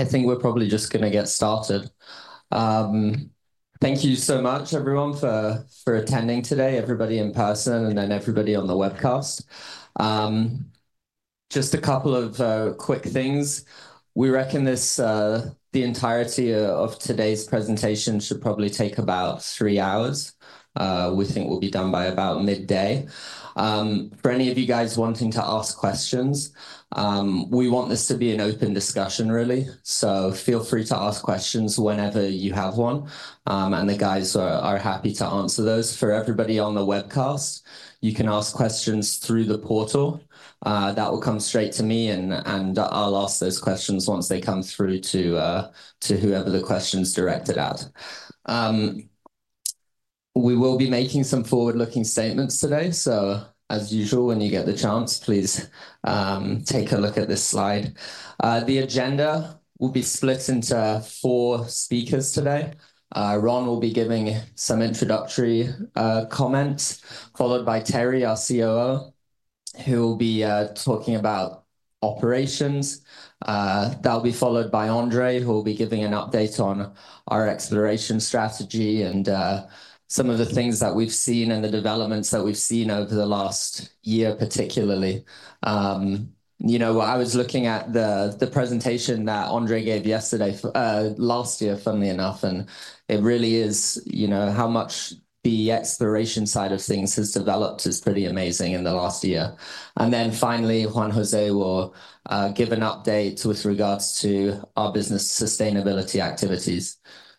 I think we're probably just gonna get started. Thank you so much everyone for attending today, everybody in person, and then everybody on the webcast. Just a couple of quick things. We reckon this, the entirety of today's presentation should probably take about three hours. We think we'll be done by about midday. For any of you guys wanting to ask questions, we want this to be an open discussion really, so feel free to ask questions whenever you have one, and the guys are happy to answer those. For everybody on the webcast, you can ask questions through the portal that will come straight to me, and I'll ask those questions once they come through to whoever the question's directed at. We will be making some forward-looking statements today, so as usual, when you get the chance, please, take a look at this slide. The agenda will be split into four speakers today. Ron will be giving some introductory comments, followed by Terry, our COO, who will be talking about operations. That'll be followed by Andre, who will be giving an update on our exploration strategy and some of the things that we've seen and the developments that we've seen over the last year particularly. You know, I was looking at the presentation that Andre gave last year, funnily enough, and it really is, you know, how much the exploration side of things has developed is pretty amazing in the last year. And then finally, Juan Jose will give an update with regards to our business sustainability activities.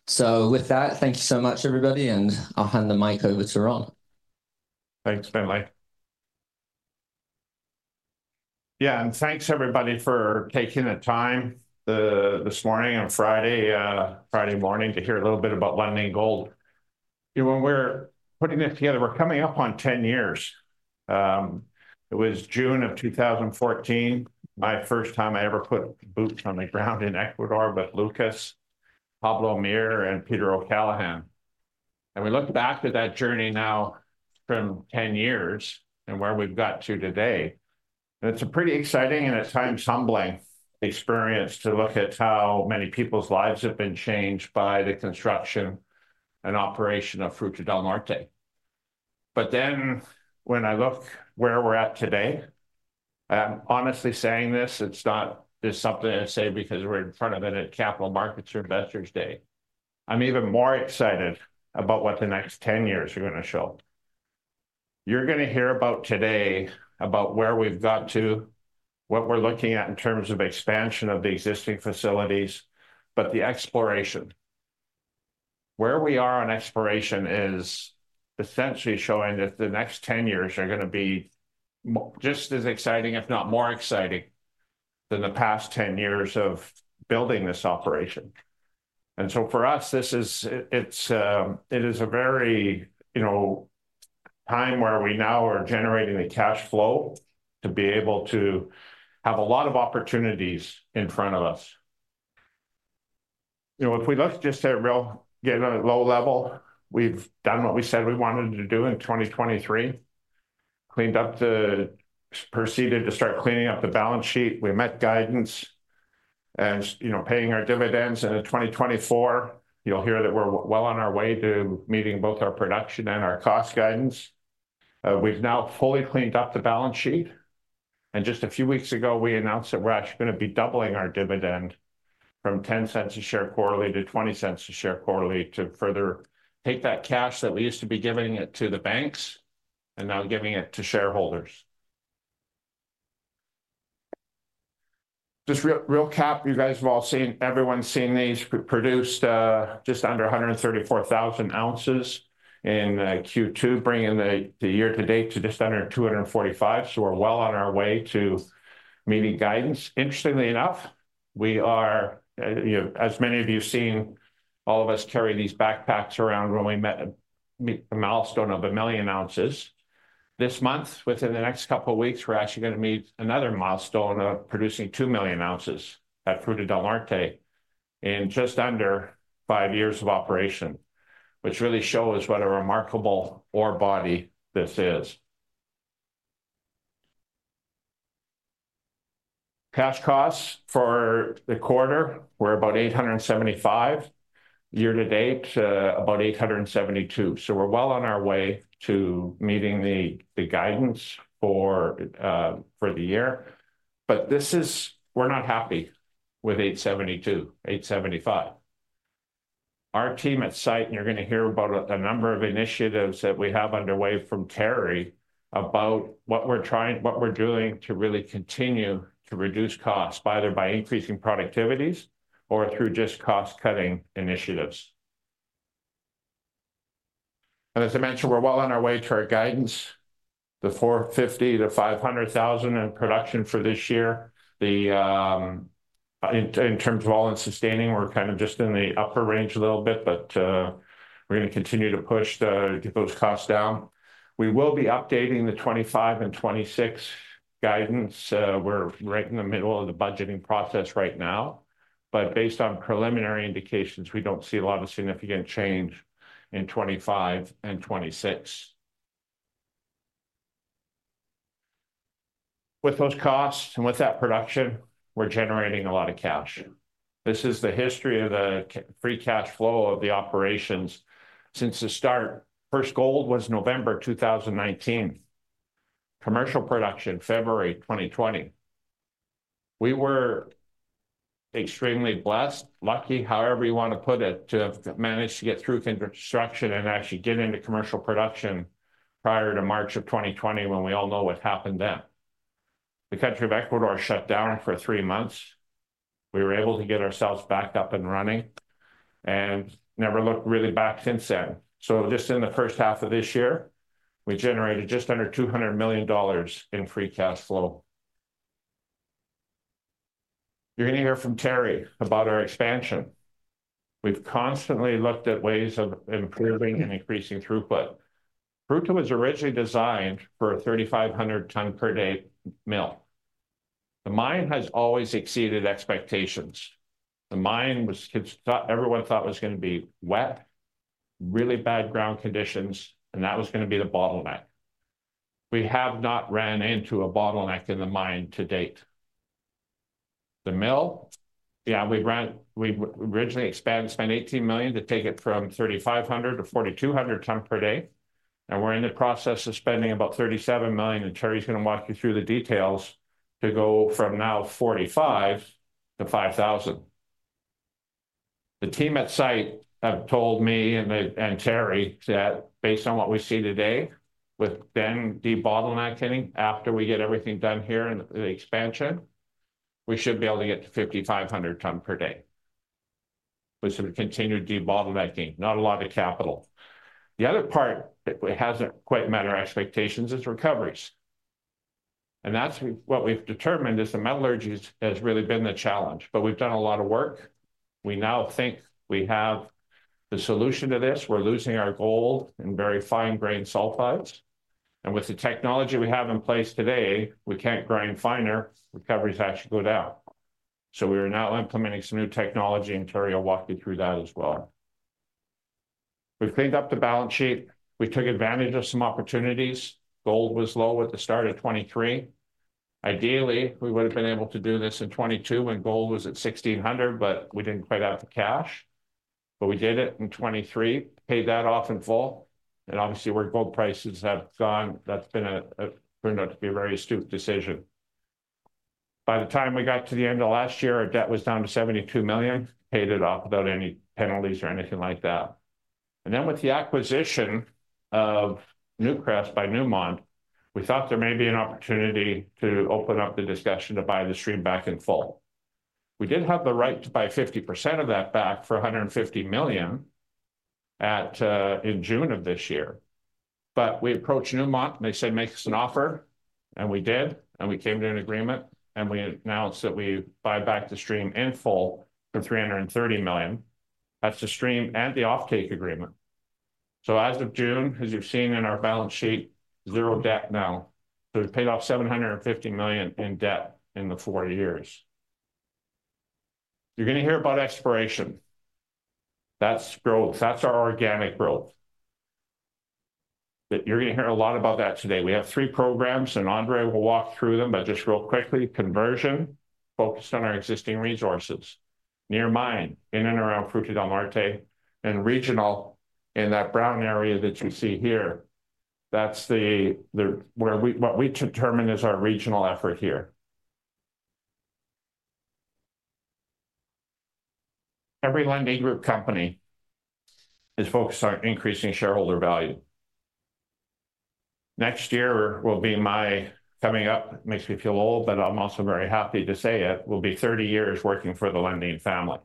So with that, thank you so much everybody, and I'll hand the mic over to Ron. Thanks, Bentley. Yeah, and thanks everybody for taking the time this morning on Friday morning to hear a little bit about Lundin Gold. You know, when we're putting this together, we're coming up on 10 years. It was June of 2014, my first time I ever put boots on the ground in Ecuador with Lucas, Pablo Mir, and Peter O'Callaghan, and we look back at that journey now from 10 years and where we've got to today, and it's a pretty exciting and at times humbling experience to look at how many people's lives have been changed by the construction and operation of Fruta del Norte, but then, when I look where we're at today, I'm honestly saying this, it's not just something I say because we're in front of a capital markets investors day. I'm even more excited about what the next 10 years are gonna show. You're gonna hear about today about where we've got to, what we're looking at in terms of expansion of the existing facilities, but the exploration. Where we are on exploration is essentially showing that the next 10 years are gonna be just as exciting, if not more exciting, than the past 10 years of building this operation. And so for us, this is. It's a very, you know, time where we now are generating the cash flow to be able to have a lot of opportunities in front of us. You know, if we look just at real, you know, low level, we've done what we said we wanted to do in 2023, proceeded to start cleaning up the balance sheet. We met guidance and, you know, paying our dividends. In 2024, you'll hear that we're well on our way to meeting both our production and our cost guidance. We've now fully cleaned up the balance sheet, and just a few weeks ago, we announced that we're actually gonna be doubling our dividend from $0.10 a share quarterly to $0.20 a share quarterly, to further take that cash that we used to be giving it to the banks and now giving it to shareholders. Just recap, you guys have all seen, everyone's seen these. We produced just under 134,000 ounces in Q2, bringing the year to date to just under 245,000, so we're well on our way to meeting guidance. Interestingly enough, we are, you know, as many of you have seen, all of us carry these backpacks around when we met a milestone of a million ounces. This month, within the next couple of weeks, we're actually gonna meet another milestone of producing two million ounces at Fruta del Norte in just under five years of operation, which really shows what a remarkable ore body this is. Cash costs for the quarter were about $875. Year to date, about $872. So we're well on our way to meeting the guidance for the year. But this is. We're not happy with $872, $875. Our team at site, and you're gonna hear about a number of initiatives that we have underway from Terry, about what we're doing to really continue to reduce costs, either by increasing productivities or through just cost-cutting initiatives. And as I mentioned, we're well on our way to our guidance, the 450,000-500,000 in production for this year. In terms of all-in sustaining, we're kind of just in the upper range a little bit, but we're gonna continue to push to get those costs down. We will be updating the 2025 and 2026 guidance. We're right in the middle of the budgeting process right now, but based on preliminary indications, we don't see a lot of significant change in 2025 and 2026. With those costs and with that production, we're generating a lot of cash. This is the history of the free cash flow of the operations since the start. First gold was November 2019, commercial production February 2020. We were extremely blessed, lucky, however you wanna put it, to have managed to get through construction and actually get into commercial production prior to March of 2020, when we all know what happened then. The country of Ecuador shut down for three months. We were able to get ourselves back up and running, and never looked really back since then. So just in the first half of this year, we generated just under $200 million in free cash flow. You're gonna hear from Terry about our expansion. We've constantly looked at ways of improving and increasing throughput. Fruta was originally designed for a 3,500 ton per day mill. The mine has always exceeded expectations. The mine was everyone thought was gonna be wet, really bad ground conditions, and that was gonna be the bottleneck. We have not ran into a bottleneck in the mine to date. The mill, yeah, we originally expanded, spent $18 million to take it from 3,500 to 4,200 tons per day, and we're in the process of spending about $37 million, and Terry's gonna walk you through the details, to go from now 4,500 to 5,000. The team at site have told me and Terry, that based on what we see today, with then debottlenecking, after we get everything done here in the expansion, we should be able to get to 5,500 tons per day. We should continue debottlenecking, not a lot of capital. The other part that hasn't quite met our expectations is recoveries, and that's what we've determined is the metallurgy has really been the challenge. But we've done a lot of work. We now think we have the solution to this. We're losing our gold in very fine-grained sulfides, and with the technology we have in place today, we can't grind finer. Recoveries actually go down. So we are now implementing some new technology, and Terry will walk you through that as well. We've cleaned up the balance sheet. We took advantage of some opportunities. Gold was low at the start of 2023. Ideally, we would've been able to do this in 2022 when gold was at $1,600, but we didn't quite have the cash. But we did it in 2023, paid that off in full, and obviously, where gold prices have gone, that's been proved out to be a very astute decision. By the time we got to the end of last year, our debt was down to $72 million, paid it off without any penalties or anything like that, and then, with the acquisition of Newcrest by Newmont, we thought there may be an opportunity to open up the discussion to buy the stream back in full. We did have the right to buy 50% of that back for $150 million at in June of this year, but we approached Newmont, and they said, "Make us an offer," and we did, and we came to an agreement, and we announced that we buy back the stream in full for $330 million. That's the stream and the offtake agreement. So as of June, as you've seen in our balance sheet, zero debt now. So we've paid off $750 million in debt in the four years. You're gonna hear about exploration. That's growth. That's our organic growth. But you're gonna hear a lot about that today. We have three programs, and André will walk through them. But just real quickly, conversion, focused on our existing resources. Near mine, in and around Fruta del Norte, and regional in that brown area that you see here, that's the what we determine as our regional effort here. Every Lundin Group company is focused on increasing shareholder value. Next year will be my... coming up, makes me feel old, but I'm also very happy to say it, will be 30 years working for the Lundin family.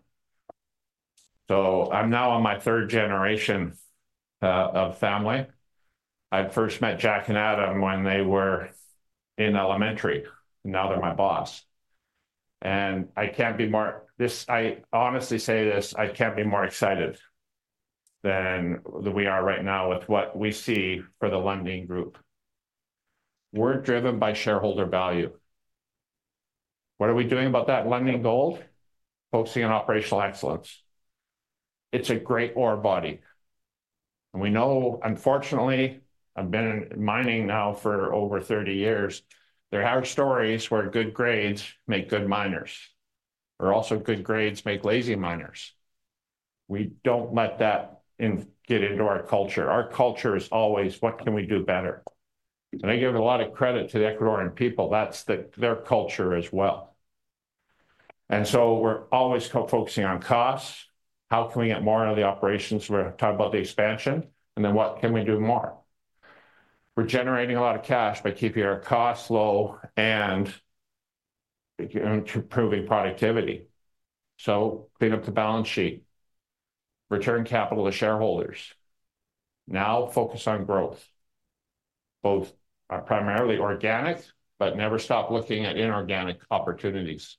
So I'm now on my third generation of family. I first met Jack and Adam when they were in elementary, and now they're my boss. And I can't be more—this, I honestly say this, I can't be more excited than we are right now with what we see for the Lundin Group. We're driven by shareholder value. What are we doing about that? Lundin Gold, focusing on operational excellence. It's a great ore body. And we know, unfortunately, I've been in mining now for over 30 years, there are stories where good grades make good miners. There are also good grades make lazy miners. We don't let that in get into our culture. Our culture is always, "What can we do better?" And I give a lot of credit to the Ecuadorian people. That's their culture as well. And so we're always focusing on costs. How can we get more out of the operations? We're gonna talk about the expansion, and then what can we do more? We're generating a lot of cash by keeping our costs low and improving productivity. So clean up the balance sheet, return capital to shareholders. Now focus on growth, both primarily organic, but never stop looking at inorganic opportunities.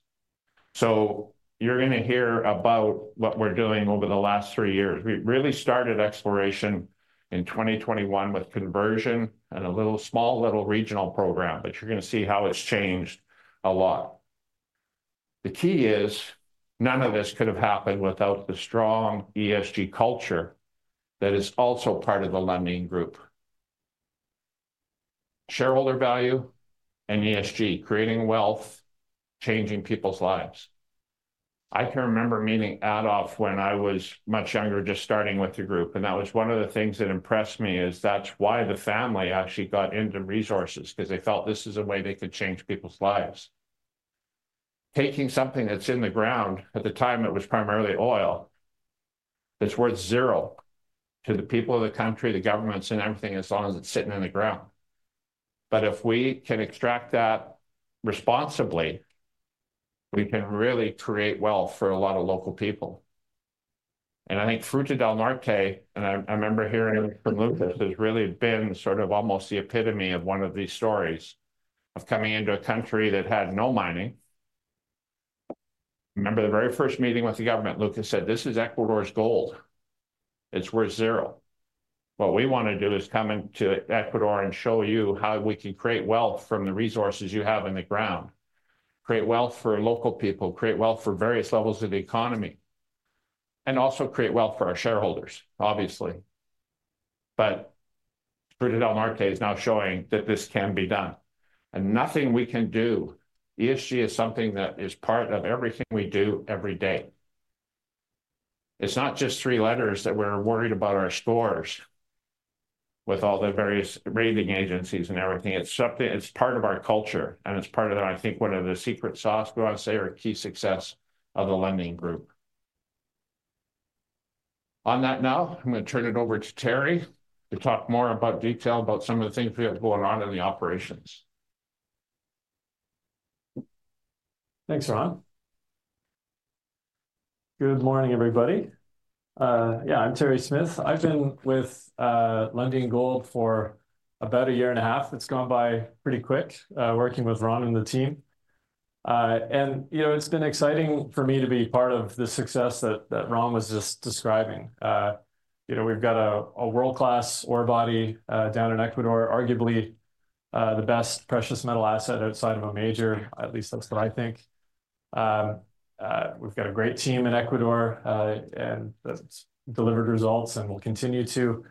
So you're gonna hear about what we're doing over the last three years. We really started exploration in 2021 with conversion and a little, small, little regional program, but you're gonna see how it's changed a lot. The key is none of this could have happened without the strong ESG culture that is also part of the Lundin Group. Shareholder value and ESG, creating wealth, changing people's lives. I can remember meeting Adolf when I was much younger, just starting with the group, and that was one of the things that impressed me is that's why the family actually got into resources, 'cause they felt this is a way they could change people's lives. Taking something that's in the ground, at the time it was primarily oil, that's worth zero to the people of the country, the governments, and everything, as long as it's sitting in the ground. But if we can extract that responsibly, we can really create wealth for a lot of local people. I think Fruta del Norte, and I remember hearing from Lucas, has really been sort of almost the epitome of one of these stories, of coming into a country that had no mining. I remember the very first meeting with the government. Lucas said, "This is Ecuador's gold. It's worth zero. What we wanna do is come into Ecuador and show you how we can create wealth from the resources you have in the ground. Create wealth for local people, create wealth for various levels of the economy, and also create wealth for our shareholders, obviously. Fruta del Norte is now showing that this can be done, and nothing we can do. ESG is something that is part of everything we do every day. It's not just three letters that we're worried about our scores with all the various rating agencies and everything. It's something. It's part of our culture, and it's part of that. I think one of the secret sauce, we wanna say, or key success of the Lundin Group. On that note, I'm gonna turn it over to Terry to talk more about detail about some of the things we have going on in the operations. Thanks, Ron. Good morning, everybody. Yeah, I'm Terry Smith. I've been with Lundin Gold for about a year and a half. It's gone by pretty quick, working with Ron and the team. And, you know, it's been exciting for me to be part of the success that Ron was just describing. You know, we've got a world-class ore body down in Ecuador, arguably the best precious metal asset outside of a major, at least that's what I think. We've got a great team in Ecuador, and that's delivered results and will continue to.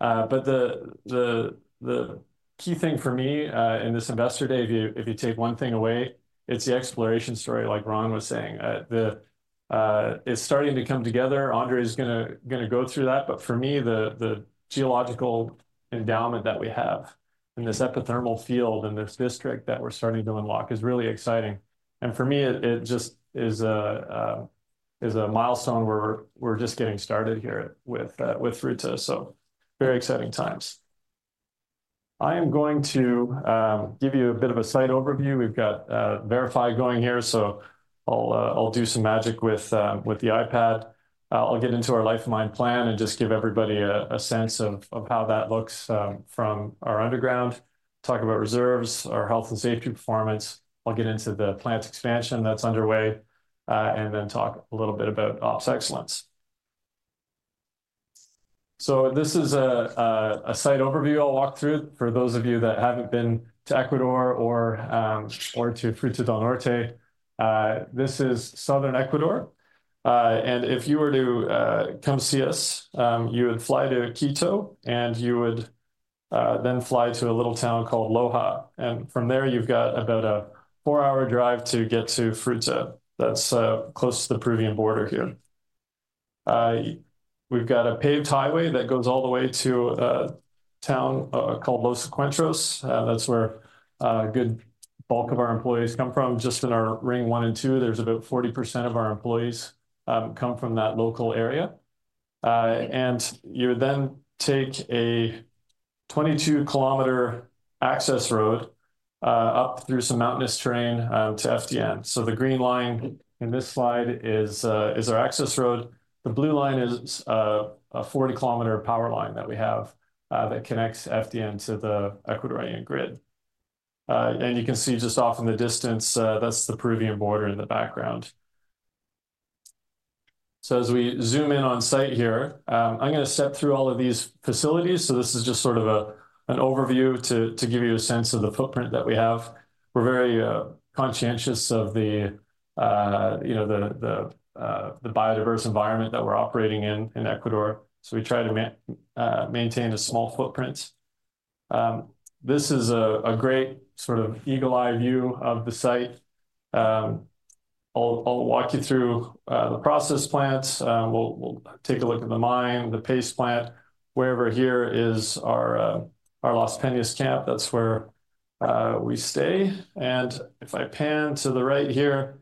But the key thing for me in this investor day, if you take one thing away, it's the exploration story, like Ron was saying. The... it's starting to come together. Andre's gonna go through that, but for me, the geological endowment that we have in this epithermal field, in this district that we're starting to unlock is really exciting. And for me, it just is a milestone where we're just getting started here with Fruta, so very exciting times. I am going to give you a bit of a site overview. We've got VRIFY going here, so I'll do some magic with the iPad. I'll get into our life of mine plan and just give everybody a sense of how that looks from our underground, talk about reserves, our health and safety performance. I'll get into the plant expansion that's underway and then talk a little bit about ops excellence. This is a site overview I'll walk through for those of you that haven't been to Ecuador or to Fruta del Norte. This is southern Ecuador, and if you were to come see us, you would fly to Quito, and you would then fly to a little town called Loja. From there, you've got about a four-hour drive to get to Fruta. That's close to the Peruvian border here. We've got a paved highway that goes all the way to a town called Los Encuentros. That's where a good bulk of our employees come from. Just in our ring one and two, there's about 40% of our employees come from that local area. You would then take a 22-kilometer access road up through some mountainous terrain to FDN. So the green line in this slide is our access road. The blue line is a 40-kilometer power line that we have that connects FDN to the Ecuadorian grid. And you can see just off in the distance, that's the Peruvian border in the background. So as we zoom in on site here, I'm gonna step through all of these facilities, so this is just sort of an overview to give you a sense of the footprint that we have. We're very conscientious of the you know, the biodiverse environment that we're operating in Ecuador, so we try to maintain a small footprint. This is a great sort of eagle eye view of the site. I'll walk you through the process plants. We'll take a look at the mine, the paste plant. Wherever here is our Las Peñas camp, that's where we stay. And if I pan to the right here,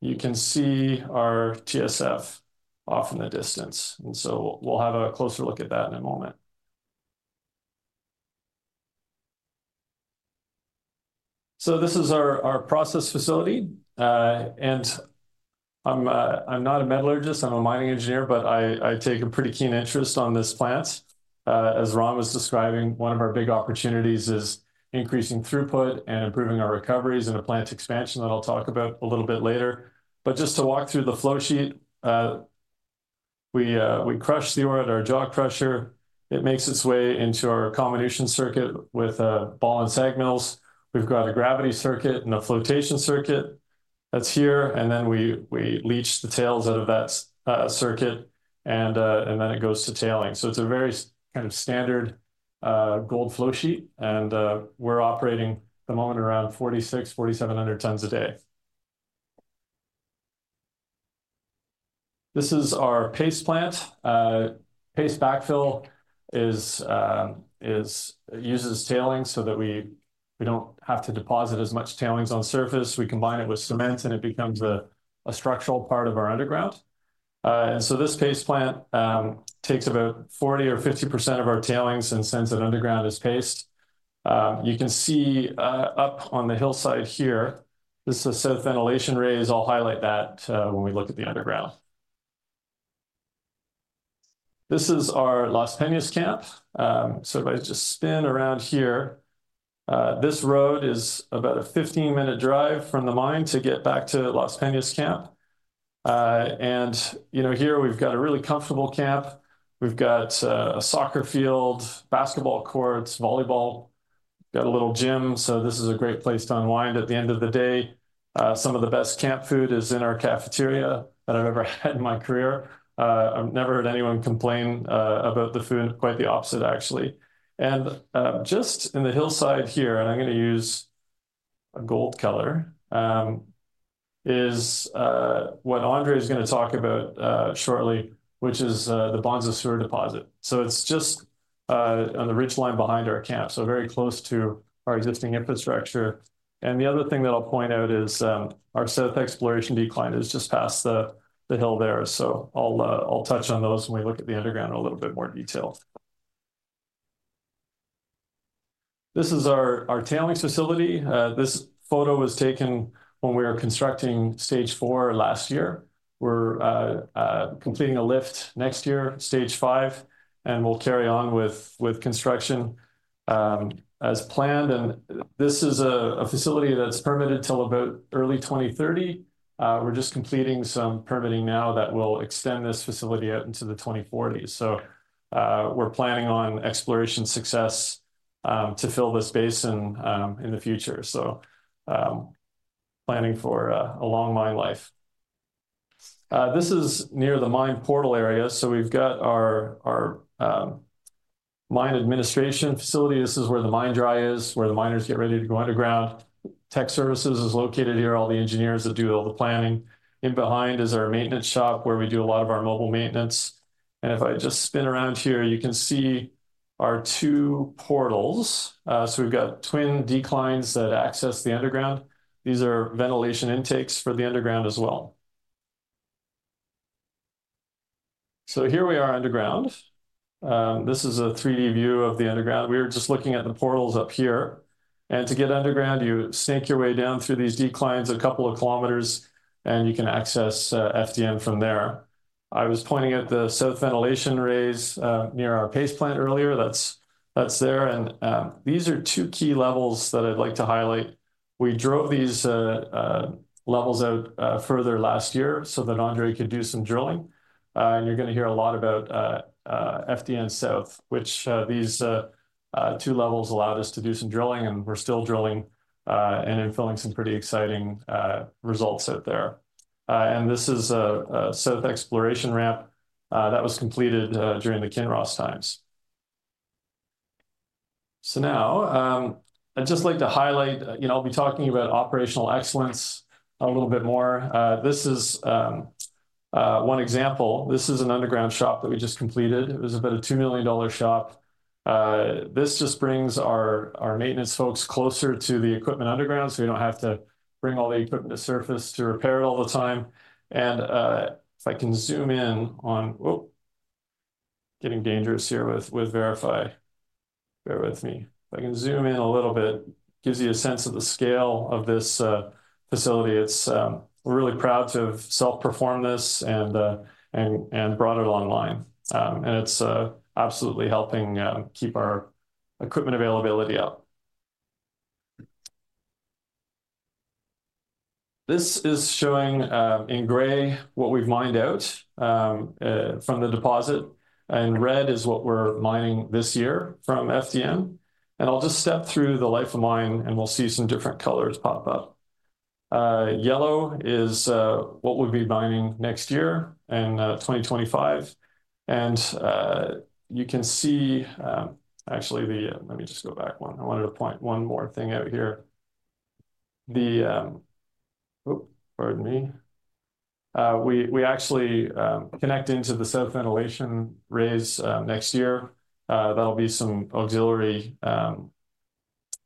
you can see our TSF off in the distance, and so we'll have a closer look at that in a moment. So this is our process facility. And I'm not a metallurgist, I'm a mining engineer, but I take a pretty keen interest on this plant. As Ron was describing, one of our big opportunities is increasing throughput and improving our recoveries, and a plant expansion that I'll talk about a little bit later. But just to walk through the flow sheet... We crush the ore at our jaw crusher. It makes its way into our comminution circuit with ball and SAG mills. We've got a gravity circuit and a flotation circuit that's here, and then we leach the tails out of that circuit, and then it goes to tailings. So it's a very kind of standard gold flow sheet, and we're operating at the moment around 4,600-4,700 tons a day. This is our paste plant. Paste Backfill uses tailings so that we don't have to deposit as much tailings on surface. We combine it with cement, and it becomes a structural part of our underground. And so this paste plant takes about 40% or 50% of our tailings and sends it underground as paste. You can see up on the hillside here. This is a set of ventilation raises. I'll highlight that when we look at the underground. This is our Las Peñas camp. So if I just spin around here, this road is about a fifteen-minute drive from the mine to get back to Las Peñas camp. You know, here we've got a really comfortable camp. We've got a soccer field, basketball courts, volleyball, got a little gym, so this is a great place to unwind at the end of the day. Some of the best camp food is in our cafeteria that I've ever had in my career. I've never heard anyone complain about the food, quite the opposite, actually. Just in the hillside here, and I'm gonna use a gold color, is what Andre is gonna talk about shortly, which is the Bonanza Sur deposit. It's just on the ridge line behind our camp, so very close to our existing infrastructure. The other thing that I'll point out is our set of exploration decline is just past the hill there. I'll touch on those when we look at the underground in a little bit more detail. This is our tailings facility. This photo was taken when we were constructing Stage IV last year. We're completing a lift next year, Stage V, and we'll carry on with construction as planned, and this is a facility that's permitted till about early 2030. We're just completing some permitting now that will extend this facility out into the 2040s. We're planning on exploration success to fill this basin in the future, so planning for a long mine life. This is near the mine portal area, so we've got our mine administration facility. This is where the mine dry is, where the miners get ready to go underground. Tech services is located here, all the engineers that do all the planning. In behind is our maintenance shop, where we do a lot of our mobile maintenance, and if I just spin around here, you can see our two portals. We've got twin declines that access the underground. These are ventilation intakes for the underground as well. Here we are underground. This is a 3D view of the underground. We were just looking at the portals up here, and to get underground, you snake your way down through these declines a couple of kilometers, and you can access FDN from there. I was pointing at the south ventilation raise near our paste plant earlier. That's there, and these are two key levels that I'd like to highlight. We drove these levels out further last year so that Andre could do some drilling, and you're gonna hear a lot about FDN South, which these two levels allowed us to do some drilling, and we're still drilling and unveiling some pretty exciting results out there. And this is a set of exploration ramp that was completed during the Kinross times. So now, I'd just like to highlight, you know, I'll be talking about operational excellence a little bit more. This is one example. This is an underground shop that we just completed. It was about a $2 million shop. This just brings our maintenance folks closer to the equipment underground, so you don't have to bring all the equipment to surface to repair it all the time, and if I can zoom in on... Whoa! Getting dangerous here with VRIFY. Bear with me. If I can zoom in a little bit, gives you a sense of the scale of this facility. It's we're really proud to have self-performed this, and brought it online. And it's absolutely helping keep our equipment availability up. This is showing in gray what we've mined out from the deposit, and red is what we're mining this year from FDN, and I'll just step through the life of mine, and we'll see some different colors pop up. Yellow is what we'll be mining next year in 2025, and you can see. Actually, let me just go back one. I wanted to point one more thing out here. Oops, pardon me. We actually connecting to the set of ventilation raises next year. That'll be some auxiliary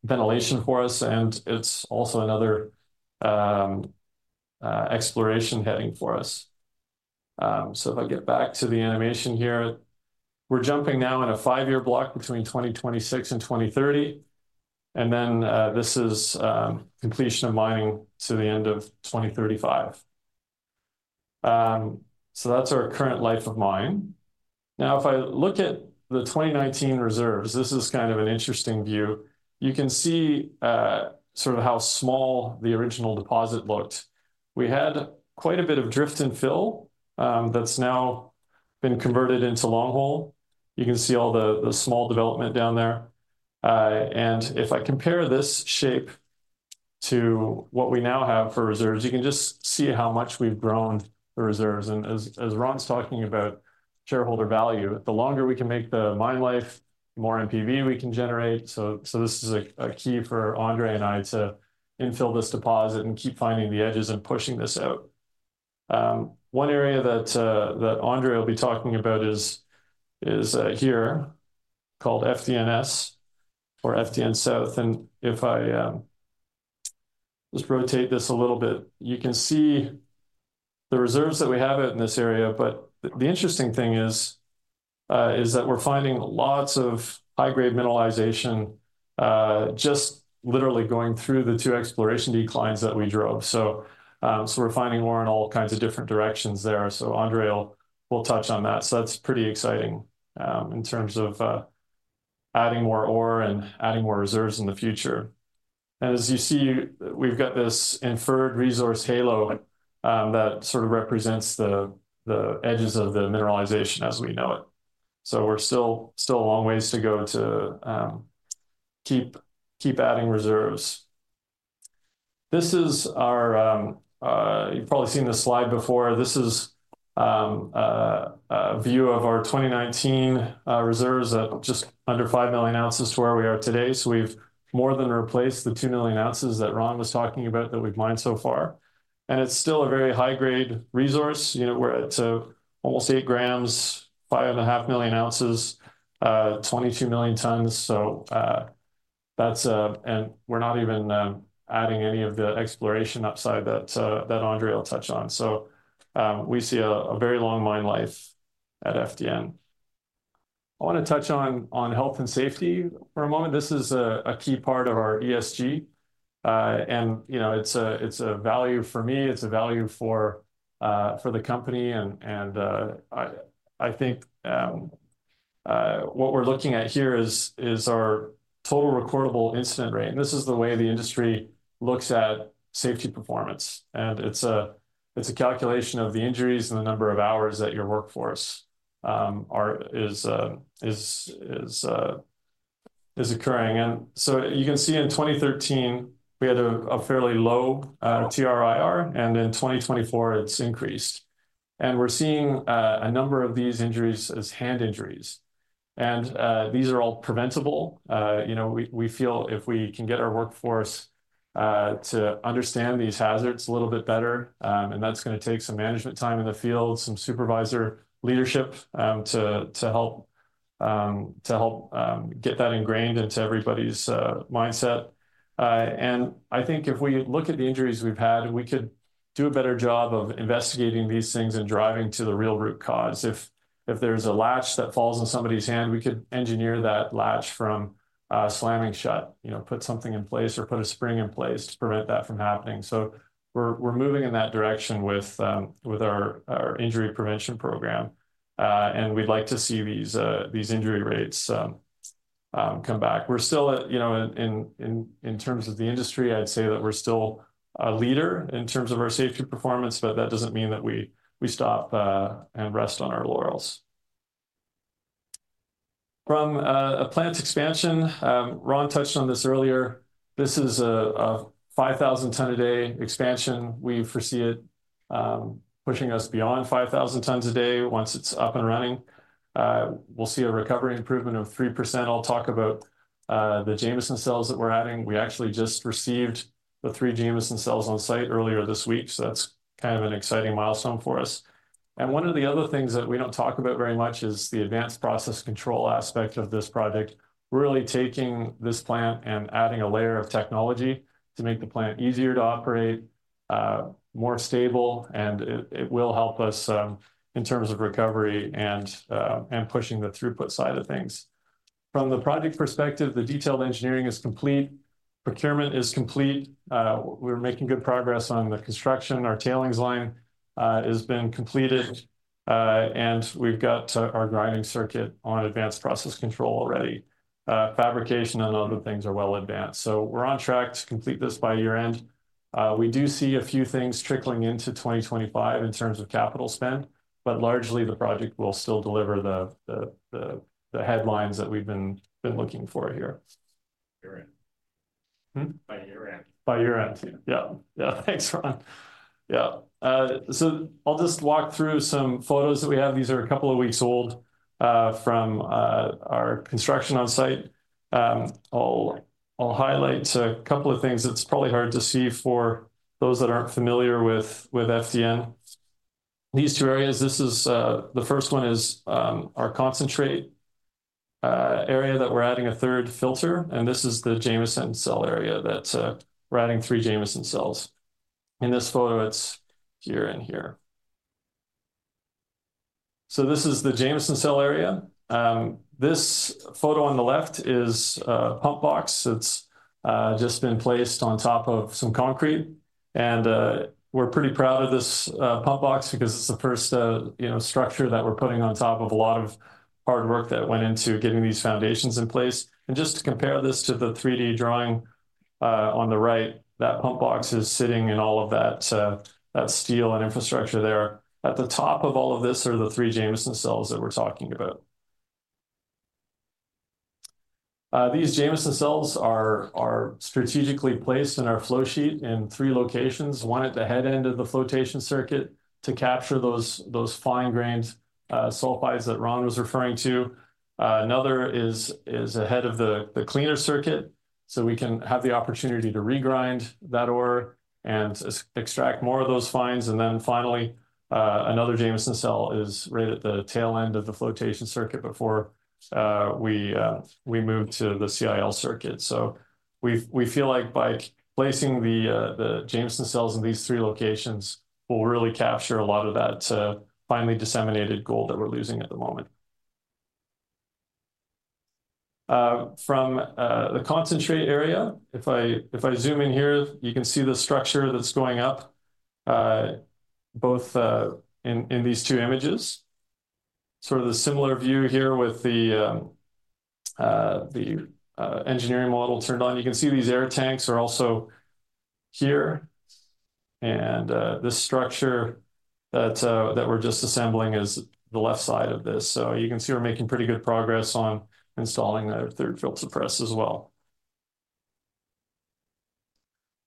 ventilation for us, and it's also another exploration heading for us. So if I get back to the animation here, we're jumping now in a five-year block between 2026 and 2030, and then, this is completion of mining to the end of 2035. So that's our current life of mine... Now, if I look at the 2019 reserves, this is kind of an interesting view. You can see, sort of how small the original deposit looked. We had quite a bit of drift and fill, that's now been converted into long hole. You can see all the, the small development down there. And if I compare this shape to what we now have for reserves, you can just see how much we've grown the reserves, and as Ron's talking about shareholder value, the longer we can make the mine life, the more NPV we can generate. So this is a key for Andre and I to infill this deposit and keep finding the edges and pushing this out. One area that Andre will be talking about is here, called FDNS or FDN South, and if I just rotate this a little bit, you can see the reserves that we have out in this area, but the interesting thing is that we're finding lots of high-grade mineralization just literally going through the two exploration declines that we drove. So we're finding ore in all kinds of different directions there, so Andre will touch on that. So that's pretty exciting in terms of adding more ore and adding more reserves in the future. As you see, we've got this inferred resource halo that sort of represents the edges of the mineralization as we know it, so we're still a long ways to go to keep adding reserves. You've probably seen this slide before. This is a view of our 2019 reserves at just under 5 million ounces to where we are today, so we've more than replaced the 2 million ounces that Ron was talking about that we've mined so far, and it's still a very high-grade resource. You know, we're at almost 8 grams, 5.5 million ounces, 22 million tons, so that's, and we're not even adding any of the exploration upside that Andre will touch on. We see a very long mine life at FDN. I wanna touch on health and safety for a moment. This is a key part of our ESG, and you know, it's a value for me, it's a value for the company, and I think what we're looking at here is our total recordable incident rate, and this is the way the industry looks at safety performance. It's a calculation of the injuries and the number of hours that your workforce is occurring. You can see in 2013, we had a fairly low TRIR, and in 2024, it's increased. We're seeing a number of these injuries as hand injuries, and these are all preventable. You know, we feel if we can get our workforce to understand these hazards a little bit better, and that's gonna take some management time in the field, some supervisor leadership, to help get that ingrained into everybody's mindset. And I think if we look at the injuries we've had, we could do a better job of investigating these things and driving to the real root cause. If there's a latch that falls in somebody's hand, we could engineer that latch from slamming shut. You know, put something in place or put a spring in place to prevent that from happening. So we're moving in that direction with our injury prevention program, and we'd like to see these injury rates come back. We're still at, you know, in terms of the industry, I'd say that we're still a leader in terms of our safety performance, but that doesn't mean that we stop and rest on our laurels. From a plant expansion, Ron touched on this earlier. This is a 5,000-ton-a-day expansion. We foresee it pushing us beyond 5,000 tons a day once it's up and running. We'll see a recovery improvement of 3%. I'll talk about the Jameson cells that we're adding. We actually just received the three Jameson cells on site earlier this week, so that's kind of an exciting milestone for us. One of the other things that we don't talk about very much is the Advanced Process Control aspect of this project, really taking this plant and adding a layer of technology to make the plant easier to operate, more stable, and it will help us in terms of recovery and pushing the throughput side of things. From the project perspective, the detailed engineering is complete, procurement is complete. We're making good progress on the construction. Our tailings line has been completed, and we've got our grinding circuit on Advanced Process Control already. Fabrication and other things are well advanced. So we're on track to complete this by year-end. We do see a few things trickling into 2025 in terms of capital spend, but largely the project will still deliver the headlines that we've been looking for here. Year end. Hmm? By year-end. By year-end, yeah. Yeah, yeah. Thanks, Ron. Yeah. So I'll just walk through some photos that we have. These are a couple of weeks old, from our construction on site. I'll highlight a couple of things. It's probably hard to see for those that aren't familiar with FDN. These two areas, this is the first one is our concentrate area that we're adding a third filter, and this is the Jameson Cell area that we're adding three Jameson Cells. In this photo, it's here and here. So this is the Jameson Cell area. This photo on the left is a pump box that's just been placed on top of some concrete. And we're pretty proud of this pump box because it's the first you know structure that we're putting on top of a lot of hard work that went into getting these foundations in place. Just to compare this to the 3D drawing on the right, that pump box is sitting in all of that steel and infrastructure there. At the top of all of this are the three Jameson cells that we're talking about. These Jameson cells are strategically placed in our flow sheet in three locations: one at the head end of the flotation circuit to capture those fine-grained sulfides that Ron was referring to. Another is ahead of the cleaner circuit, so we can have the opportunity to regrind that ore and extract more of those fines. And then finally, another Jameson Cell is right at the tail end of the flotation circuit before we move to the CIL circuit. So we feel like by placing the Jameson Cells in these three locations, we'll really capture a lot of that finely disseminated gold that we're losing at the moment. From the concentrate area, if I zoom in here, you can see the structure that's going up both in these two images. Sort of the similar view here with the engineering model turned on. You can see these air tanks are also here, and the structure that we're just assembling is the left side of this. So you can see we're making pretty good progress on installing the third filter press as well.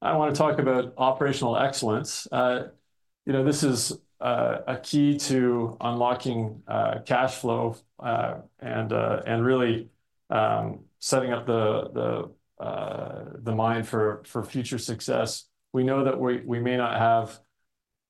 I wanna talk about operational excellence. You know, this is a key to unlocking cash flow and really setting up the mine for future success. We know that we may not have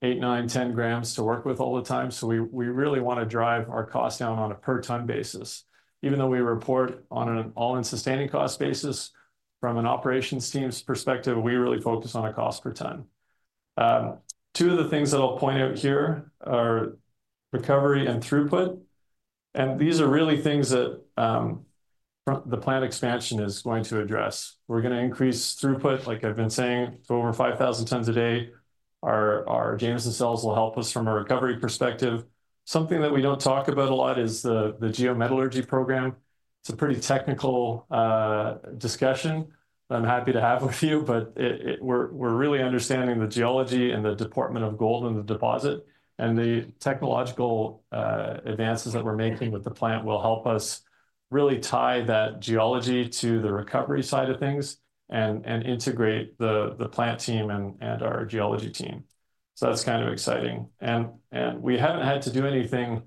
eight, nine, 10 grams to work with all the time, so we really wanna drive our costs down on a per ton basis. Even though we report on an all-in sustaining cost basis, from an operations team's perspective, we really focus on a cost per ton. Two of the things that I'll point out here are recovery and throughput, and these are really things that the plant expansion is going to address. We're gonna increase throughput, like I've been saying, to over 5,000 tons a day. Our Jameson cells will help us from a recovery perspective. Something that we don't talk about a lot is the geometallurgy program. It's a pretty technical discussion that I'm happy to have with you, but we're really understanding the geology and the deportment of gold in the deposit, and the technological advances that we're making with the plant will help us really tie that geology to the recovery side of things, and integrate the plant team and our geology team. So that's kind of exciting. And we haven't had to do anything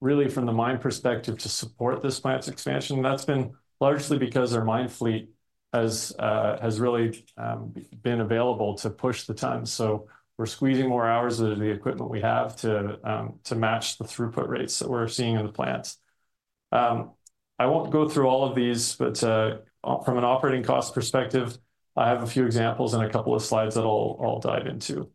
really from the mine perspective to support this plant's expansion, and that's been largely because our mine fleet has really been available to push the tons. So we're squeezing more hours out of the equipment we have to match the throughput rates that we're seeing in the plant. I won't go through all of these, but from an operating cost perspective, I have a few examples and a couple of slides that I'll dive into.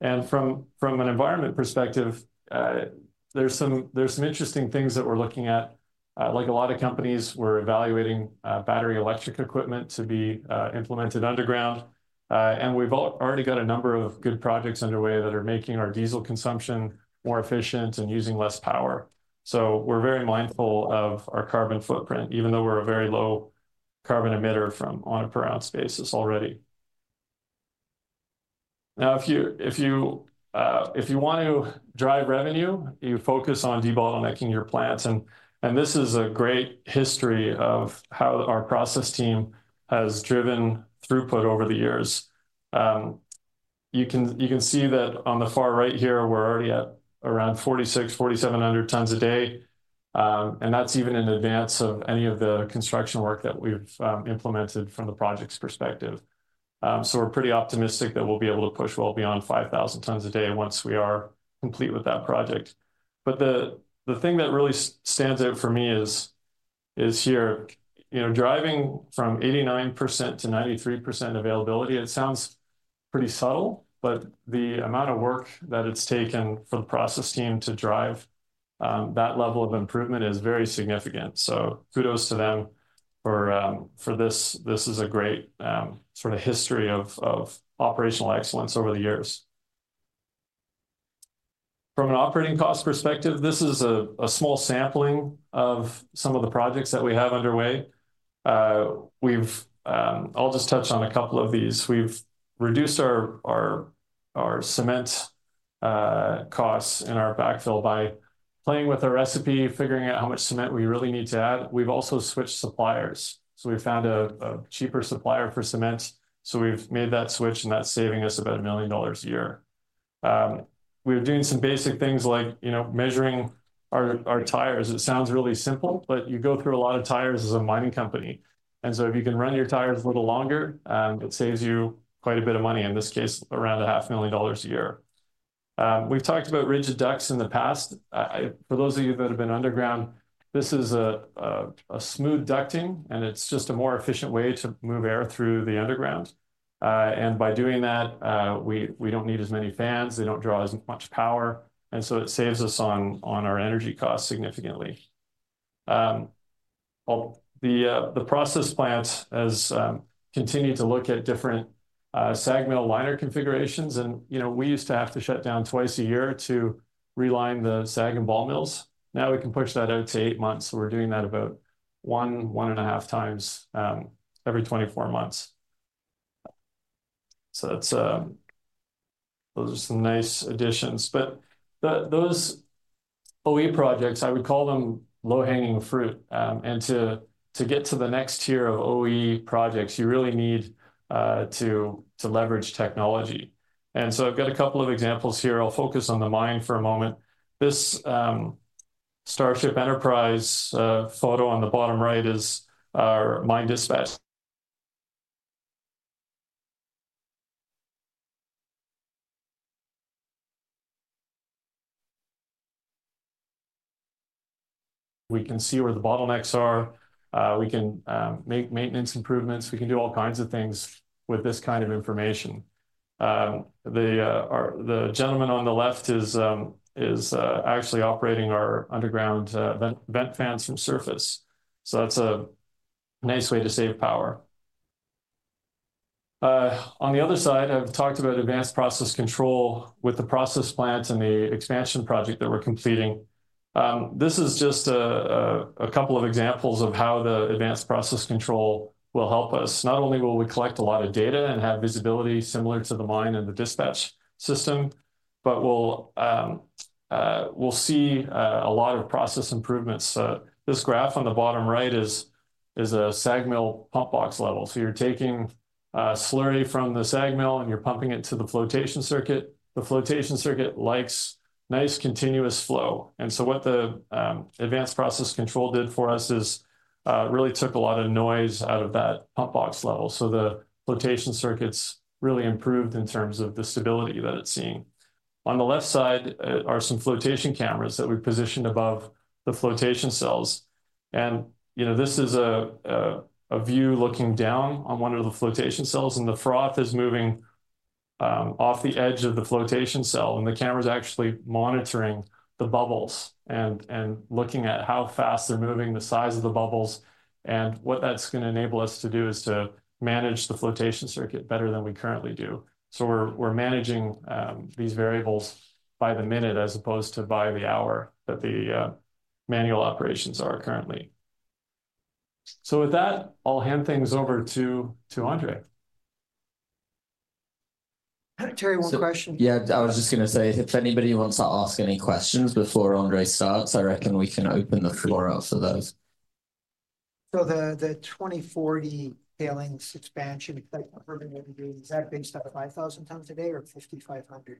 And from an environment perspective, there's some interesting things that we're looking at. Like a lot of companies, we're evaluating battery electric equipment to be implemented underground. And we've already got a number of good projects underway that are making our diesel consumption more efficient and using less power. So we're very mindful of our carbon footprint, even though we're a very low carbon emitter from on a per ounce basis already. Now, if you want to drive revenue, you focus on debottlenecking your plants, and this is a great history of how our process team has driven throughput over the years. You can see that on the far right here, we're already at around 4,600-4,700 tons a day, and that's even in advance of any of the construction work that we've implemented from the project's perspective. So we're pretty optimistic that we'll be able to push well beyond 5,000 tons a day once we are complete with that project. But the thing that really stands out for me is here. You know, driving from 89%-93% availability, it sounds pretty subtle, but the amount of work that it's taken for the process team to drive that level of improvement is very significant, so kudos to them for this. This is a great sort of history of operational excellence over the years. From an operating cost perspective, this is a small sampling of some of the projects that we have underway. I'll just touch on a couple of these. We've reduced our cement costs and our backfill by playing with our recipe, figuring out how much cement we really need to add. We've also switched suppliers. So we found a cheaper supplier for cement, so we've made that switch, and that's saving us about $1 million a year. We're doing some basic things like, you know, measuring our tires. It sounds really simple, but you go through a lot of tires as a mining company, and so if you can run your tires a little longer, it saves you quite a bit of money, in this case, around $500,000 a year. We've talked about rigid ducts in the past. For those of you that have been underground, this is a smooth ducting, and it's just a more efficient way to move air through the underground, and by doing that, we don't need as many fans, they don't draw as much power, and so it saves us on our energy costs significantly. The process plant has continued to look at different SAG mill liner configurations, and you know, we used to have to shut down twice a year to realign the SAG and ball mills. Now we can push that out to eight months, so we're doing that about one and a half times every 24 months. Those are some nice additions, but those OE projects, I would call them low-hanging fruit. To get to the next tier of OE projects, you really need to leverage technology. So I've got a couple of examples here. I'll focus on the mine for a moment. This Starship Enterprise photo on the bottom right is our mine dispatch. We can see where the bottlenecks are, we can make maintenance improvements, we can do all kinds of things with this kind of information. The gentleman on the left is actually operating our underground vent fans from surface, so that's a nice way to save power. On the other side, I've talked about advanced process control with the process plant and the expansion project that we're completing. This is just a couple of examples of how the advanced process control will help us. Not only will we collect a lot of data and have visibility similar to the mine and the dispatch system, but we'll see a lot of process improvements. This graph on the bottom right is a SAG mill pump box level. So you're taking slurry from the SAG mill, and you're pumping it to the flotation circuit. The flotation circuit likes nice, continuous flow, and so what the Advanced Process Control did for us is really took a lot of noise out of that pump box level. So the flotation circuits really improved in terms of the stability that it's seeing. On the left side are some flotation cameras that we positioned above the flotation cells. You know, this is a view looking down on one of the flotation cells, and the froth is moving off the edge of the flotation cell, and the camera's actually monitoring the bubbles and looking at how fast they're moving, the size of the bubbles. What that's gonna enable us to do is to manage the flotation circuit better than we currently do. We're managing these variables by the minute, as opposed to by the hour that the manual operations are currently. With that, I'll hand things over to Andre. Terry, one question. Yeah, I was just gonna say, if anybody wants to ask any questions before Andre starts, I reckon we can open the floor up for those. The 2040 tailings expansion that you're going to be doing, is that based on 5,000 tons a day or 5,500?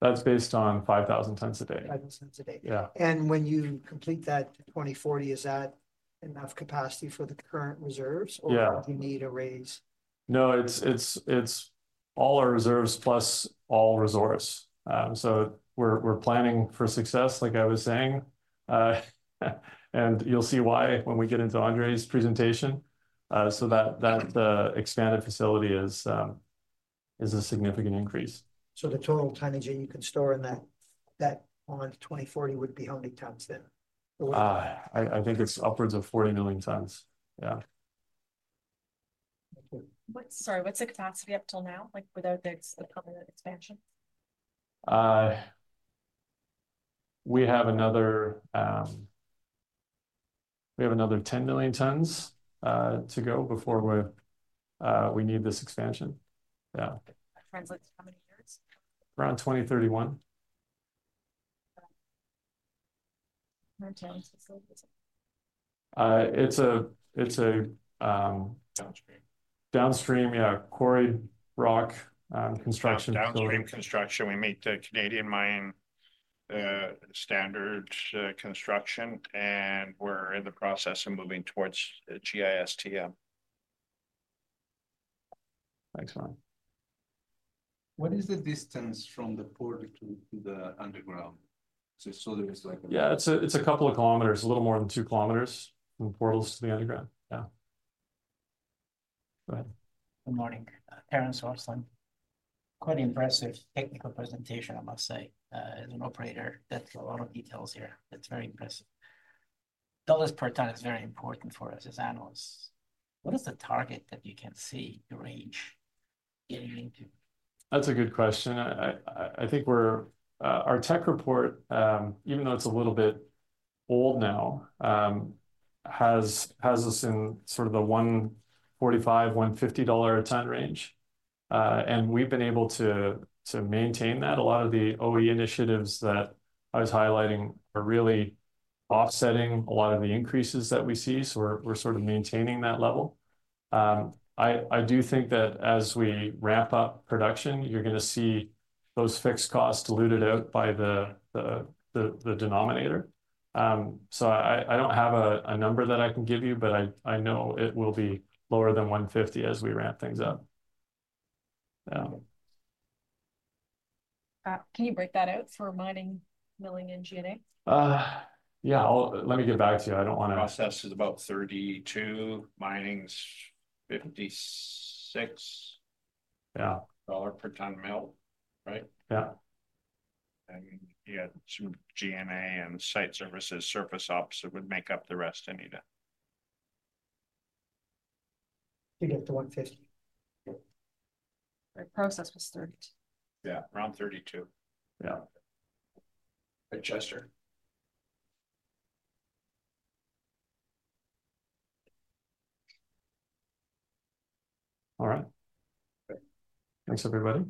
That's based on 5,000 tons a day. Five thousand tons a day? Yeah. When you complete that 2040, is that enough capacity for the current reserves? Yeah... or do you need a raise? No, it's all our reserves plus all reserves. So we're planning for success, like I was saying, and you'll see why when we get into Andre's presentation. So that expanded facility is a significant increase. So the total tonnage that you can store in that mine, 2040, would be how many tons then? I think it's upwards of forty million tons. Yeah. Sorry, what's the capacity up till now, like, without the current expansion? We have another 10 million tons to go before we need this expansion. Yeah. That translates to how many years? Around 2031. Okay. What kind of facility is it? It's a. Downstream... downstream, yeah, quarry rock, construction- Downstream construction. We meet the Canadian mine standards construction, and we're in the process of moving towards GISTM. Thanks, mine. What is the distance from the port to the underground? So there is like- Yeah, it's a couple of kilometers, a little more than two kilometers from the portals to the underground. Yeah. Go ahead. Good morning. Aaron Swanson. Quite impressive technical presentation, I must say. As an operator, that's a lot of details here. That's very impressive. Dollars per ton is very important for us as analysts. What is the target that you can see, the range getting into? That's a good question. I think we're our tech report, even though it's a little bit old now, has us in sort of the $145-$150 a ton range. And we've been able to maintain that. A lot of the OE initiatives that I was highlighting are really offsetting a lot of the increases that we see, so we're sort of maintaining that level. I do think that as we ramp up production, you're gonna see those fixed costs diluted out by the denominator. So I don't have a number that I can give you, but I know it will be lower than $150 as we ramp things up. Can you break that out for mining, milling, and G&A? Yeah, I'll... Let me get back to you. I don't wanna- Process is about 32, mining's 56- Yeah... $ per ton mill, right? Yeah.... I mean, you had some G&A and site services, surface ops that would make up the rest, Anita. To get to 150. The process was 30. Yeah, around 32. Yeah. But Chester? All right. Great. Thanks, everybody.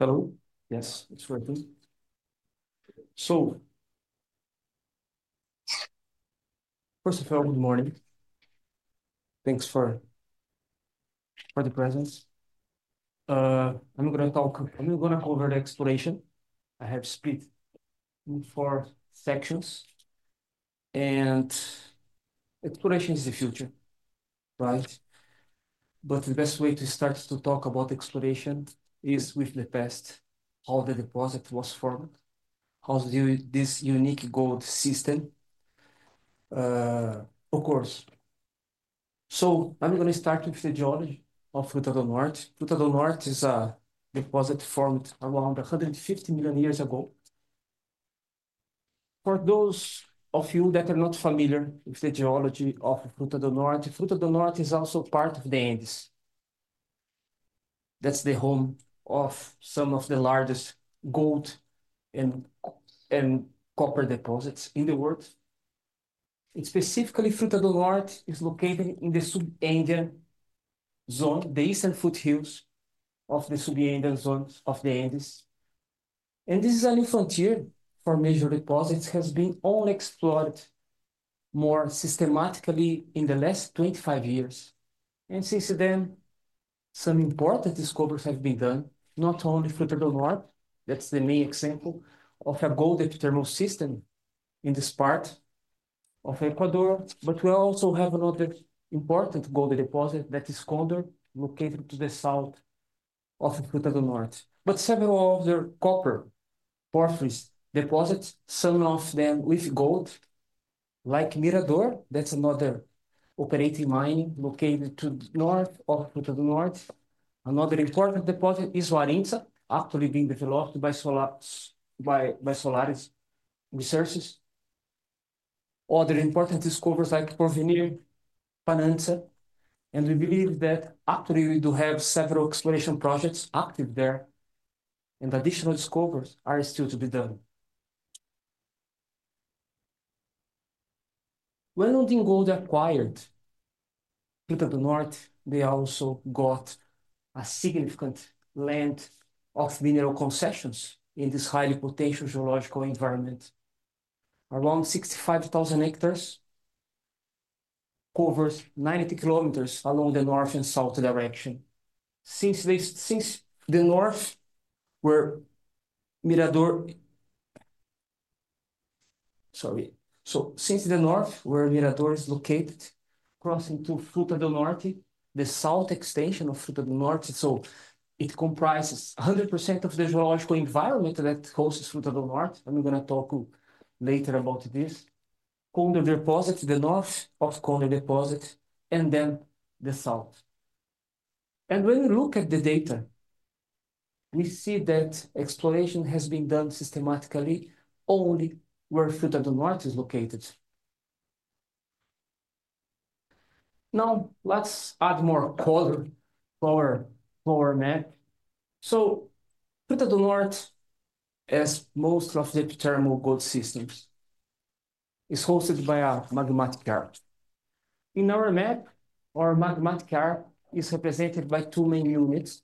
Hello. Yes, it's working. First of all, good morning. Thanks for the presence. I'm gonna talk. I'm gonna cover the exploration. I have split it in four sections, and exploration is the future, right? The best way to start to talk about exploration is with the past, how the deposit was formed, how's this unique gold system, of course. I'm gonna start with the geology of Fruta del Norte. Fruta del Norte is a deposit formed around a hundred and fifty million years ago. For those of you that are not familiar with the geology of Fruta del Norte, Fruta del Norte is also part of the Andes. That's the home of some of the largest gold and copper deposits in the world. Specifically, Fruta del Norte is located in the Sub-Andean zone, the eastern foothills of the Sub-Andean zones of the Andes. This is a new frontier, for major deposits has been only explored more systematically in the last 25 years. Since then, some important discoveries have been done, not only Fruta del Norte, that's the main example of a gold epithermal system in this part of Ecuador, but we also have another important gold deposit that is Condor, located to the south of Fruta del Norte. Several other copper porphyry deposits, some of them with gold, like Mirador, that's another operating mine located to the north of Fruta del Norte. Another important deposit is Warintza, actually being developed by Solaris Resources. Other important discoveries like Porvenir, Bonanza, and we believe that actually we do have several exploration projects active there, and additional discoveries are still to be done. When Lundin Gold acquired Fruta del Norte, they also got a significant land of mineral concessions in this highly potential geological environment. Around 65,000 hectares, covers 90 km along the north and south direction. Since the north, where Mirador is located, crossing to Fruta del Norte, the south extension of Fruta del Norte, so it comprises 100% of the geological environment that hosts Fruta del Norte. I'm gonna talk later about this. Condor deposit, the north of Condor deposit, and then the south. When we look at the data, we see that exploration has been done systematically only where Fruta del Norte is located. Now, let's add more color to our map. So Fruta del Norte, as most of the epithermal gold systems, is hosted by a magmatic arc. In our map, our magmatic arc is represented by two main units.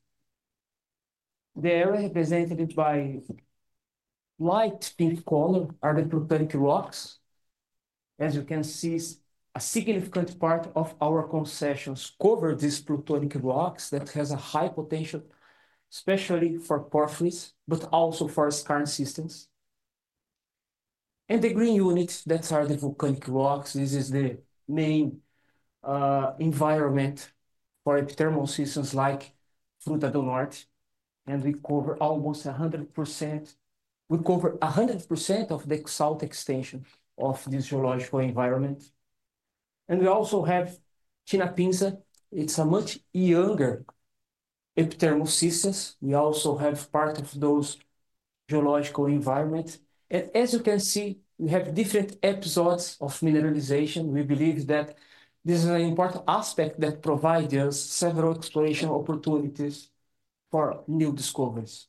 The area represented by light pink color are the plutonic rocks. As you can see, a significant part of our concessions cover these plutonic rocks that has a high potential, especially for porphyries, but also for skarn systems. And the green units, that are the volcanic rocks, this is the main environment for epithermal systems like Fruta del Norte, and we cover almost 100%, we cover 100% of the south extension of this geological environment. And we also have Chinapintza. It's a much younger epithermal systems. We also have part of those geological environment. And as you can see, we have different episodes of mineralization. We believe that this is an important aspect that provide us several exploration opportunities for new discoveries.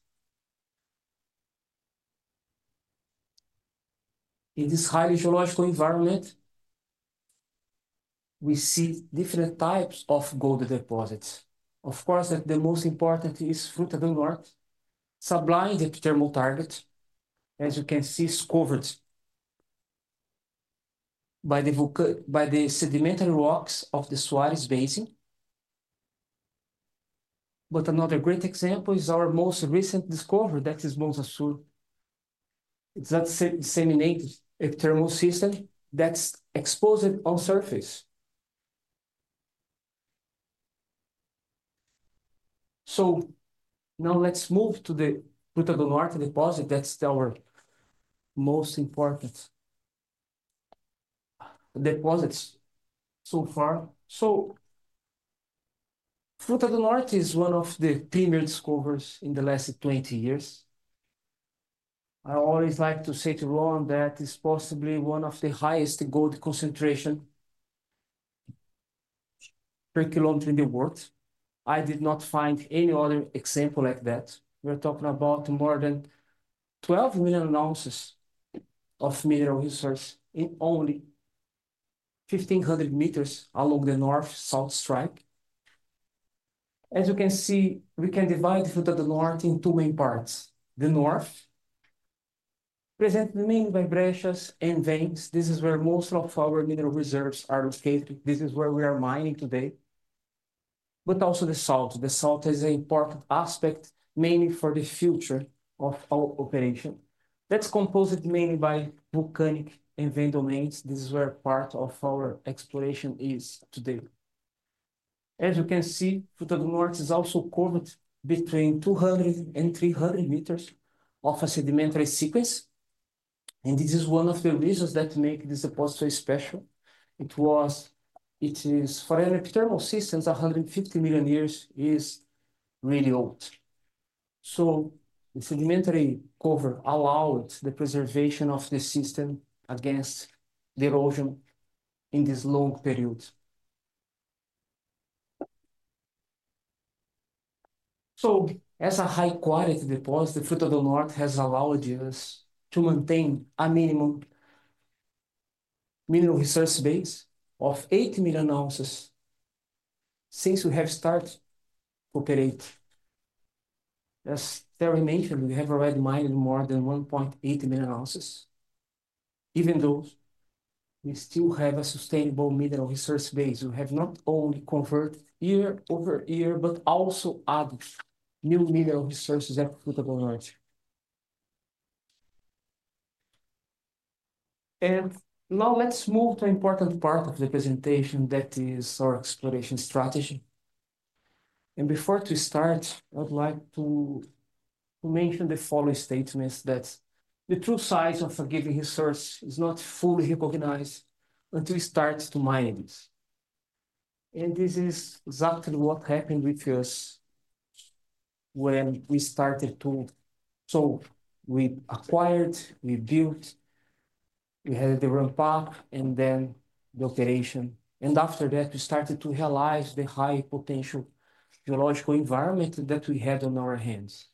In this highly geological environment, we see different types of gold deposits. Of course, the most important is Fruta del Norte sub-blind epithermal target, as you can see, is covered by the sedimentary rocks of the Suarez Basin. But another great example is our most recent discovery, that is Bonanza Sur. It's that disseminated epithermal system that's exposed on surface. So now let's move to the Fruta del Norte deposit. That's our most important deposits so far. So Fruta del Norte is one of the premier discoveries in the last 20 years. I always like to say to Ron that it's possibly one of the highest gold concentration per kilo in the world. I did not find any other example like that. We're talking about more than 12 million ounces of mineral resource in only 1,500 meters along the north-south strike. As you can see, we can divide Fruta del Norte in two main parts. The north present the main breccias and veins. This is where most of our mineral reserves are located. This is where we are mining today, but also the south. The south is an important aspect, mainly for the future of our operation. That's composed mainly by volcanic and vein domains. This is where part of our exploration is today. As you can see, Fruta del Norte is also covered between 200 and 300 meters of a sedimentary sequence, and this is one of the reasons that make this deposit so special. It is for an epithermal systems, 150 million years is really old. The sedimentary cover allowed the preservation of the system against the erosion in this long period. As a high quality deposit, the Fruta del Norte has allowed us to maintain a minimum mineral resource base of eight million ounces since we have started to operate. As Terry mentioned, we have already mined more than 1.8 million ounces, even though we still have a sustainable mineral resource base. We have not only converted year-over-year, but also added new mineral resources at Fruta del Norte. Now let's move to an important part of the presentation, that is our exploration strategy. Before starting, I would like to mention the following statements, that the true size of a given resource is not fully recognized until you start to mine it. This is exactly what happened with us when we started to... So we acquired, we built, we had the ramp up, and then the alteration, and after that, we started to realize the high potential geological environment that we had on our hands.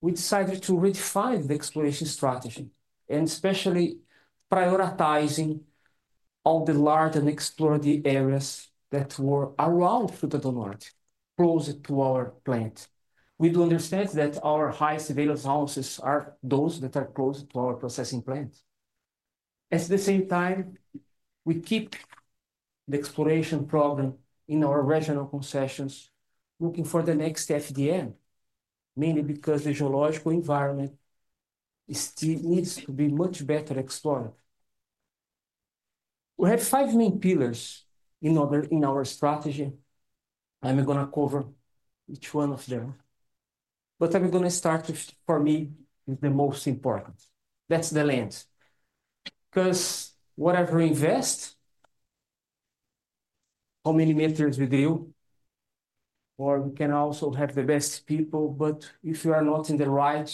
We decided to redefine the exploration strategy, and especially prioritizing all the large and unexplored areas that were around Fruta del Norte, close to our plant. We do understand that our highest available ounces are those that are close to our processing plant. At the same time, we keep the exploration program in our regional concessions, looking for the next FDN, mainly because the geological environment still needs to be much better explored. We have five main pillars in our strategy. I'm gonna cover each one of them, but I'm gonna start with, for me, is the most important. That's the land. 'Cause whatever we invest, how many meters we drill, or we can also have the best people, but if you are not in the right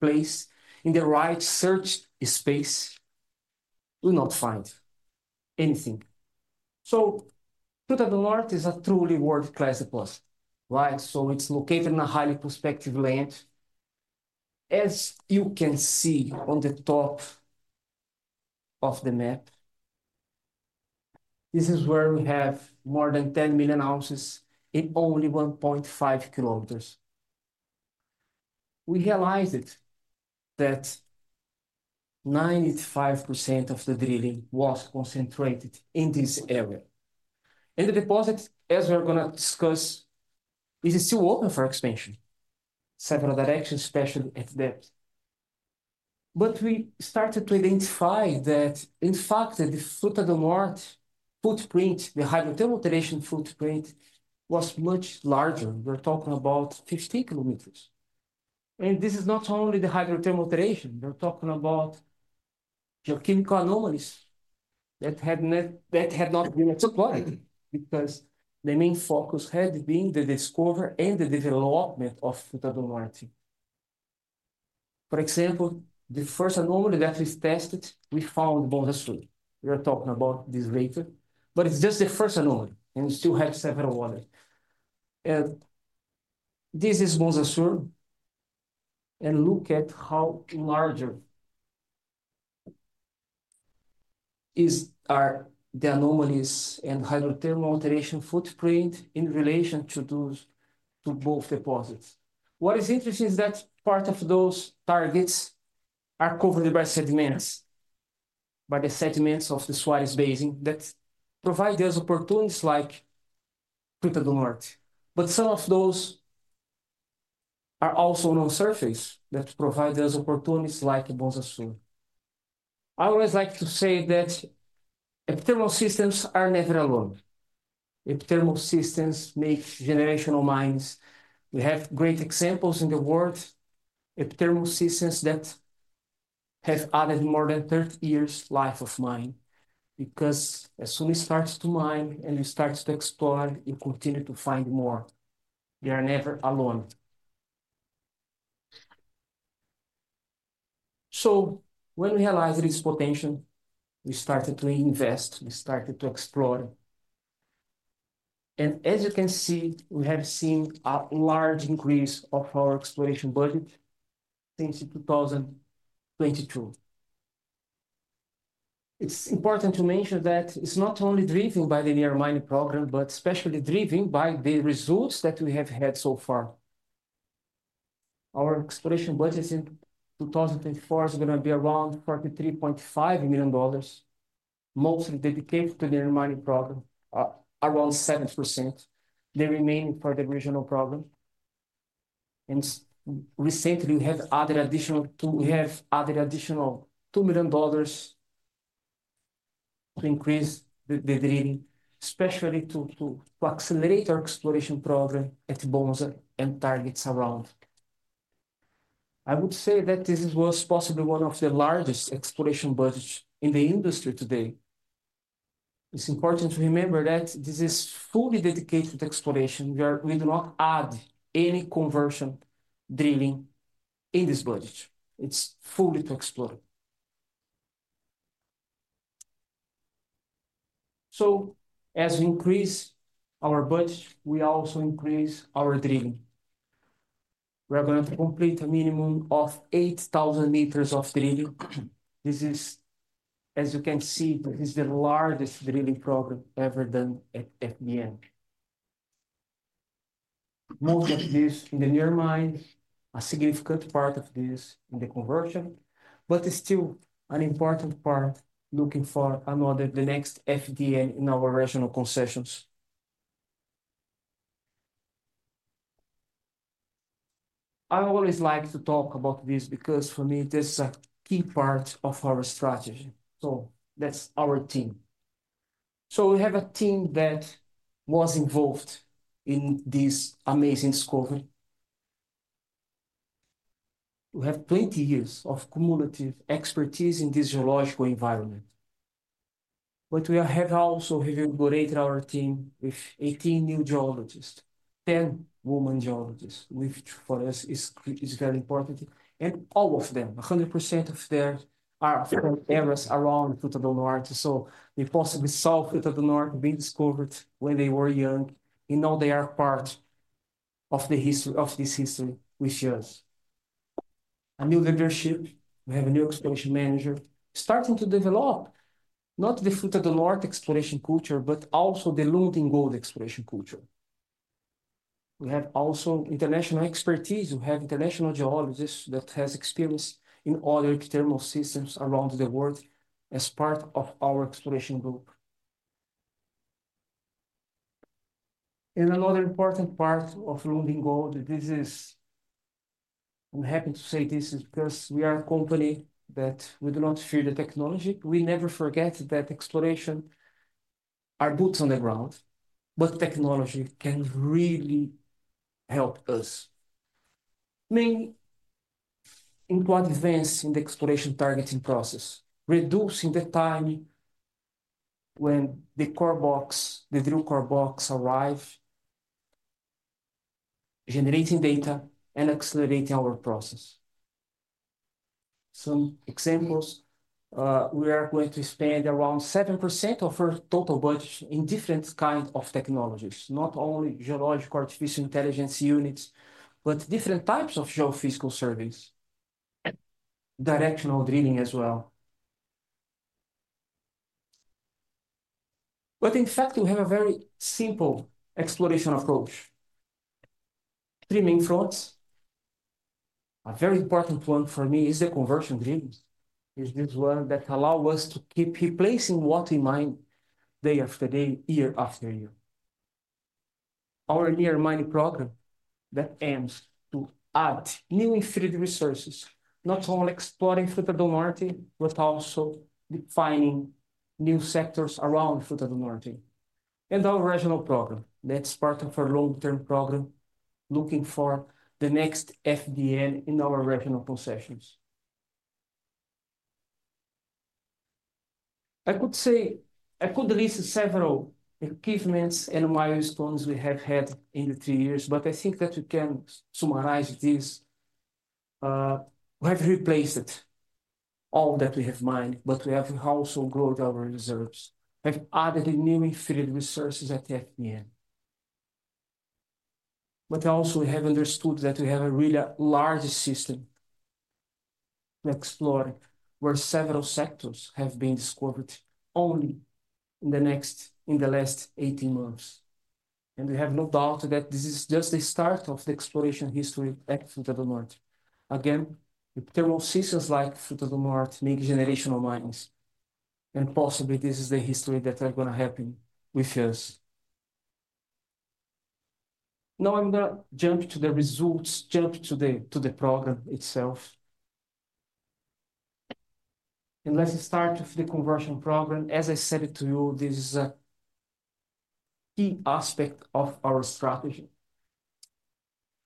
place, in the right search space, we'll not find anything. So Fruta del Norte is a truly world-class deposit, right? So it's located in a highly prospective land. As you can see on the top of the map, this is where we have more than 10 million ounces in only 1.5 kilometers. We realized that 95% of the drilling was concentrated in this area, and the deposit, as we are gonna discuss, is still open for expansion, several directions, especially at depth. But we started to identify that, in fact, the Fruta del Norte footprint, the hydrothermal alteration footprint, was much larger. We're talking about 50 kilometers, and this is not only the hydrothermal alteration. We're talking about geochemical anomalies that had not been explored, because the main focus had been the discovery and the development of Fruta del Norte. For example, the first anomaly that is tested, we found Bonanza Sur. We are talking about this later, but it's just the first anomaly, and we still have several others, and this is Bonanza Sur, and look at how large are the anomalies and hydrothermal alteration footprint in relation to those, to both deposits. What is interesting is that part of those targets are covered by sediments, by the sediments of the Suarez Basin, that provide us opportunities like Fruta del Norte. But some of those are also on surface that provide us opportunities like Bonanza Sur. I always like to say that epithermal systems are never alone. Epithermal systems make generational mines. We have great examples in the world, epithermal systems that have added more than 30 years life of mine, because as soon as it starts to mine and it starts to explore, you continue to find more. They are never alone, so when we realized this potential, we started to invest, we started to explore, and as you can see, we have seen a large increase of our exploration budget since 2022. It's important to mention that it's not only driven by the near mine program, but especially driven by the results that we have had so far. Our exploration budget in 2024 is gonna be around $43.5 million, mostly dedicated to the near mine program, around 7%, the remaining for the regional program. Recently, we have added additional two million dollars to increase the drilling, especially to accelerate our exploration program at Bonza and targets around. I would say that this was possibly one of the largest exploration budgets in the industry today. It's important to remember that this is fully dedicated to exploration. We do not add any conversion drilling in this budget. It's fully to explore. So as we increase our budget, we also increase our drilling. We are going to complete a minimum of 8,000 meters of drilling. This is, as you can see, the largest drilling program ever done at FDN. Most of this in the near mine, a significant part of this in the conversion, but it's still an important part looking for another, the next FDN in our regional concessions. I always like to talk about this because for me, this is a key part of our strategy. So that's our team. So we have a team that was involved in this amazing discovery. We have plenty years of cumulative expertise in this geological environment, but we have also reinvigorated our team with 18 new geologists, 10 woman geologists, which for us is very important. And all of them, 100% of them, are from areas around Fruta del Norte, so they possibly saw Fruta del Norte being discovered when they were young, and now they are part of the history of this history with us. A new leadership, we have a new exploration manager, starting to develop not the Fruta del Norte exploration culture, but also the Lundin Gold exploration culture. We have also international expertise. We have international geologists that has experience in other epithermal systems around the world as part of our exploration group. And another important part of Lundin Gold, this is. I'm happy to say this is because we are a company that we do not fear the technology. We never forget that exploration are boots on the ground, but technology can really help us, mainly in what advance in the exploration targeting process, reducing the time when the core box, the drill core box arrive, generating data, and accelerating our process. Some examples, we are going to spend around 7% of our total budget in different kinds of technologies, not only geological artificial intelligence units, but different types of geophysical surveys and directional drilling as well. But in fact, we have a very simple exploration approach. Three main fronts. A very important one for me is the conversion drilling, is this one that allow us to keep replacing what we mine day after day, year after year. Our near mine program that aims to add new inferred resources, not only exploring Fruta del Norte, but also defining new sectors around Fruta del Norte. Our regional program, that's part of our long-term program, looking for the next FDN in our regional concessions. I could list several achievements and milestones we have had in the three years, but I think that we can summarize this. We have replaced all that we have mined, but we have also grown our reserves. We've added new inferred resources at FDN. But also, we have understood that we have a really large system to explore, where several sectors have been discovered only in the last eighteen months. And we have no doubt that this is just the start of the exploration history at Fruta del Norte. Again, epithermal systems like Fruta del Norte make generational mines... and possibly this is the history that are gonna happen with us. Now I'm gonna jump to the results, jump to the program itself. And let's start with the conversion program. As I said it to you, this is a key aspect of our strategy.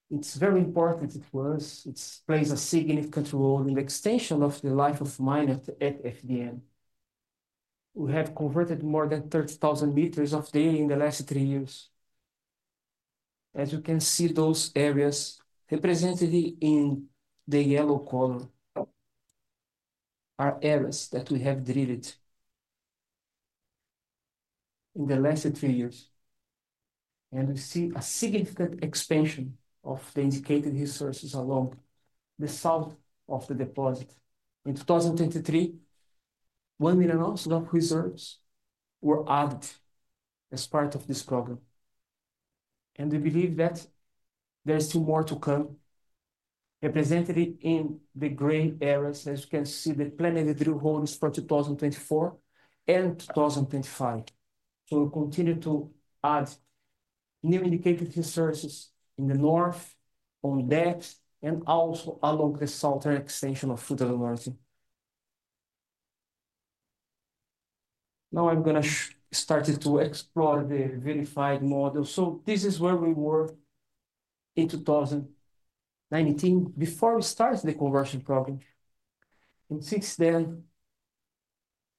It's very important to us. It plays a significant role in the extension of the life of mine at FDN. We have converted more than 30,000 meters of drilling in the last three years. As you can see, those areas represented in the yellow color are areas that we have drilled in the last three years, and we see a significant expansion of the indicated resources along the south of the deposit. In 2023, one million ounces of reserves were added as part of this program, and we believe that there is still more to come, represented in the gray areas. As you can see, the planned drill holes for 2024 and 2025, so we'll continue to add new indicated resources in the north on depth, and also along the southern extension of Fruta del Norte. Now I'm gonna start to explore the VRIFY model, so this is where we were in 2019 before we started the conversion program, and since then,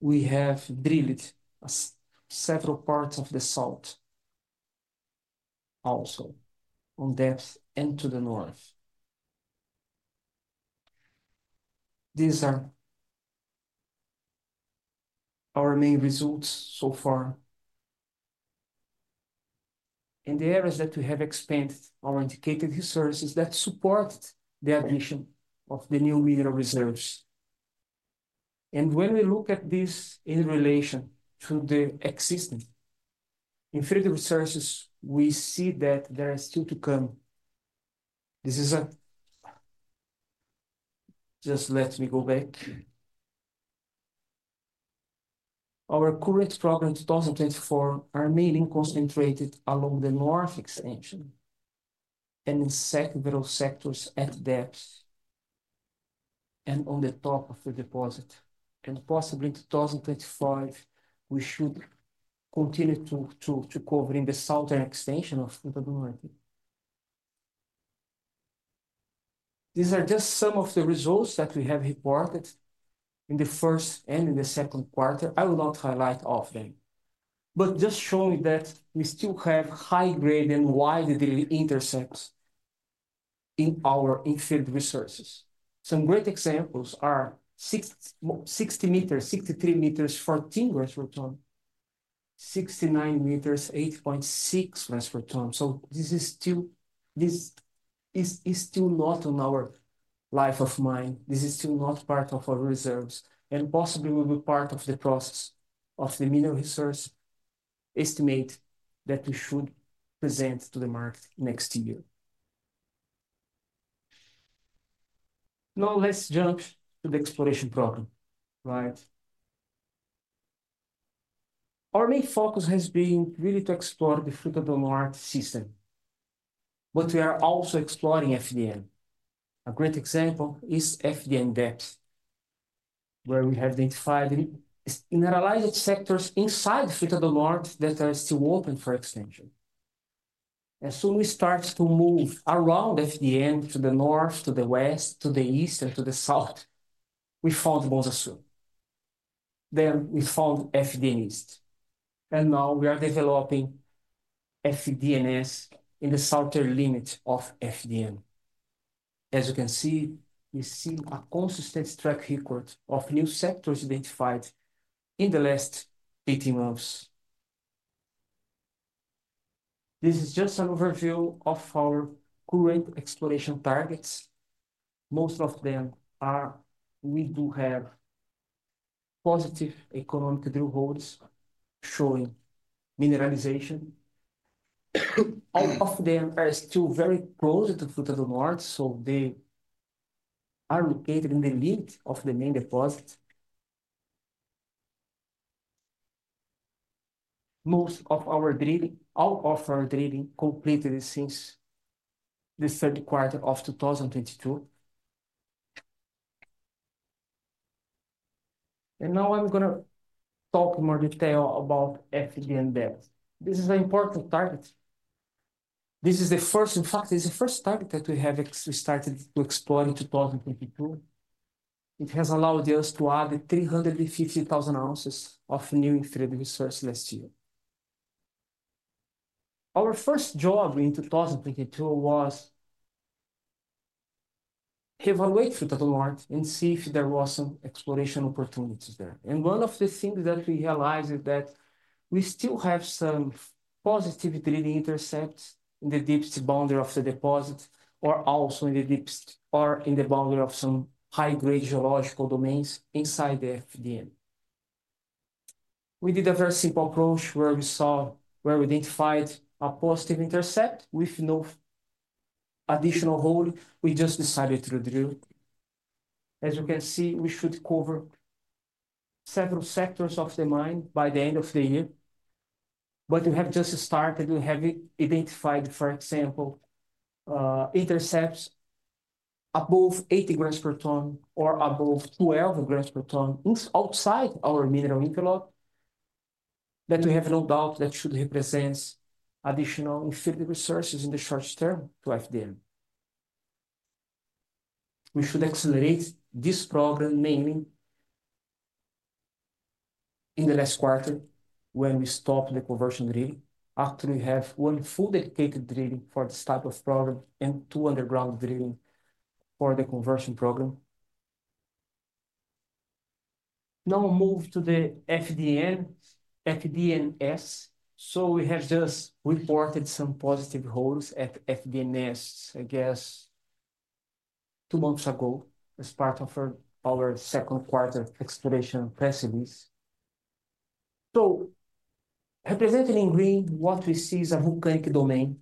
we have drilled several parts of the south, also on depth and to the north. These are our main results so far. In the areas that we have expanded our indicated resources, that supported the addition of the new mineral reserves. When we look at this in relation to the existing inferred resources, we see that there are still to come. Just let me go back. Our current program in 2024 are mainly concentrated along the north extension and in several sectors at depth, and on the top of the deposit. Possibly in 2025, we should continue to cover in the southern extension of Fruta del Norte. These are just some of the results that we have reported in the first and in the second quarter. I will not highlight all of them, but just showing that we still have high grade and wide drilling intercepts in our inferred resources. Some great examples are 60 meters, 63 meters, 14 grams per ton, 69 meters, 8.6 grams per ton. This is still not on our life of mine. This is still not part of our reserves, and possibly will be part of the process of the mineral resource estimate that we should present to the market next year. Now let's jump to the exploration program, right? Our main focus has been really to explore the Fruta del Norte system, but we are also exploring FDN. A great example is FDN Depth, where we have identified mineralized sectors inside Fruta del Norte that are still open for extension. As soon as we start to move around FDN to the north, to the west, to the east, and to the south, we found Bonza Sur. Then we found FDN East, and now we are developing FDNS in the southern limit of FDN. As you can see, we see a consistent track record of new sectors identified in the last eighteen months. This is just an overview of our current exploration targets. Most of them are. We do have positive economic drill holes showing mineralization. All of them are still very close to Fruta del Norte, so they are located in the limit of the main deposit. All of our drilling completed since the Q3 of 2022. And now I'm gonna talk in more detail about FDN Depth. This is an important target. This is the first. In fact, this is the first target that we have started to explore in 2022. It has allowed us to add three hundred and fifty thousand ounces of new inferred resource last year. Our first job in 2022 was evaluate Fruta del Norte and see if there was some exploration opportunities there, and one of the things that we realized is that we still have some positive drilling intercepts in the deepest boundary of the deposit, or also in the deepest or in the boundary of some high-grade geological domains inside the FDN. We did a very simple approach where we identified a positive intercept with no additional hole we just decided to drill. As you can see, we should cover several sectors of the mine by the end of the year, but we have just started. We have identified, for example, intercepts above 80 grams per ton or above 12 grams per ton in outside our mineral envelope, that we have no doubt that should represents additional inferred resources in the short term to FDN. We should accelerate this program, mainly in the last quarter when we stop the conversion drilling. After we have one full dedicated drilling for this type of program and two underground drilling for the conversion program. Now move to the FDN, FDNS. So we have just reported some positive holes at FDNS, I guess two months ago, as part of our second quarter exploration press release. So represented in green, what we see is a volcanic domain.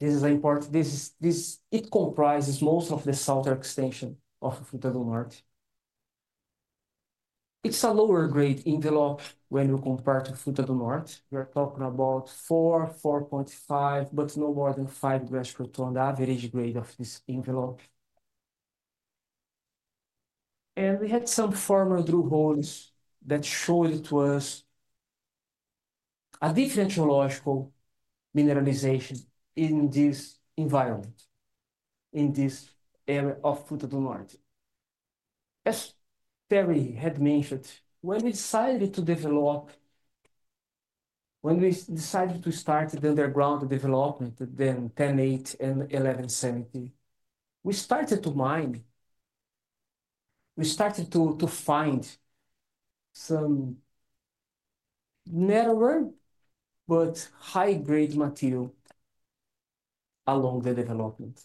This is important. It comprises most of the southern extension of Fruta del Norte. It's a lower grade envelope when you compare to Fruta del Norte. We are talking about four point five, but no more than five grams per ton, the average grade of this envelope. We had some former drill holes that showed it was a different geological mineralization in this environment, in this area of Fruta del Norte. As Terry had mentioned, when we decided to start the underground development, then 1080 and 1170, we started to mine. We started to find some narrower but high-grade material along the development.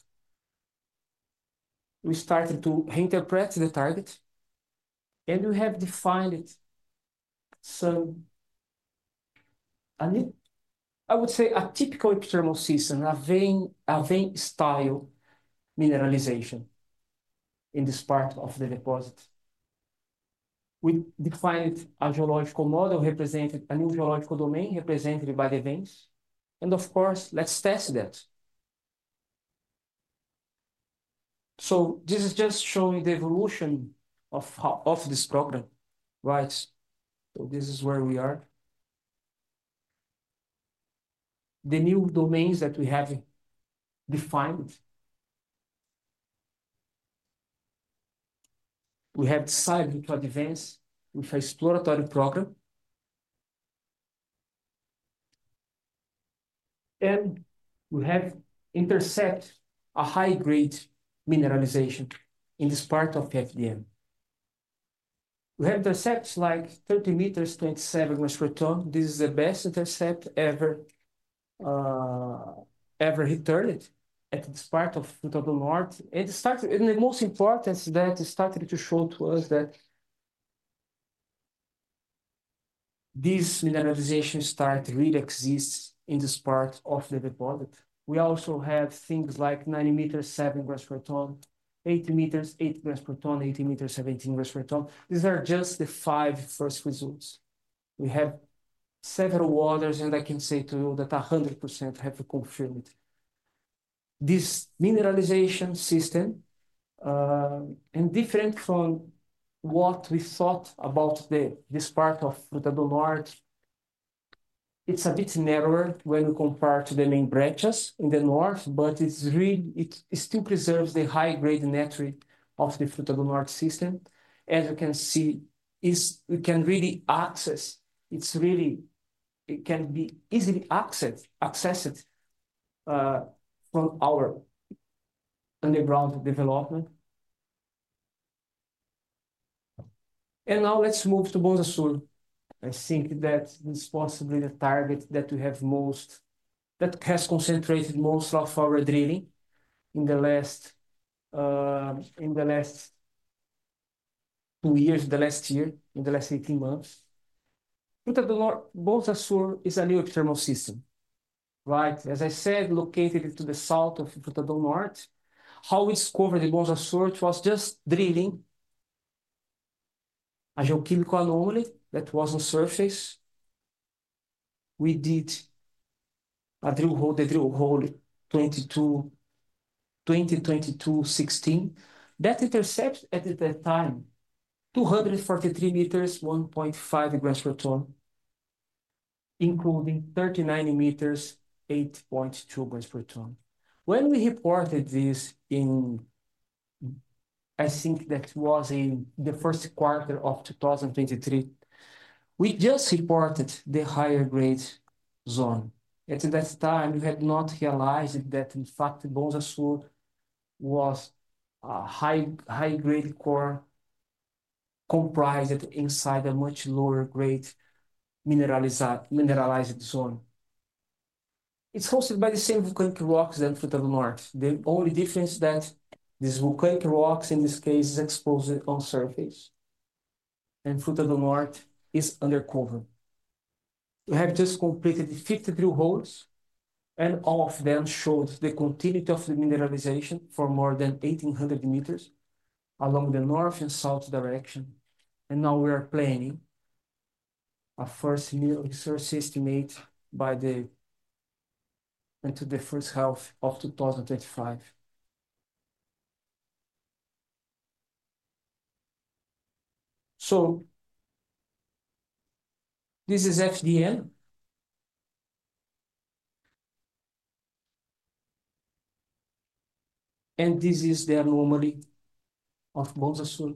We started to reinterpret the target, and we have defined it. So, a new, I would say a typical epithermal system, a vein, a vein style mineralization in this part of the deposit. We defined a geological model, a new geological domain represented by the veins, and of course, let's test that. So this is just showing the evolution of this program, right? So this is where we are. The new domains that we have defined. We have decided to advance with an exploratory program, and we have intercepted a high-grade mineralization in this part of the FDN. We have intercepts like 30 meters, 27 grams per ton. This is the best intercept ever returned at this part of Fruta del Norte. The most important is that it started to show to us that this mineralization really exists in this part of the deposit. We also have things like 90 meters, 7 grams per ton, 80 meters, 8 grams per ton, 80 meters, 17 grams per ton. These are just the first five results. We have several others, and I can say to you that 100% have confirmed this mineralization system, and different from what we thought about the, this part of Fruta del Norte. It's a bit narrower when you compare to the main branches in the north, but it's really it still preserves the high grade nature of the Fruta del Norte system. As you can see, we can really access it. It can be easily accessed from our underground development. Now let's move to Bonanza Sur. I think that it's possibly the target that we have most that has concentrated most of our drilling in the last two years, the last year, in the last eighteen months. Fruta del Norte Bonanza Sur is a new epithermal system, right? As I said, located to the south of Fruta del Norte. How we discovered the Bonanza Sur, it was just drilling a geological anomaly that was on surface. We did a drill hole, the drill hole 22-2022-16. That intercept at the time, 243 meters, 1.5 grams per ton, including 39 meters, 8.2 grams per ton. When we reported this in... I think that was in the first quarter of 2023, we just reported the higher grade zone. At that time, we had not realized that in fact, Bonanza Sur was a high, high-grade core comprised inside a much lower grade mineralized zone. It's hosted by the same volcanic rocks as Fruta del Norte. The only difference is that these volcanic rocks in this case, is exposed on surface, and Fruta del Norte is undercover.... We have just completed 50 drill holes, and all of them showed the continuity of the mineralization for more than 1,800 meters along the north and south direction. And now we are planning our first mineral resource estimate into the first half of 2025. So this is FDN, and this is the anomaly of Bonanza Sur.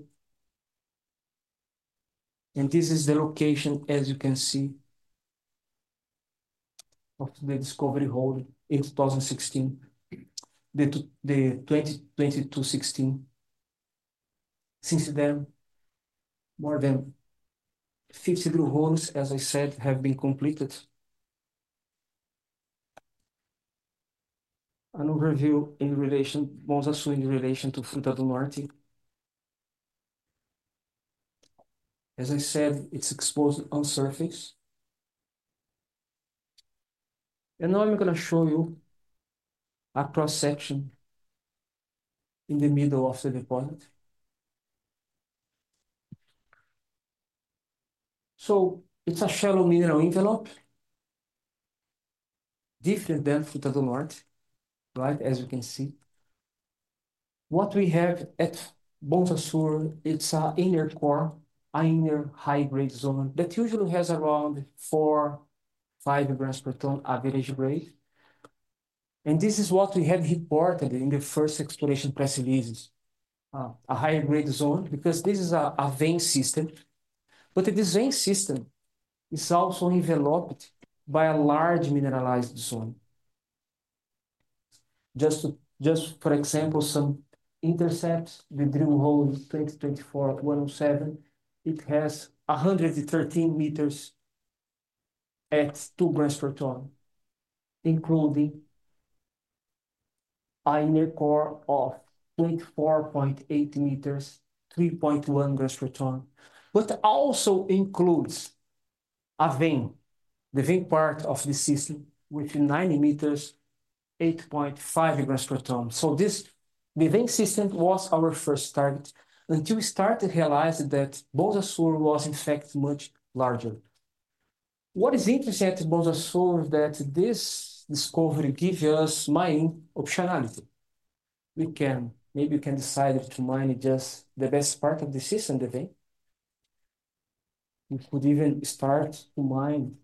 And this is the location, as you can see, of the discovery hole in 2016. Since then, more than 50 drill holes, as I said, have been completed. An overview of Bonanza Sur in relation to Fruta del Norte. As I said, it's exposed on surface. And now I'm gonna show you a cross-section in the middle of the deposit. So it's a shallow mineral envelope, different than Fruta del Norte, right? As you can see. What we have at Bonanza Sur, it's an inner core, an inner high-grade zone that usually has around 4 grams-5 grams per tonne average grade. This is what we have reported in the first exploration press releases, a higher grade zone, because this is a vein system. This vein system is also enveloped by a large mineralized zone. Just for example, some intercepts, the drill hole 2024-17, it has 113 meters at 2 grams per tonne, including an inner core of 40.8 meters, 3.1 grams per tonne, but also includes a vein, the vein part of the system, with 90 meters, 8.5 grams per tonne. The vein system was our first target until we started to realize that Bonanza Sur was, in fact, much larger. What is interesting at Bonanza Sur is that this discovery give us mining optionality. We can maybe we can decide to mine just the best part of the system, the vein. We could even start to mine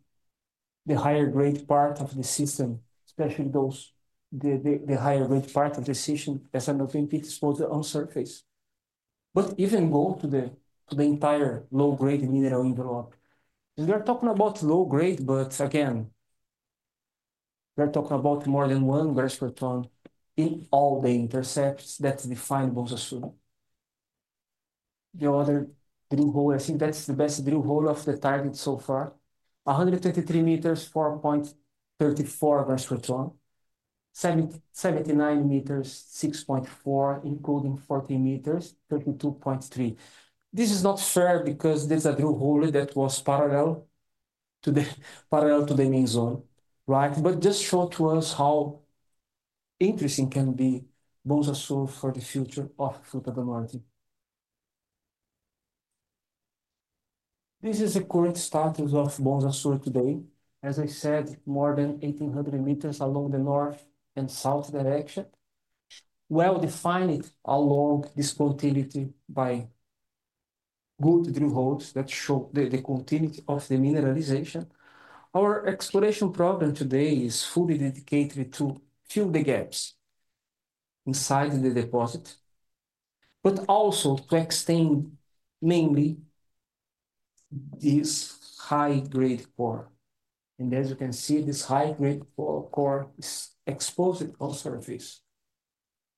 the higher grade part of the system, especially those the higher grade part of the system, as nothing exposed on surface. But even go to the entire low-grade mineral envelope. We are talking about low grade, but again, we are talking about more than one grams per tonne in all the intercepts that define Bonanza Sur. The other drill hole, I think that's the best drill hole of the target so far. 123 meters, 4.34 grams per tonne, 79 meters, 6.4, including 40 meters, 32.3. This is not fair because there's a drill hole that was parallel to the main zone, right? But just show to us how interesting can be Bonanza Sur for the future of Fruta del Norte. This is the current status of Bonanza Sur today. As I said, more than eighteen hundred meters along the north and south direction, well defined along this continuity by good drill holes that show the continuity of the mineralization. Our exploration program today is fully dedicated to fill the gaps inside the deposit, but also to extend mainly this high-grade core. And as you can see, this high-grade core is exposed on surface,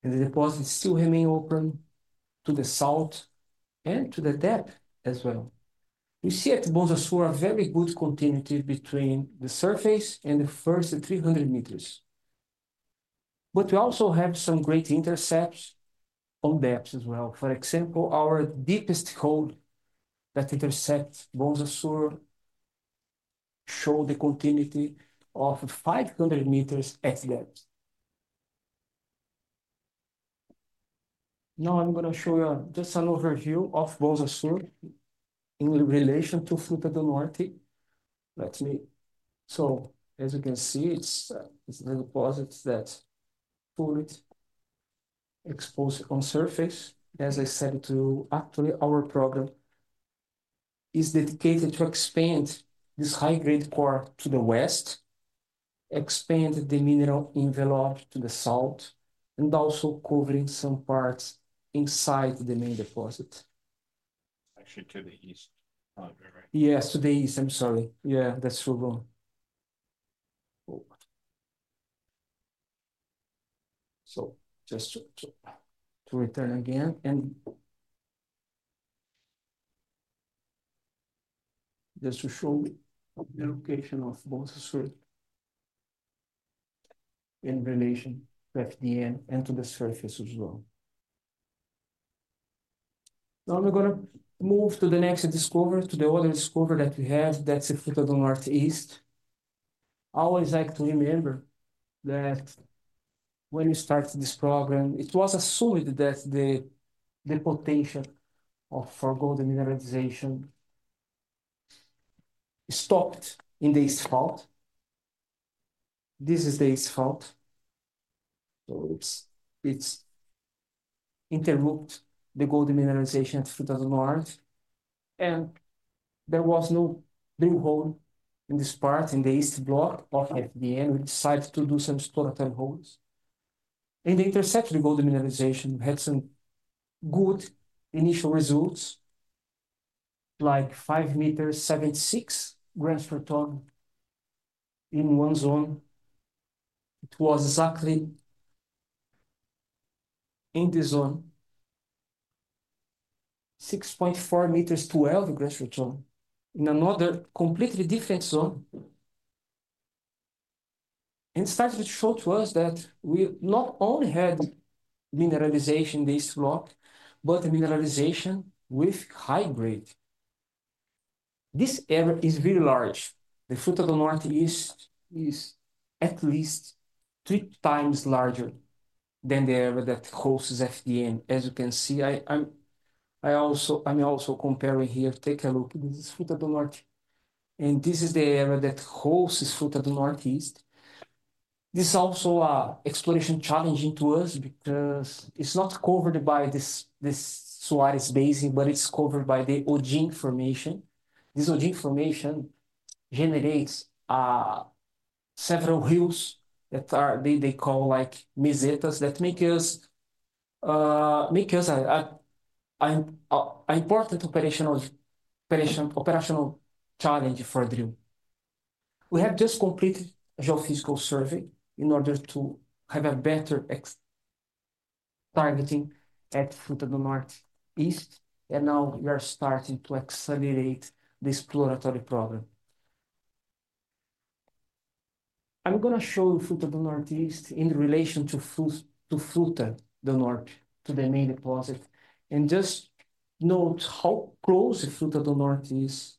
and the deposit still remain open to the south and to the depth as well. We see at Bonanza Sur a very good continuity between the surface and the first three hundred meters. But we also have some great intercepts on depths as well. For example, our deepest hole that intercepts Bonanza Sur show the continuity of 500 meters at depth. Now I'm gonna show you just an overview of Bonanza Sur in relation to Fruta del Norte. Let me... So as you can see, it's a deposit that fully exposed on surface. As I said to you, actually, our program is dedicated to expand this high-grade core to the west, expand the mineral envelope to the south, and also covering some parts inside the main deposit. Actually, to the east, not very right. Yes, to the east. I'm sorry. Yeah, that's so wrong. Oh. So just to return again and just to show the location of Bonanza Sur in relation to FDN and to the surface as well. Now I'm gonna move to the next discovery, to the other discovery that we have, that's Fruta del Norte East. I always like to remember that when we started this program, it was assumed that the potential for gold mineralization stopped in the east fault. This is the east fault, so it's interrupted the gold mineralization Fruta del Norte, and there was no drill hole in this part, in the east block of FDN. We decided to do some exploratory holes, and they intercepted gold mineralization. We had some good initial results, like five meters, 76 grams per ton in one zone. It was exactly in the zone, six point four meters, 12 grams per ton in another completely different zone. Studies which showed to us that we not only had mineralization in this block, but mineralization with high grade. This area is very large. The Fruta del Norte East is at least three times larger than the area that hosts FDN. As you can see, I'm also comparing here, take a look, this is Fruta del Norte, and this is the area that hosts Fruta del Norte East. This is also an exploration challenging to us because it's not covered by this Suarez Basin, but it's covered by the Hollin formation. This Hollin formation generates several hills that are they call, like, mesetas, that make us an important operational challenge for drill. We have just completed a geophysical survey in order to have a better targeting at Fruta del Norte East, and now we are starting to accelerate the exploratory program. I'm gonna show you Fruta del Norte East in relation to Fruta del Norte, to the main deposit, and just note how close Fruta del Norte East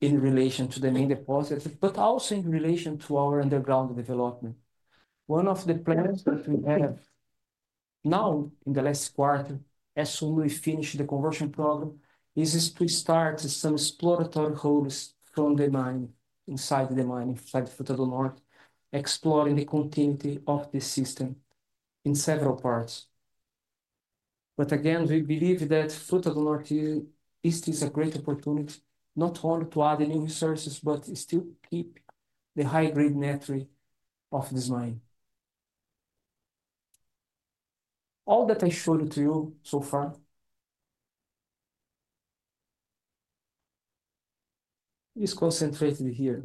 is in relation to the main deposit, but also in relation to our underground development. One of the plans that we have now in the last quarter, as soon as we finish the conversion program, is to start some exploratory holes from the mine, inside the mine, inside Fruta del Norte, exploring the continuity of the system in several parts. But again, we believe that Fruta del Norte East is a great opportunity, not only to add new resources, but still keep the high-grade nature of this mine. All that I showed to you so far is concentrated here.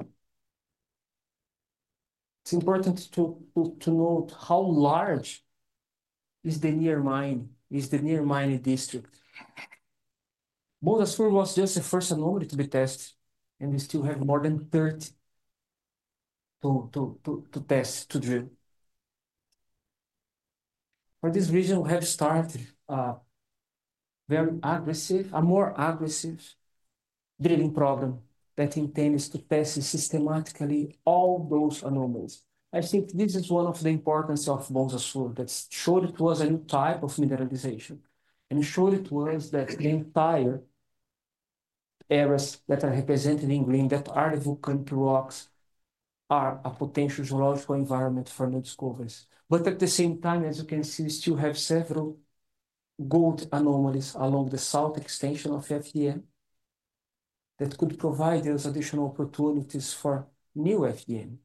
It's important to note how large is the near mine, is the near mine district. Bonanza Sur was just the first anomaly to be tested, and we still have more than 30 to test, to drill. For this region, we have started a more aggressive drilling program that intends to test systematically all those anomalies. I think this is one of the importance of Bonanza Sur, that showed it was a new type of mineralization, and showed it was that the entire areas that are represented in green, that are volcanic rocks, are a potential geological environment for new discoveries. But at the same time, as you can see, we still have several gold anomalies along the south extension of FDN that could provide us additional opportunities for new FDN.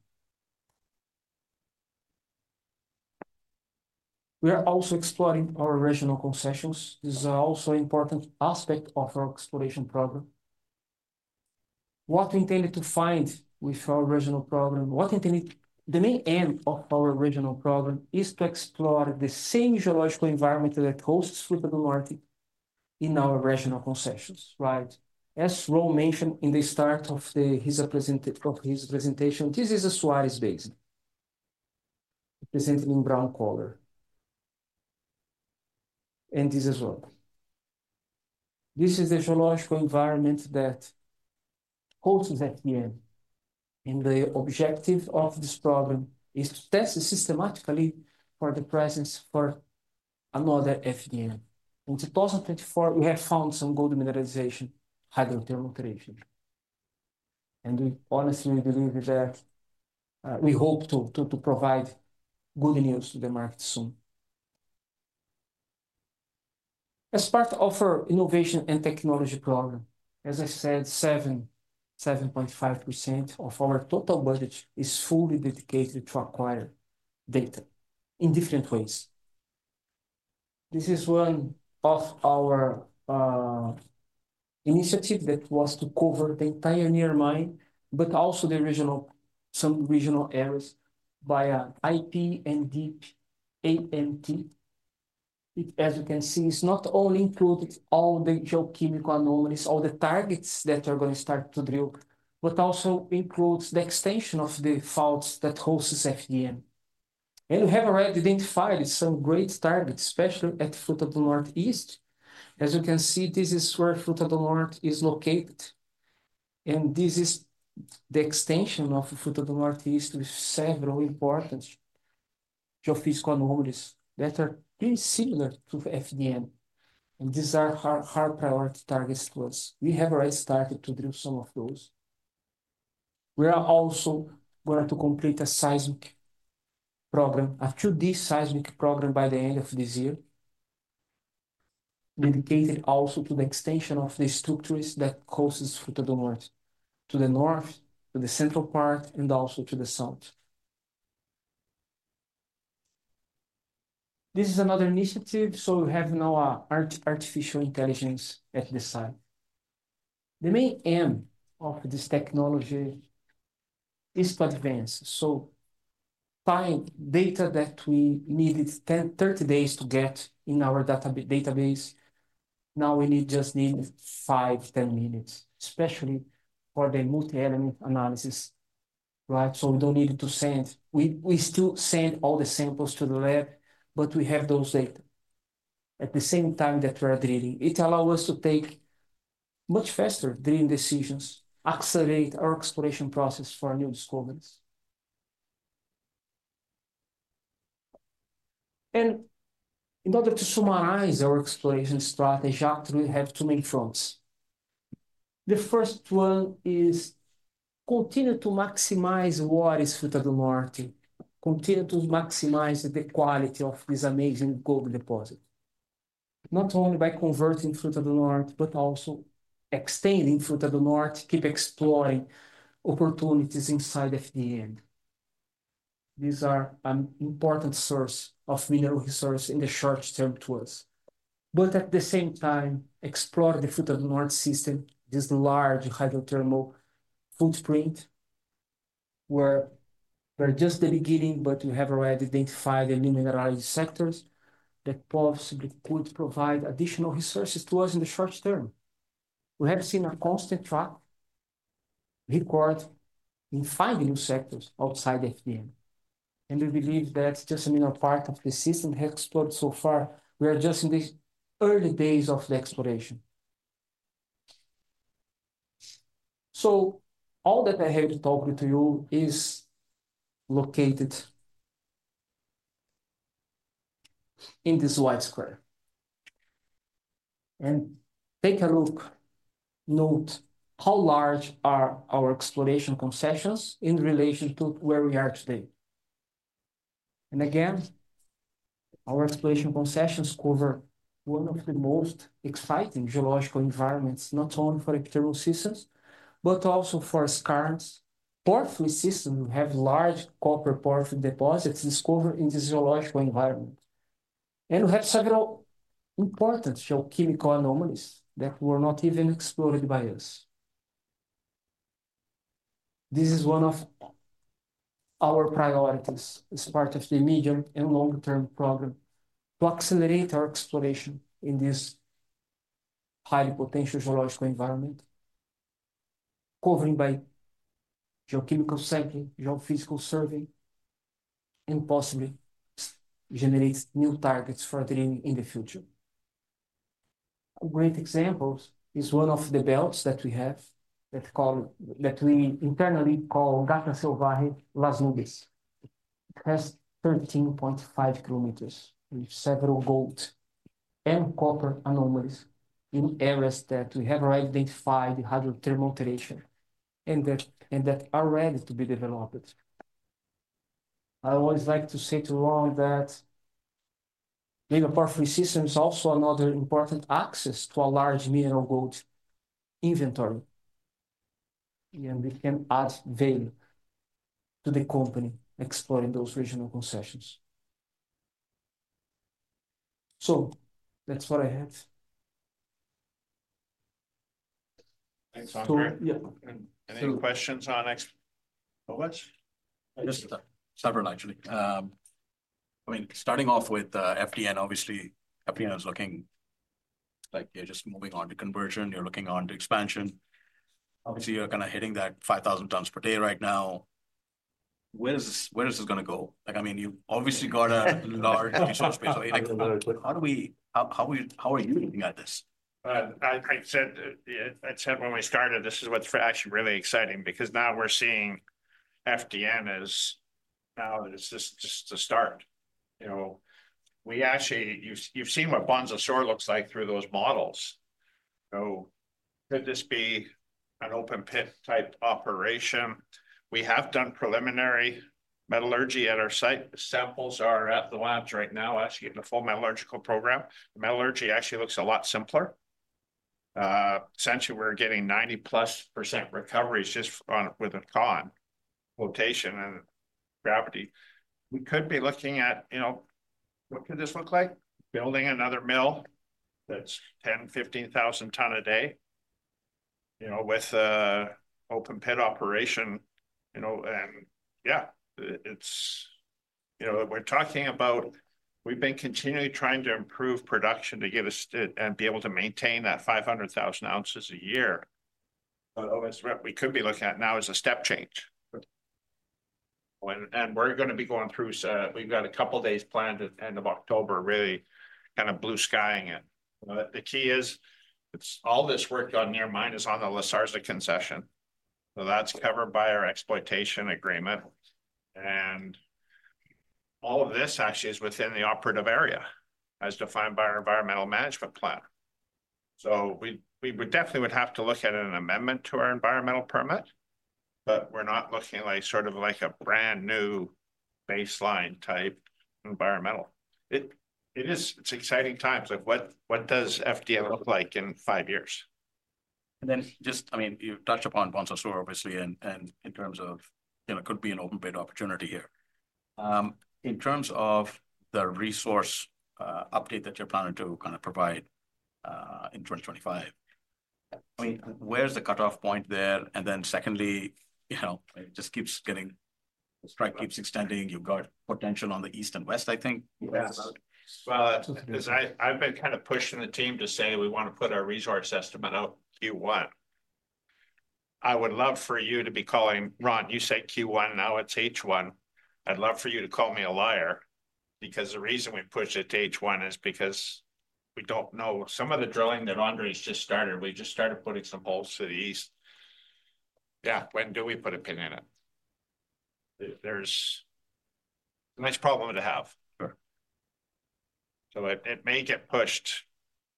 We are also exploring our regional concessions. This is also an important aspect of our exploration program. What we intended to find with our regional program, the main aim of our regional program is to explore the same geological environment that hosts Fruta del Norte in our regional concessions, right? As Ron mentioned in the start of his presentation, this is a Suarez Basin, presented in brown color, and this as well. This is the geological environment that hosts FDN, and the objective of this program is to test systematically for the presence of another FDN. In 2024, we have found some gold mineralization hydrothermal alteration, and we honestly believe that we hope to provide good news to the market soon. As part of our innovation and technology program, as I said, 7.5% of our total budget is fully dedicated to acquire data in different ways. This is one of our initiative that was to cover the entire near mine, but also some regional areas via IP and deep AMT. It, as you can see, it's not only included all the geochemical anomalies, all the targets that are gonna start to drill, but also includes the extension of the faults that hosts FDN, and we have already identified some great targets, especially at Fruta del Norte East. As you can see, this is where Fruta del Norte is located, and this is the extension of Fruta del Norte East with several important geophysical anomalies that are pretty similar to FDN, and these are our priority targets to us. We have already started to drill some of those. We are also going to complete a seismic program, a 2D seismic program by the end of this year, dedicated also to the extension of the structures that causes Fruta del Norte, to the north, to the central part, and also to the south. This is another initiative, so we have now an artificial intelligence at the site. The main aim of this technology is to advance, so find data that we needed 10 days-30 days to get in our database, now we need just five, 10 minutes, especially for the multi-element analysis, right? So we don't need to send. We still send all the samples to the lab, but we have those data at the same time that we're drilling. It allows us to take much faster drilling decisions, accelerate our exploration process for our new discoveries. And in order to summarize our exploration strategy, actually, we have two main fronts. The first one is continue to maximize what is Fruta del Norte, continue to maximize the quality of this amazing gold deposit, not only by converting Fruta del Norte, but also extending Fruta del Norte, keep exploring opportunities inside FDN. These are an important source of mineral resource in the short term to us. But at the same time, explore the Fruta del Norte system, this large hydrothermal footprint, where we're just the beginning, but we have already identified the new mineralized sectors that possibly could provide additional resources to us in the short term. We have seen a constant track record in finding new sectors outside FDN, and we believe that just a minor part of the system has explored so far. We are just in the early days of the exploration. So all that I have to talk to you is located in this white square. And take a look, note how large are our exploration concessions in relation to where we are today. And again, our exploration concessions cover one of the most exciting geological environments, not only for epithermal systems, but also for skarns. Porphyry system have large copper porphyry deposits discovered in this geological environment, and we have several important geochemical anomalies that were not even explored by us. This is one of our priorities as part of the medium and long-term program to accelerate our exploration in this highly potential geological environment, covering by geochemical sampling, geophysical survey, and possibly generate new targets for drilling in the future. A great example is one of the belts that we have, that's called that we internally call Gata Salvaje Las Nubes. It has 13.5 kilometers, with several gold and copper anomalies in areas that we have already identified the hydrothermal alteration, and that are ready to be developed. I always like to say to Ron that mega porphyry system is also another important access to a large mineral gold inventory, and we can add value to the company exploring those regional concessions. So that's what I have. Thanks, Andre. So, yeah. Any questions? Oh, what? Just several, actually. I mean, starting off with FDN, obviously. FDN is looking like you're just moving on to conversion, you're looking on to expansion. Obviously, you're kinda hitting that 5,000 tons per day right now. Where is this gonna go? Like, I mean, you've obviously got a large resource base. Like, how are you looking at this? I said when we started, this is what's actually really exciting, because now we're seeing FDN as now it is just a start. You know, we actually, you've seen what Bonanza Sur looks like through those models. So could this be an open pit type operation? We have done preliminary metallurgy at our site. The samples are at the labs right now, actually, in a full metallurgical program. Metallurgy actually looks a lot simpler. Essentially, we're getting 90+% recoveries just with a con, flotation and gravity. We could be looking at, you know, what could this look like? Building another mill that's 10-15 thousand tons a day, you know, with an open pit operation, you know. Yeah, it's, you know, we're talking about... We've been continually trying to improve production to get us to and be able to maintain that 500,000 ounces a year. But obviously what we could be looking at now is a step change. And we're gonna be going through, so we've got a couple of days planned at the end of October, really kind of blue skying it. You know, the key is, it's all this work on near mine is on the La Zarza concession. So that's covered by our exploitation agreement, and all of this actually is within the operative area, as defined by our environmental management plan. So we would definitely have to look at an amendment to our environmental permit, but we're not looking at like, sort of like a brand new baseline type environmental. It's exciting times, like, what does FDN look like in five years? And then just, I mean, you touched upon Bonanza Sur, obviously, and in terms of, you know, it could be an open pit opportunity here. In terms of the resource update that you're planning to kind of provide in 2025, I mean, where's the cutoff point there? And then secondly, you know, it just keeps getting, the strike keeps extending. You've got potential on the east and west, I think- Yes... about. As I've been kind of pushing the team to say we want to put our resource estimate out Q1. I would love for you to be calling, "Ron, you said Q1, now it's H1." I'd love for you to call me a liar, because the reason we pushed it to H1 is because we don't know. Some of the drilling that Andre's just started, we just started putting some holes to the east. Yeah, when do we put a pin in it? There's a nice problem to have. Sure. So it may get pushed.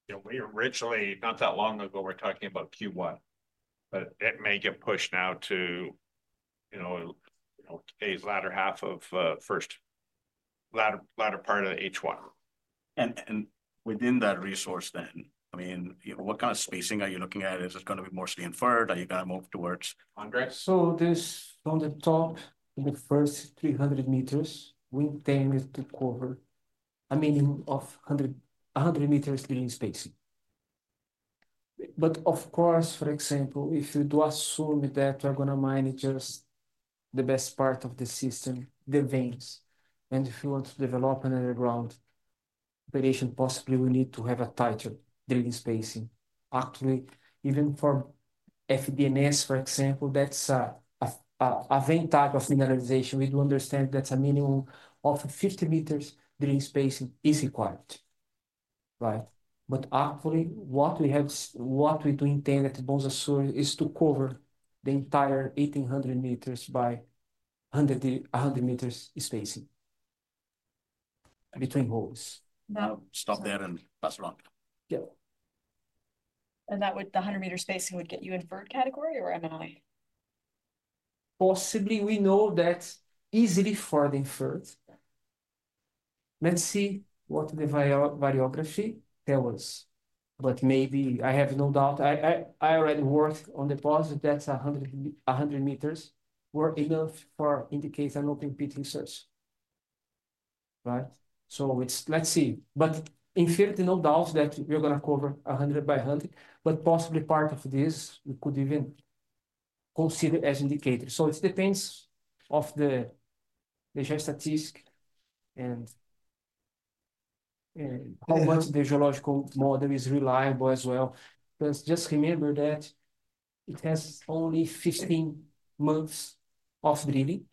You know, we originally, not that long ago, were talking about Q1, but it may get pushed now to, you know, today's latter half of latter part of H1. Within that resource then, I mean, you know, what kind of spacing are you looking at? Is this gonna be more inferred? Are you gonna move towards Andre? This, from the top, in the first 300 meters, we intend it to cover a minimum of 100 meters drilling spacing. But of course, for example, if you do assume that we're gonna mine just the best part of the system, the veins, and if you want to develop an underground operation, possibly we need to have a tighter drilling spacing. Actually, even for FDNS, for example, that's a vein type of mineralization. We do understand that a minimum of 50 meters drilling spacing is required, right? But actually, what we do intend at Bonanza Sur is to cover the entire 1,800 meters by 100 meters spacing between holes. Now, stop there and pass it on. Yeah. The 100-meter spacing would get you inferred category or M&I? Possibly, we know that easily for the inferred. Let's see what the variography tell us, but maybe I have no doubt. I already worked on deposit that's a hundred meters were enough for indicate an open pit resource, right? So it's. Let's see. But in theory, no doubts that we are gonna cover a hundred by a hundred, but possibly part of this we could even consider as indicator. So it depends of the geostatistics and how much the geological model is reliable as well. Let's just remember that it has only fifteen months of drilling,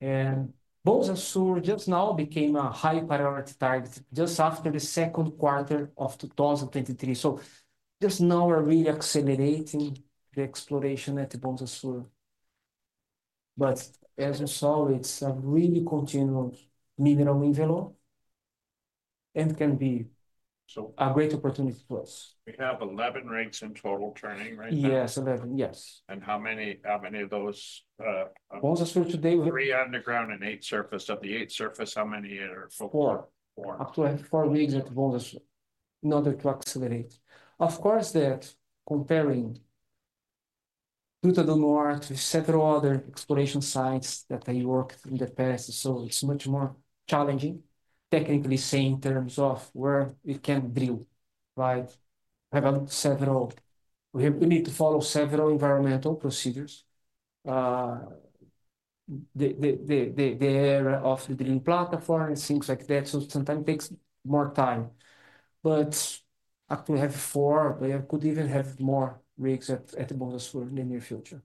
and Bonanza Sur just now became a high priority target just after the second quarter of 2023. So just now we're really accelerating the exploration at Bonanza Sur. But as you saw, it's a really continuous mineral envelope and can be- So- A great opportunity for us. We have 11 rigs in total turning right now? Yes, 11. Yes. And how many of those? Bonanza Sur today. Three underground and eight surface. Of the eight surface, how many are four? Four. Four. Up to four rigs at Bonanza Sur in order to accelerate. Of course, that's comparing Fruta del Norte to several other exploration sites that I worked in the past, so it's much more challenging, technically saying in terms of where we can drill, right? We need to follow several environmental procedures. The area of the drilling platform and things like that, so sometimes takes more time. But up to have four, could even have more rigs at Bonanza Sur in the near future.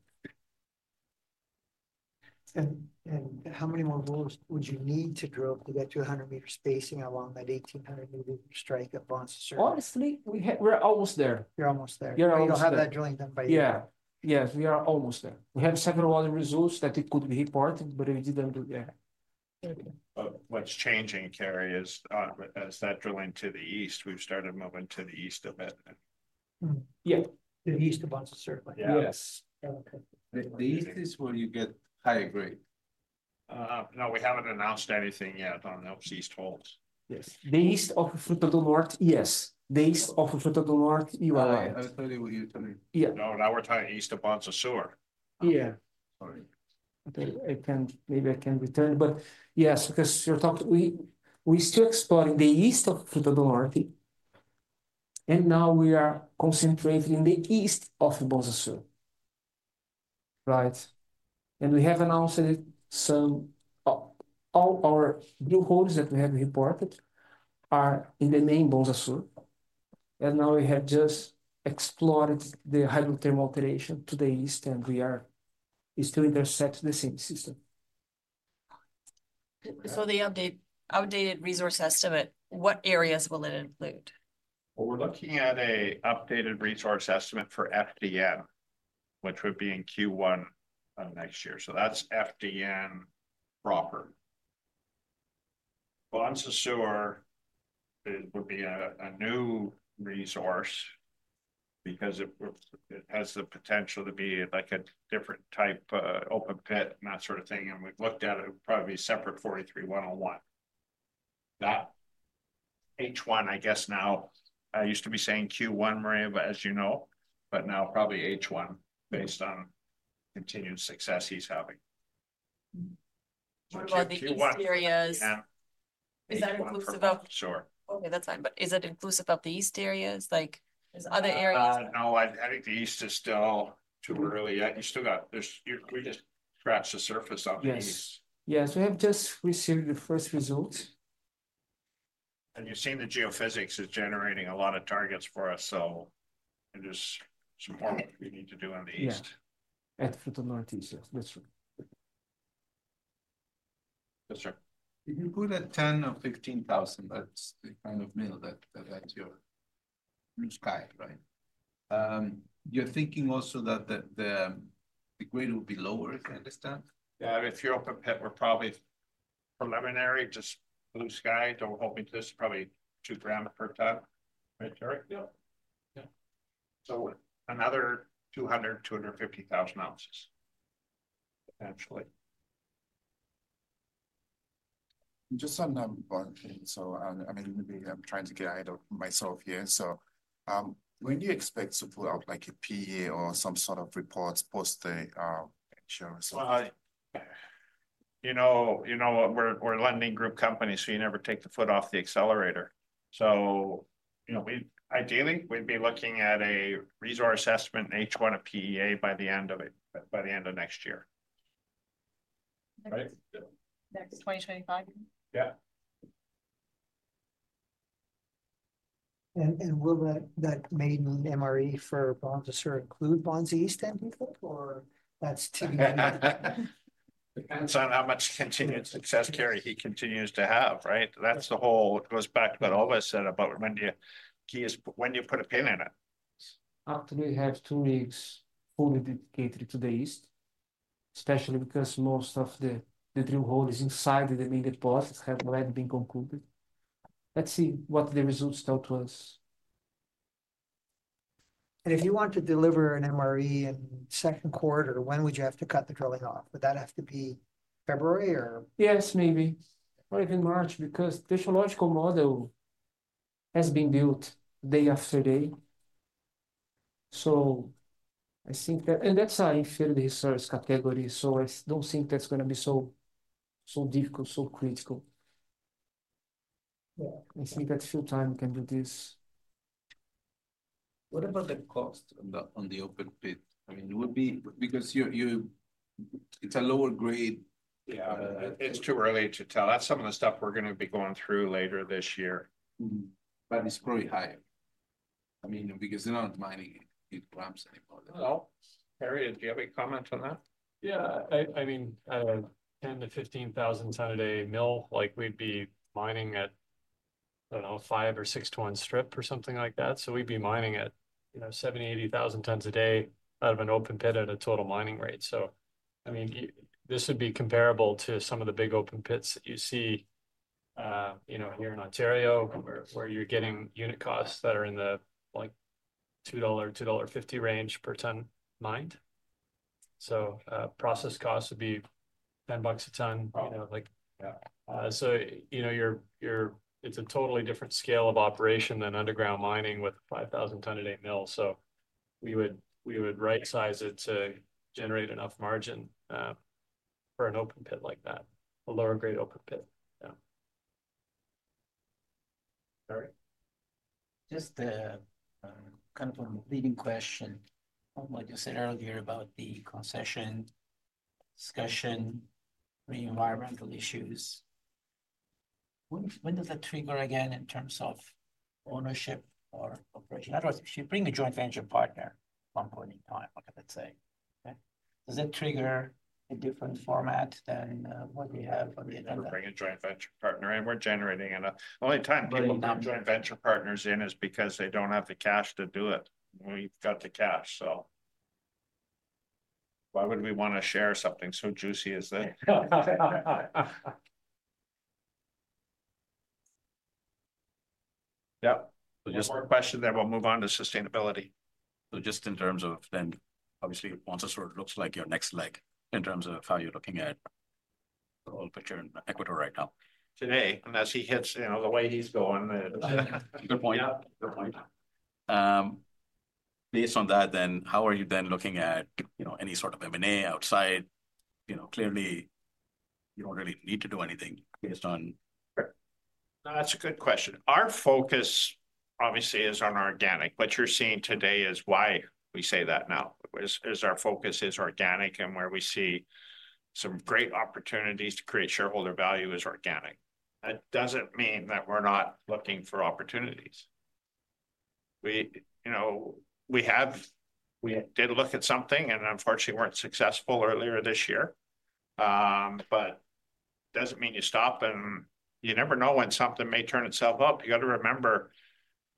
How many more holes would you need to drill to get to 100-meter spacing along that 1,800-meter strike at Bonanza Sur? Honestly, we're almost there. You're almost there. We're almost there. So you'll have that drilling done by you? Yeah. Yes, we are almost there. We have several other results that it could be important, but we didn't do that. Okay. But what's changing, Carrie, is, as that drilling to the east, we've started moving to the east a bit. Mm-hmm. Yeah. The east of Bonanza Sur, right? Yes. Yeah, okay. The east is where you get higher grade. No, we haven't announced anything yet on those east holes. Yes. The east of Fruta del Norte, yes. The east of Fruta del Norte, you are right. I totally with you, Tony. Yeah. No, now we're talking east of Bonanza Sur. Yeah. Sorry. Okay. I can. Maybe I can return, but yes, because you're talking, we still exploring the east of Fruta del Norte, and now we are concentrating the east of Bonanza Sur. Right? And we have announced it, some, all our new holes that we have reported are in the main Bonanza Sur. And now we have just explored the hydrothermal alteration to the east, and we are still intercept the same system. So the updated resource estimate, what areas will it include? We're looking at an updated resource estimate for FDN, which would be in Q1 of next year. So that's FDN proper. Bonanza Sur, it would be a new resource because it would have the potential to be like a different type of open pit and that sort of thing, and we've looked at it, probably a separate 43-101. That H1, I guess now. I used to be saying Q1, Maria, but as you know, now probably H1, based on continued success he's having. What about the east areas? Yeah. Is that inclusive of- Sure. Okay, that's fine. But is it inclusive of the east areas, like, other areas? No, I think the east is still too early yet. We just scratched the surface on the east. Yes. Yes, we have just received the first results. You've seen the geophysics is generating a lot of targets for us, so there's some more we need to do on the east. Yeah. At the northeast, yes, that's right. Yes, sir. If you put a 10,000 or 15,000, that's the kind of mill that, that's your blue sky, right? You're thinking also that the grade will be lower, if I understand? Yeah, if you're open pit, we're probably preliminary, just blue sky. Don't hold me to this, probably two grams per ton. Right, Jerry? Yeah. Yeah. Another 200,000-250,000 ounces, potentially. Just on number one thing, so, and I mean, maybe I'm trying to get ahead of myself here. So, when do you expect to put out, like, a PE or some sort of report post the insurance? You know, you know what? We're a Lundin Group company, so you never take the foot off the accelerator. So, you know, ideally we'd be looking at a resource assessment in H1 of PEA by the end of it, by the end of next year. Right? Next 2025? Yeah. Will that maiden MRE for Bonanza Sur include Bonza East then, or that's too many? Depends on how much continued success Terry, he continues to have, right? That's the whole. It goes back to what Olga said about when do you. Key is when do you put a pin in it? After we have two rigs fully dedicated to the east, especially because most of the drill hole is inside the immediate bosses have already been concluded. Let's see what the results tell to us. And if you want to deliver an MRE in second quarter, when would you have to cut the drilling off? Would that have to be February or- Yes, maybe, or even March, because the geological model has been built day after day. So I think that. And that's an inferred resource category, so I don't think that's gonna be so difficult, so critical. Yeah, I think that full time can do this. What about the cost on the open pit? I mean, it would be-- because you're, it's a lower grade. Yeah. It's too early to tell. That's some of the stuff we're gonna be going through later this year. Mm-hmm, but it's probably higher. I mean, because they're not mining in grams anymore. Terry, do you have any comment on that? Yeah, I mean, 10,000 tons-15,000 tons a day mill, like, we'd be mining at, I don't know, 5 or 6 to 1 strip or something like that. So we'd be mining at, you know, 70-80 thousand tons a day out of an open pit at a total mining rate. So, I mean, this would be comparable to some of the big open pits that you see, you know, here in Ontario, where you're getting unit costs that are in the, like, $2-$2.50 range per ton mined. So, process cost would be $10 a ton- Oh. You know, like... Yeah. So, you know, it's a totally different scale of operation than underground mining with a 5,000-ton-a-day mill. So we would rightsize it to generate enough margin for an open pit like that, a lower grade open pit. Terry? Just kind of a leading question on what you said earlier about the concession discussion, the environmental issues. When does that trigger again, in terms of ownership or operation? In other words, if you bring a joint venture partner on board in time, let's say, okay, does that trigger a different format than what we have on the agenda? We bring a joint venture partner, and we're generating enough. The only time people bring joint venture partners in is because they don't have the cash to do it. We've got the cash, so why would we want to share something so juicy as that? Yeah. Just- One more question, then we'll move on to sustainability. Just in terms of then, obviously, Bonanza Sur looks like your next leg, in terms of how you're looking at the whole picture in Ecuador right now. Today, unless he hits, you know, the way he's going... Good point. Yeah. Good point. Based on that, then, how are you then looking at, you know, any sort of M&A outside? You know, clearly-... you don't really need to do anything based on- Sure. No, that's a good question. Our focus obviously is on organic. What you're seeing today is why we say that now, our focus is organic, and where we see some great opportunities to create shareholder value is organic. That doesn't mean that we're not looking for opportunities. We, you know, we have we did look at something, and unfortunately weren't successful earlier this year. But doesn't mean you stop, and you never know when something may turn itself up. You've got to remember,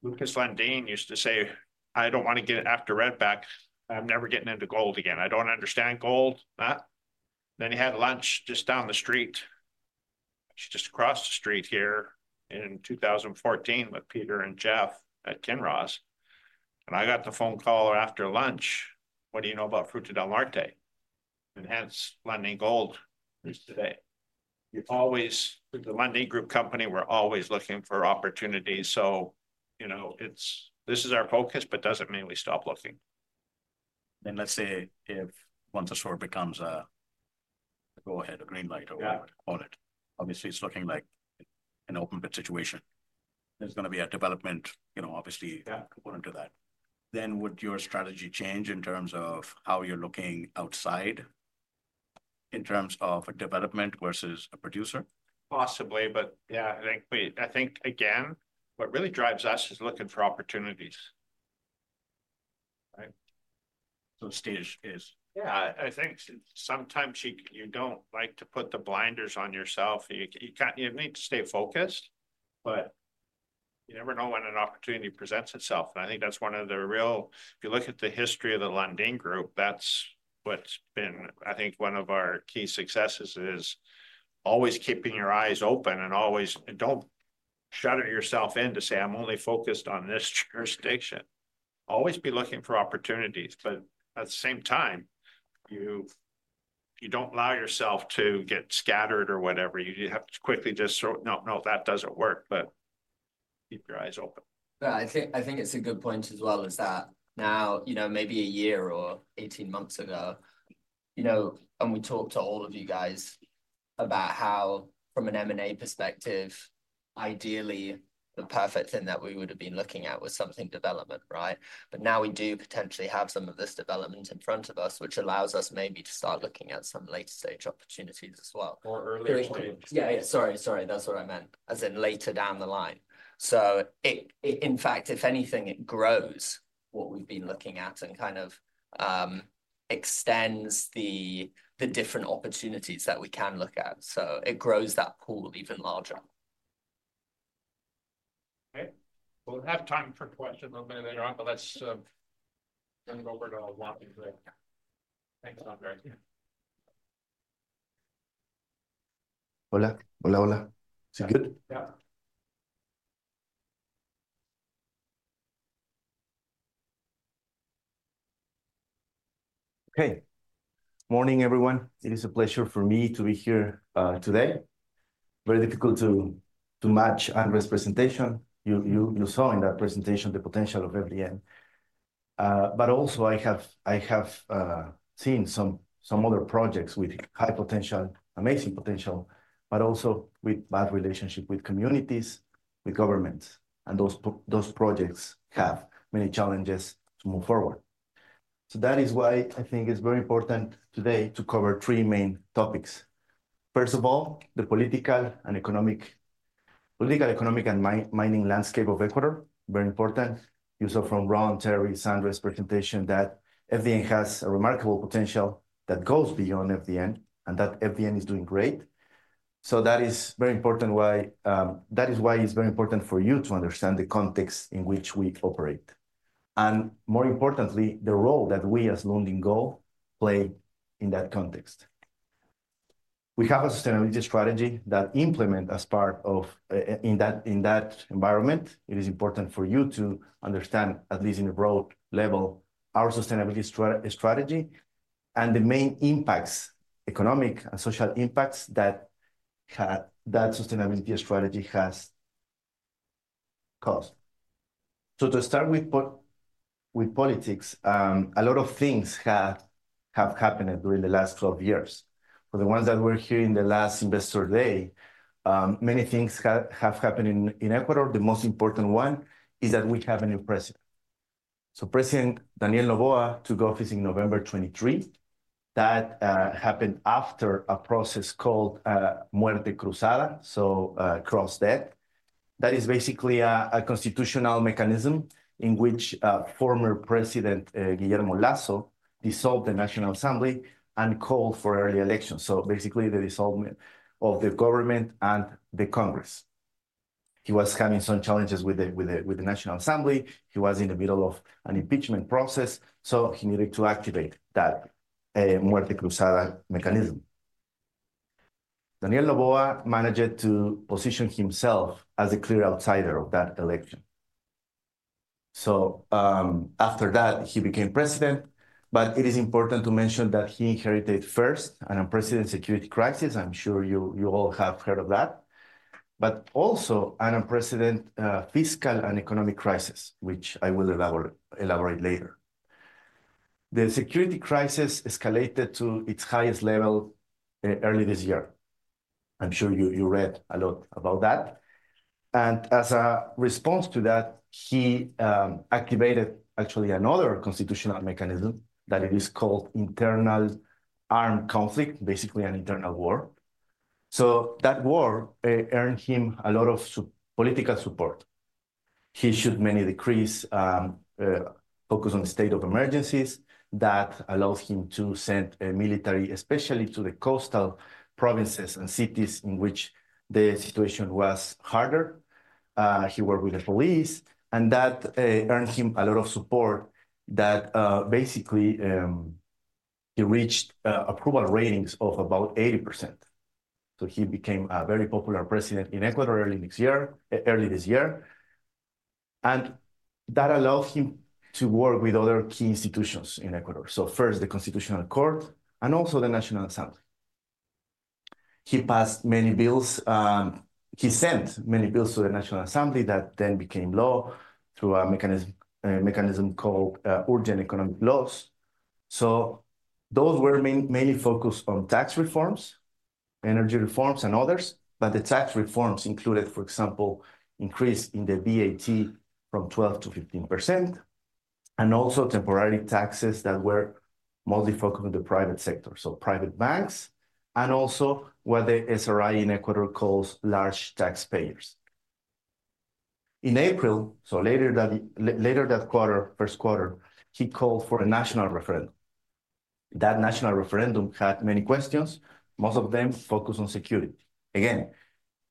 Lucas Lundin used to say, "I don't want to get after Red Back. I'm never getting into gold again. “I don't understand gold.” Then he had lunch just down the street, actually just across the street here in 2014, with Peter and Jeff at Kinross, and I got the phone call after lunch: “What do you know about Fruta del Norte?” And hence, Lundin Gold is today. You're always, with the Lundin Group company, we're always looking for opportunities, so, you know, it's this is our focus, but doesn't mean we stop looking. Let's say if once the store becomes a go-ahead, a green light- Yeah... or call it, obviously. It's looking like an open bid situation. There's gonna be a development, you know, obviously. Yeah... according to that. Then would your strategy change in terms of how you're looking outside, in terms of a development versus a producer? Possibly, but yeah, I think, again, what really drives us is looking for opportunities, right? So stage is. Yeah, I think sometimes you don't like to put the blinders on yourself. You need to stay focused, but you never know when an opportunity presents itself, and I think that's one of the real... If you look at the history of the Lundin Group, that's what's been, I think, one of our key successes, is always keeping your eyes open and always don't shutter yourself in to say, "I'm only focused on this jurisdiction." Always be looking for opportunities, but at the same time, you don't allow yourself to get scattered or whatever. You have to quickly just sort, "No, no, that doesn't work," but keep your eyes open. Yeah, I think it's a good point as well, is that now, you know, maybe a year or eighteen months ago, you know, and we talked to all of you guys about how, from an M&A perspective, ideally, the perfect thing that we would've been looking at was something development, right? But now we do potentially have some of this development in front of us, which allows us maybe to start looking at some later-stage opportunities as well. More early stage. Yeah, sorry, sorry. That's what I meant, as in later down the line. So it, in fact, if anything, it grows what we've been looking at and kind of extends the different opportunities that we can look at. So it grows that pool even larger. Okay. We'll have time for questions a little bit later on, but let's turn it over to Juan today. Thanks, Andre. Hola. Is it good? Yeah. Okay. Morning, everyone. It is a pleasure for me to be here today. Very difficult to match Andre's presentation. You saw in that presentation the potential of FDN. But also I have seen some other projects with high potential, amazing potential, but also with bad relationship with communities, with governments, and those projects have many challenges to move forward. That is why I think it's very important today to cover three main topics. First of all, the political, economic, and mining landscape of Ecuador, very important. You saw from Ron, Terry, Andre's presentation that FDN has a remarkable potential that goes beyond FDN and that FDN is doing great. That is why it's very important for you to understand the context in which we operate, and more importantly, the role that we, as Lundin Gold, play in that context. We have a sustainability strategy that implement as part of in that environment. It is important for you to understand, at least in a broad level, our sustainability strategy and the main impacts, economic and social impacts, that sustainability strategy has caused. To start with politics, a lot of things have happened during the last 12 years. For the ones that were here in the last Investor Day, many things have happened in Ecuador. The most important one is that we have a new president. President Daniel Noboa took office in November 2023. That happened after a process called Muerte Cruzada, so cross death. That is basically a constitutional mechanism in which former President Guillermo Lasso dissolved the National Assembly and called for early elections, so basically the dissolvement of the government and the Congress. He was having some challenges with the National Assembly. He was in the middle of an impeachment process, so he needed to activate that Muerte Cruzada mechanism. Daniel Noboa managed to position himself as a clear outsider of that election. So after that, he became president, but it is important to mention that he inherited first an unprecedented security crisis, I'm sure you all have heard of that, but also an unprecedented fiscal and economic crisis, which I will elaborate later. The security crisis escalated to its highest level early this year. I'm sure you read a lot about that. As a response to that, he activated actually another constitutional mechanism that it is called internal armed conflict, basically an internal war. That war earned him a lot of political support. He issued many decrees focused on the state of emergencies that allows him to send a military, especially to the coastal provinces and cities in which the situation was harder. He worked with the police, and that earned him a lot of support that basically he reached approval ratings of about 80%. He became a very popular president in Ecuador early next year, early this year, and that allows him to work with other key institutions in Ecuador. First, the Constitutional Court and also the National Assembly. He passed many bills. He sent many bills to the National Assembly that then became law through a mechanism called urgent economic laws. So those were mainly focused on tax reforms, energy reforms, and others, but the tax reforms included, for example, increase in the VAT from 12%-15%, and also temporary taxes that were mostly focused on the private sector. So private banks, and also what the SRI in Ecuador calls large taxpayers. In April, so later that quarter, first quarter, he called for a national referendum. That national referendum had many questions, most of them focused on security. Again,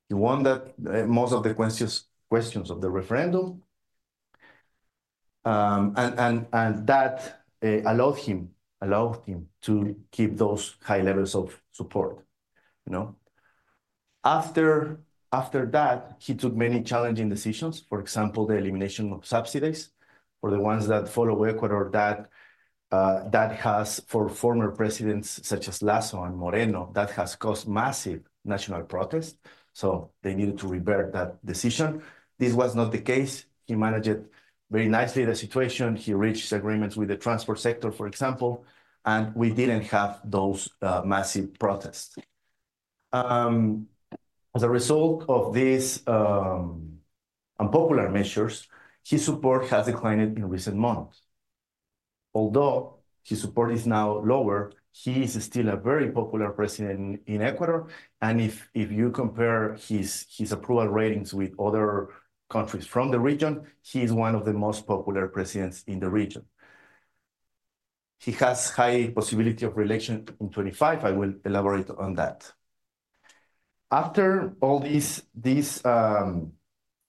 he won that most of the questions of the referendum, and that allowed him to keep those high levels of support, you know? After that, he took many challenging decisions, for example, the elimination of subsidies, or the ones that follow Ecuador, that has, for former presidents such as Lasso and Moreno, that has caused massive national protests, so they needed to revert that decision. This was not the case. He managed it very nicely, the situation. He reached agreements with the transport sector, for example, and we didn't have those massive protests. As a result of these unpopular measures, his support has declined in recent months. Although his support is now lower, he is still a very popular president in Ecuador, and if you compare his approval ratings with other countries from the region, he is one of the most popular presidents in the region. He has high possibility of re-election in 2025. I will elaborate on that. After all these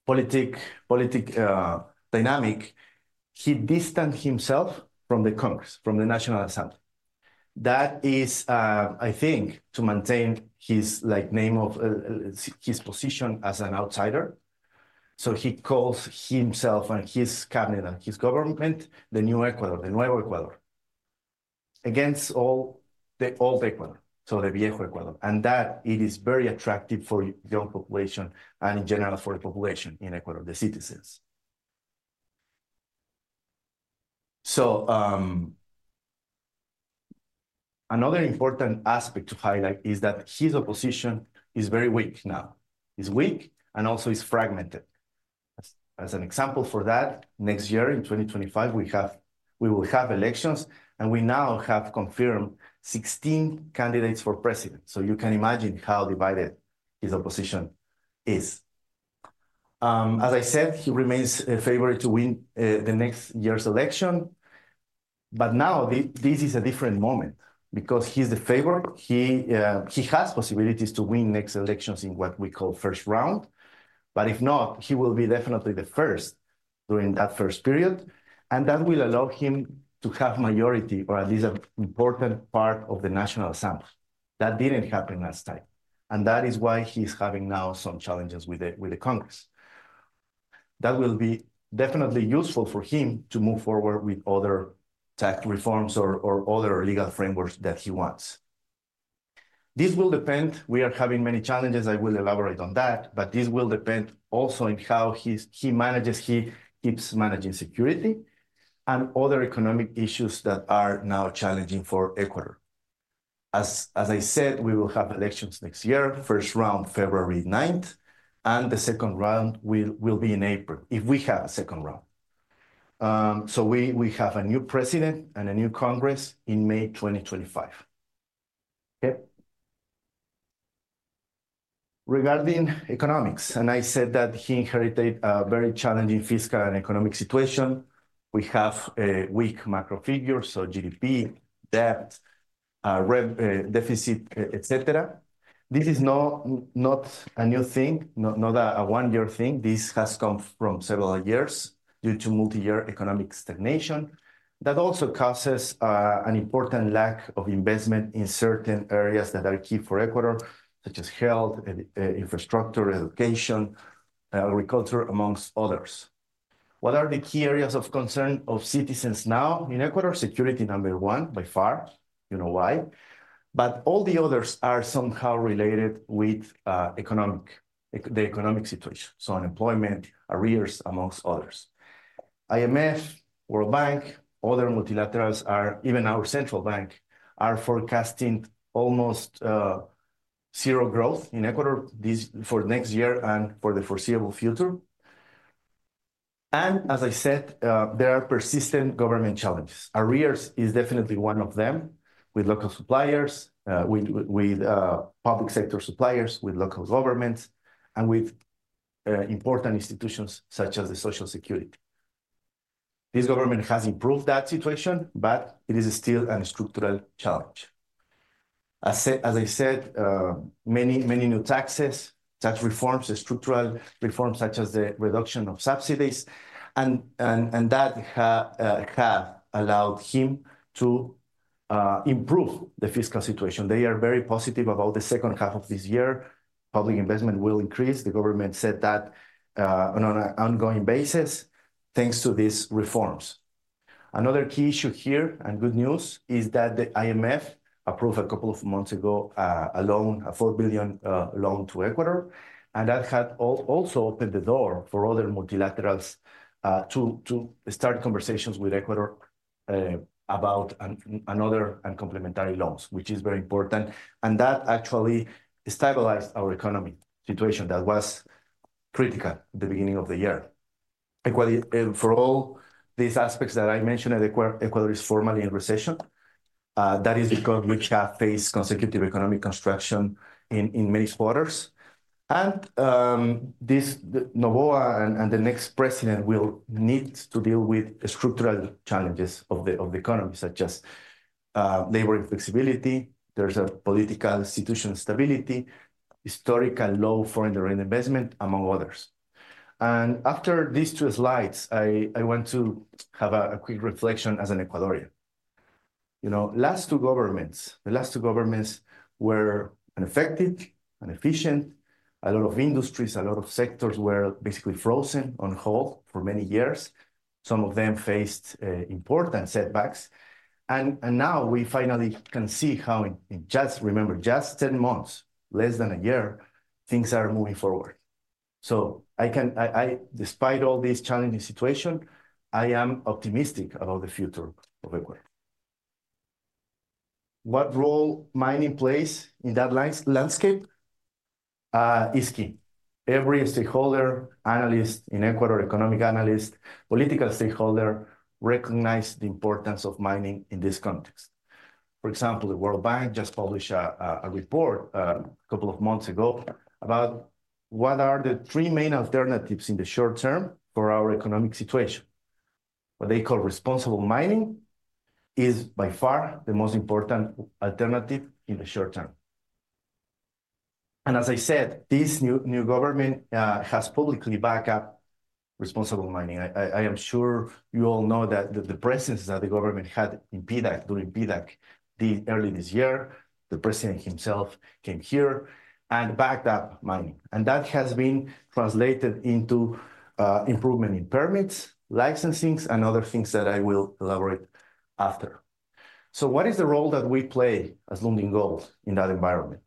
political dynamics, he distanced himself from the Congress, from the National Assembly. That is, I think, to maintain his, like, name of his position as an outsider. So he calls himself and his cabinet and his government, the new Ecuador, the Nuevo Ecuador, against all the Ecuador, so the Viejo Ecuador. And that it is very attractive for young population and in general, for the population in Ecuador, the citizens. So another important aspect to highlight is that his opposition is very weak now, and also is fragmented. As an example for that, next year, in 2025, we will have elections, and we now have confirmed 16 candidates for president. So you can imagine how divided his opposition is. As I said, he remains a favorite to win the next year's election, but now this is a different moment because he's the favorite. He has possibilities to win next elections in what we call first round, but if not, he will be definitely the first during that first period, and that will allow him to have majority, or at least an important part of the National Assembly. That didn't happen last time, and that is why he's having now some challenges with the Congress. That will be definitely useful for him to move forward with other tax reforms or other legal frameworks that he wants. This will depend. We are having many challenges. I will elaborate on that, but this will depend also on how he manages, he keeps managing security and other economic issues that are now challenging for Ecuador. As I said, we will have elections next year, first round, February ninth, and the second round will be in April, if we have a second round. So we have a new president and a new Congress in May 2025. Okay. Regarding economics, and I said that he inherited a very challenging fiscal and economic situation. We have weak macro figures, so GDP, debt, rev, deficit, et cetera. This is not a new thing, not a one-year thing. This has come from several years due to multi-year economic stagnation. That also causes an important lack of investment in certain areas that are key for Ecuador, such as health, and infrastructure, education, agriculture, among others. What are the key areas of concern of citizens now in Ecuador? Security, number one, by far. You know why? But all the others are somehow related with economic, the economic situation, so unemployment, arrears, among others. IMF, World Bank, other multilaterals are, even our central bank, are forecasting almost zero growth in Ecuador this, for next year and for the foreseeable future. And as I said, there are persistent government challenges. Arrears is definitely one of them, with local suppliers, with public sector suppliers, with local governments, and with important institutions such as the Social Security. This government has improved that situation, but it is still a structural challenge. As I said, many, many new taxes, tax reforms, structural reforms such as the reduction of subsidies, and that have allowed him to improve the fiscal situation. They are very positive about the second half of this year. Public investment will increase. The government said that on an ongoing basis, thanks to these reforms. Another key issue here, and good news, is that the IMF approved a couple of months ago a loan, a $4 billion loan to Ecuador, and that had also opened the door for other multilaterals to start conversations with Ecuador about another and complementary loans, which is very important. That actually stabilized our economic situation that was critical at the beginning of the year. Ecuador, for all these aspects that I mentioned, is formally in recession. That is because we have faced consecutive economic contractions in many quarters. This, Noboa and the next president will need to deal with the structural challenges of the economy, such as labor inflexibility. There's political and institutional instability, historically low foreign direct investment, among others. After these two slides, I want to have a quick reflection as an Ecuadorian. You know, the last two governments were ineffective, inefficient. A lot of industries, a lot of sectors were basically frozen on hold for many years. Some of them faced important setbacks. And now we finally can see how in just, remember, just 10 months, less than a year, things are moving forward. So I can. Despite all these challenging situations, I am optimistic about the future of Ecuador. What role mining plays in that landscape is key. Every stakeholder, analyst in Ecuador, economic analyst, political stakeholder, recognize the importance of mining in this context. For example, the World Bank just published a report a couple of months ago about what are the three main alternatives in the short term for our economic situation. What they call responsible mining is by far the most important alternative in the short term. As I said, this new government has publicly backed up responsible mining. I am sure you all know that the presence that the government had in PDAC during PDAC early this year, the president himself came here and backed up mining. That has been translated into improvement in permits, licensing, and other things that I will elaborate after. So what is the role that we play as Lundin Gold in that environment?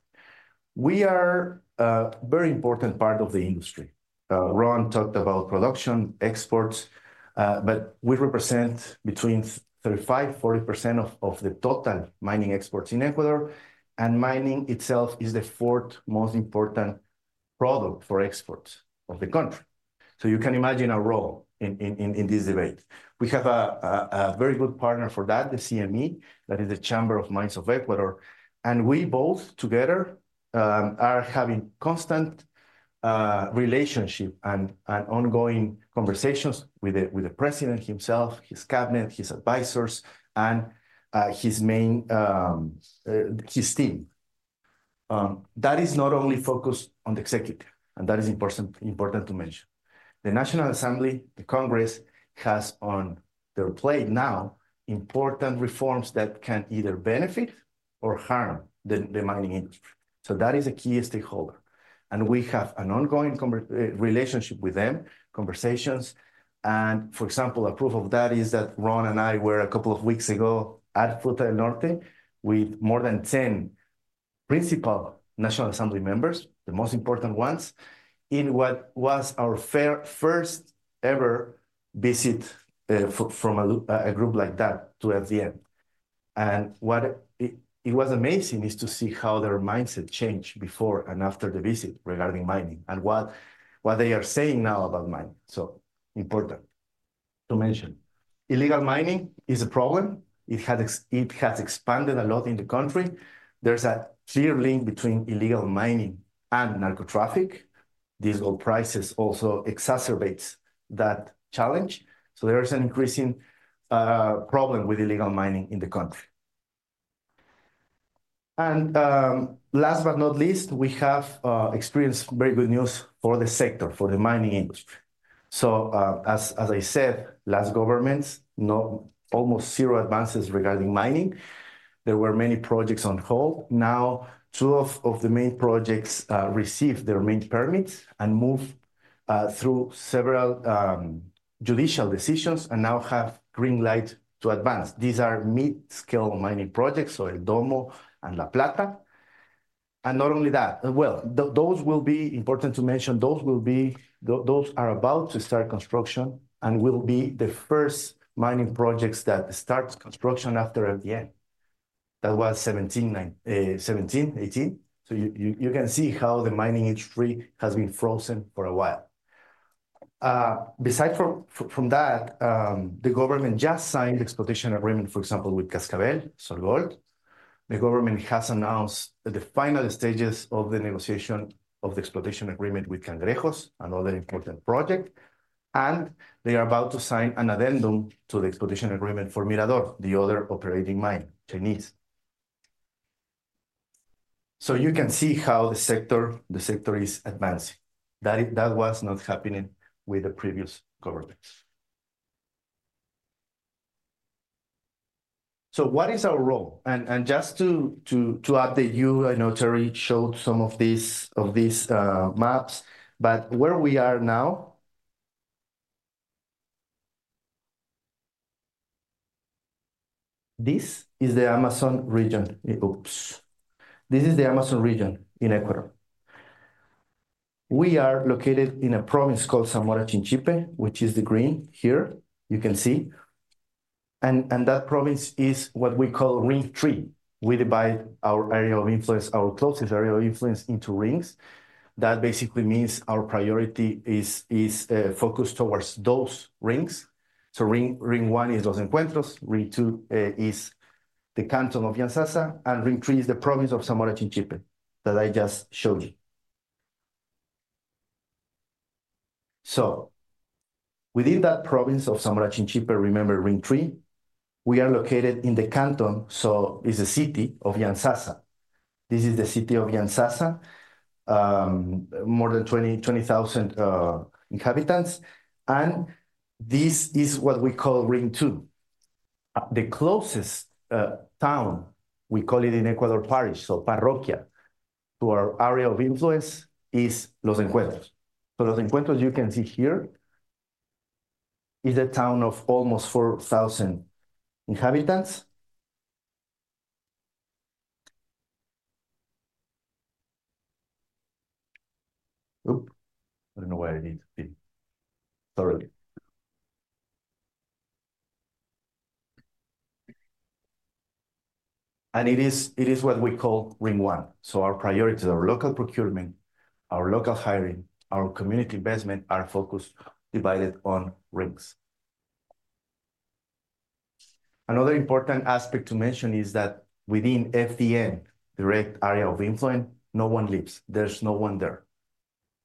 We are a very important part of the industry. Ron talked about production, exports, but we represent between 35-40% of the total mining exports in Ecuador, and mining itself is the fourth most important product for exports of the country. So you can imagine our role in this event. We have a very good partner for that, the CME, that is the Chamber of Mines of Ecuador, and we both together are having constant relationship and ongoing conversations with the president himself, his cabinet, his advisors, and his main team. That is not only focused on the executive, and that is important to mention. The National Assembly, the Congress, has on their plate now important reforms that can either benefit or harm the mining industry. So that is a key stakeholder, and we have an ongoing relationship with them, conversations. For example, a proof of that is that Ron and I were a couple of weeks ago at Fruta del Norte with more than 10 principal National Assembly members, the most important ones, in what was our first ever visit from a group like that to FDN. And what it was amazing is to see how their mindset changed before and after the visit regarding mining, and what they are saying now about mining. So important to mention. Illegal mining is a problem. It has expanded a lot in the country. There's a clear link between illegal mining and narcotraffic. Diesel prices also exacerbates that challenge, so there is an increasing problem with illegal mining in the country. And, last but not least, we have experienced very good news for the sector, for the mining industry. So, as I said, last governments, no, almost zero advances regarding mining. There were many projects on hold. Now, two of the main projects received their main permits and moved through several judicial decisions and now have green light to advance. These are mid-scale mining projects, so El Domo and La Plata. And not only that, well, those will be important to mention, those are about to start construction and will be the first mining projects that start construction after FDN. That was 2017, 2018. You can see how the mining industry has been frozen for a while. Besides that, the government just signed exploration agreement, for example, with Cascabel, SolGold. The government has announced that the final stages of the negotiation of the exploration agreement with Cangrejos, another important project, and they are about to sign an addendum to the exploration agreement for Mirador, the other operating mine, Chinese. You can see how the sector is advancing. That was not happening with the previous governments. What is our role? And just to update you, I know Terry showed some of these maps, but where we are now. This is the Amazon region. Oops! This is the Amazon region in Ecuador. We are located in a province called Zamora Chinchipe, which is the green here, you can see, and that province is what we call Ring Three. We divide our area of influence, our closest area of influence into rings. That basically means our priority is focused towards those rings. So ring one is Los Encuentros, ring two is the Canton of Yantzaza, and ring three is the province of Zamora Chinchipe that I just showed you. So within that province of Zamora Chinchipe, remember ring three, we are located in the canton, so is the city of Yantzaza. This is the city of Yantzaza. More than 20,000 inhabitants, and this is what we call Ring Two. The closest town, we call it in Ecuador, parish, so parroquia, to our area of influence is Los Encuentros. So Los Encuentros, you can see here, is a town of almost 4,000 inhabitants. Oop! I don't know where I need to be. Sorry. And it is what we call Ring One. So our priority is our local procurement, our local hiring, our community investment, our focus divided on rings. Another important aspect to mention is that within FDN, direct area of influence, no one lives. There's no one there.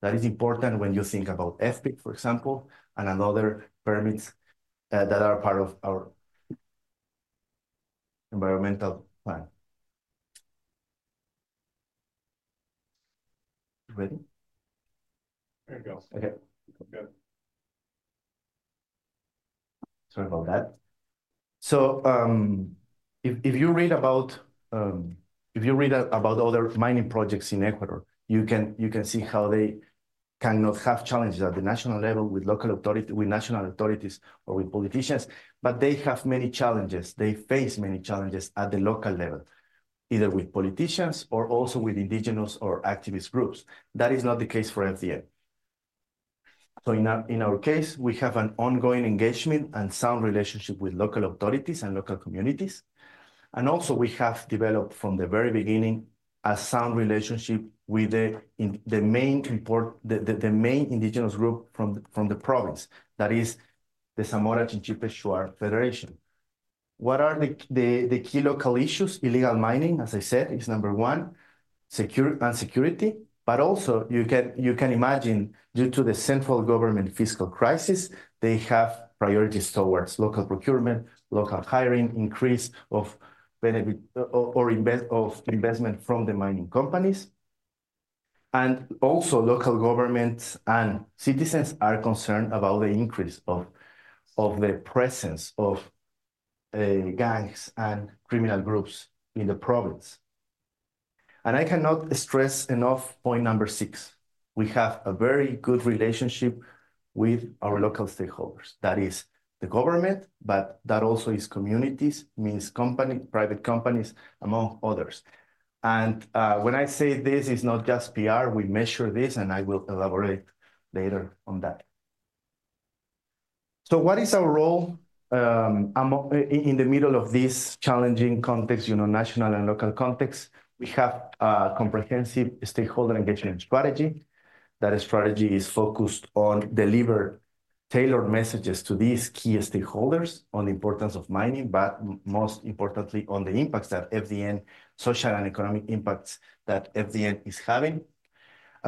That is important when you think about FPIC, for example, and another permits that are part of our environmental plan. Ready? There you go. Okay. Good. Sorry about that. So, if you read about other mining projects in Ecuador, you can see how they can not have challenges at the national level with local authority, with national authorities or with politicians, but they have many challenges. They face many challenges at the local level, either with politicians or also with indigenous or activist groups. That is not the case for FDN. So in our case, we have an ongoing engagement and sound relationship with local authorities and local communities, and also we have developed, from the very beginning, a sound relationship with the main indigenous group from the province, that is the Zamora Chinchipe Shuar Federation. What are the key local issues? Illegal mining, as I said, is number one, security and security, but also you can, you can imagine, due to the central government fiscal crisis, they have priorities towards local procurement, local hiring, increase of benefit or investment from the mining companies, and also local governments and citizens are concerned about the increase of the presence of gangs and criminal groups in the province. And I cannot stress enough point number six: we have a very good relationship with our local stakeholders. That is the government, but that also is communities, means company, private companies, among others, and when I say this is not just PR, we measure this, and I will elaborate later on that, so what is our role in the middle of this challenging context, you know, national and local context? We have a comprehensive stakeholder engagement strategy. That strategy is focused on deliver tailored messages to these key stakeholders on the importance of mining, but most importantly, on the impacts that FDN, social and economic impacts that FDN is having.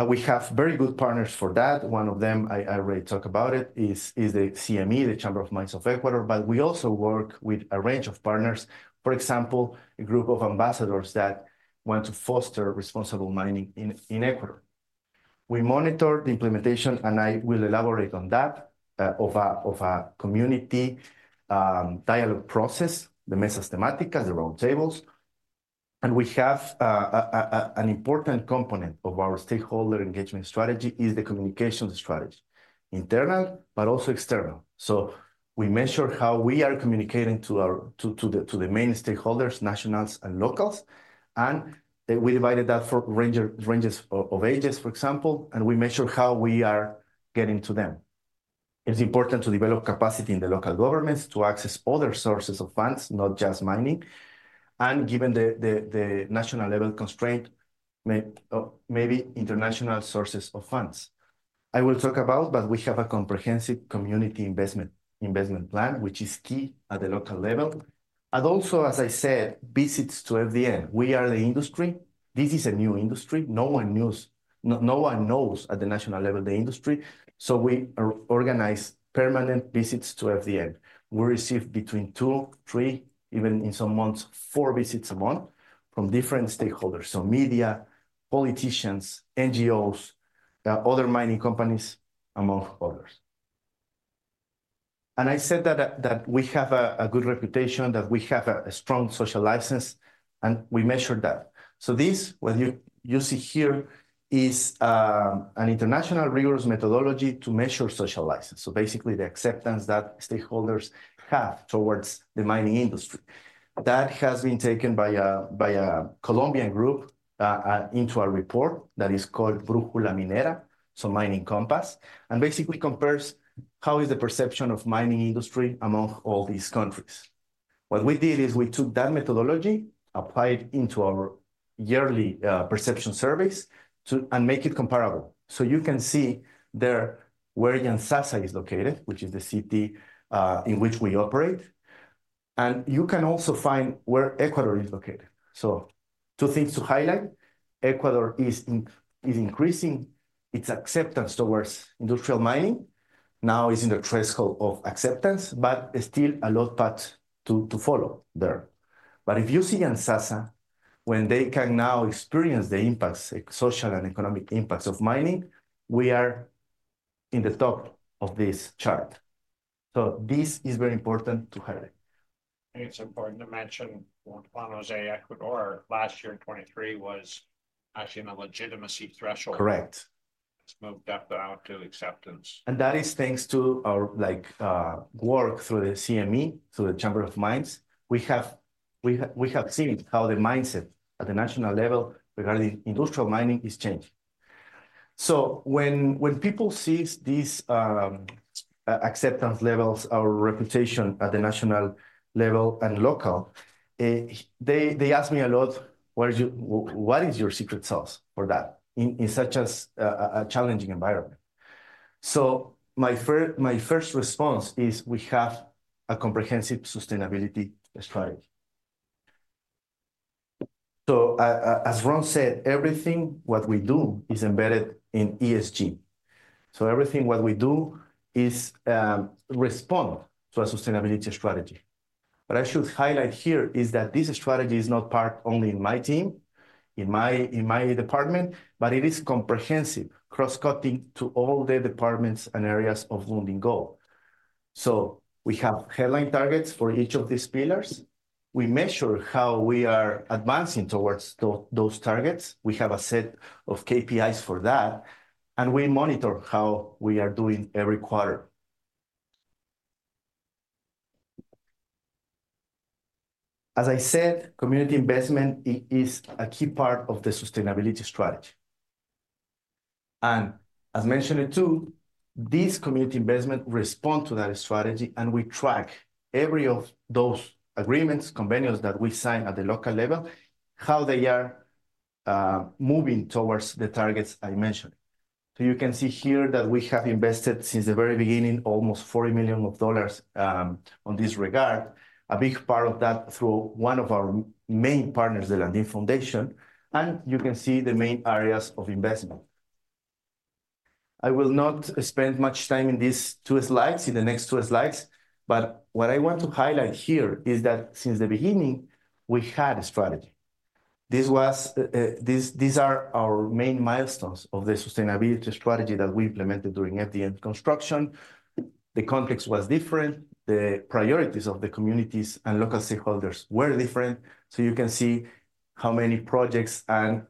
We have very good partners for that. One of them, I already talked about it, is the CME, the Chamber of Mines of Ecuador, but we also work with a range of partners. For example, a group of ambassadors that want to foster responsible mining in Ecuador. We monitor the implementation, and I will elaborate on that, of a community dialogue process, the mesas temáticas, the roundtables... and we have an important component of our stakeholder engagement strategy is the communication strategy. Internal, but also external. So we measure how we are communicating to our main stakeholders, nationals, and locals, and we divided that for ranges of ages, for example, and we measure how we are getting to them. It's important to develop capacity in the local governments to access other sources of funds, not just mining, and given the national level constraint, maybe international sources of funds. I will talk about, but we have a comprehensive community investment plan, which is key at the local level, and also, as I said, visits to FDN. We are the industry. This is a new industry. No one knows at the national level the industry, so we organize permanent visits to FDN. We receive between two, three, even in some months, four visits a month from different stakeholders, so media, politicians, NGOs, other mining companies, among others. And I said that we have a good reputation, that we have a strong social license, and we measure that. So this what you see here is an international rigorous methodology to measure social license, so basically the acceptance that stakeholders have towards the mining industry. That has been taken by a Colombian group into a report that is called Brújula Minera, so Mining Compass, and basically compares how is the perception of mining industry among all these countries. What we did is we took that methodology, applied into our yearly perception surveys, and make it comparable. So you can see there where Yantzaza is located, which is the city in which we operate, and you can also find where Ecuador is located. So two things to highlight. Ecuador is increasing its acceptance towards industrial mining. Now, it's in the threshold of acceptance, but there's still a long path to follow there. But if you see Yantzaza, when they can now experience the impacts, social and economic impacts of mining, we are in the top of this chart. So this is very important to highlight. It's important to mention Juan José, Ecuador, last year, 2023, was actually in a legitimacy threshold. Correct. It's moved up and out to acceptance. And that is thanks to our, like, work through the CME, through the Chamber of Mines. We have seen how the mindset at the national level regarding industrial mining is changing. So when people see these acceptance levels, our reputation at the national level and local, they ask me a lot, "What is your secret sauce for that in such a challenging environment?" So my first response is we have a comprehensive sustainability strategy. So as Ron said, everything what we do is embedded in ESG. So everything what we do is respond to a sustainability strategy. What I should highlight here is that this strategy is not part only in my team, in my department, but it is comprehensive, cross-cutting to all the departments and areas of Lundin Gold. So we have headline targets for each of these pillars. We measure how we are advancing towards those targets. We have a set of KPIs for that, and we monitor how we are doing every quarter. As I said, community investment is a key part of the sustainability strategy, and as mentioned it too, this community investment respond to that strategy, and we track every of those agreements, convenios, that we sign at the local level, how they are moving towards the targets I mentioned. You can see here that we have invested, since the very beginning, almost $40 million on this regard, a big part of that through one of our main partners, the Lundin Foundation, and you can see the main areas of investment. I will not spend much time in these two slides, in the next two slides, but what I want to highlight here is that since the beginning, we had a strategy. This was, these are our main milestones of the sustainability strategy that we implemented during at the end of construction. The context was different. The priorities of the communities and local stakeholders were different. You can see how many projects and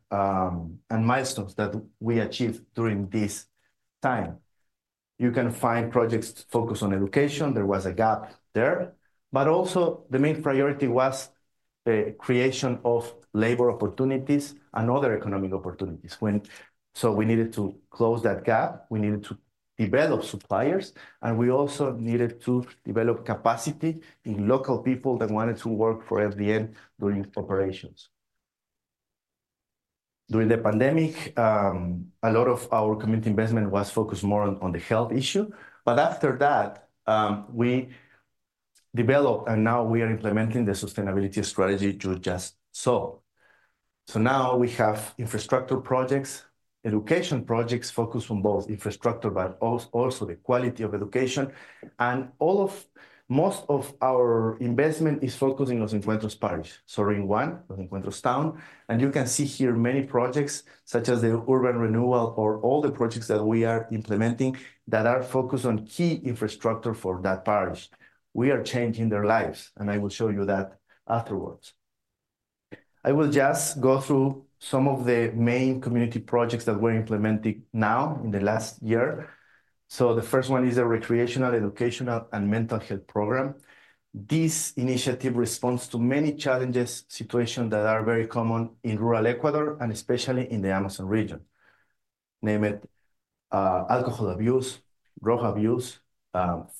milestones that we achieved during this time. You can find projects focused on education. There was a gap there, but also the main priority was the creation of labor opportunities and other economic opportunities when so we needed to close that gap, we needed to develop suppliers, and we also needed to develop capacity in local people that wanted to work for FDN during operations. During the pandemic, a lot of our community investment was focused more on the health issue, but after that, we developed, and now we are implementing the sustainability strategy to just so. So now we have infrastructure projects, education projects focused on both infrastructure, but also the quality of education, and most of our investment is focusing on Los Encuentros parish. So in one, in Los Encuentros town, and you can see here many projects, such as the urban renewal or all the projects that we are implementing, that are focused on key infrastructure for that parish. We are changing their lives, and I will show you that afterwards. I will just go through some of the main community projects that we're implementing now in the last year. So the first one is a recreational, educational, and mental health program. This initiative responds to many challenges, situation that are very common in rural Ecuador, and especially in the Amazon region. Namely, alcohol abuse, drug abuse,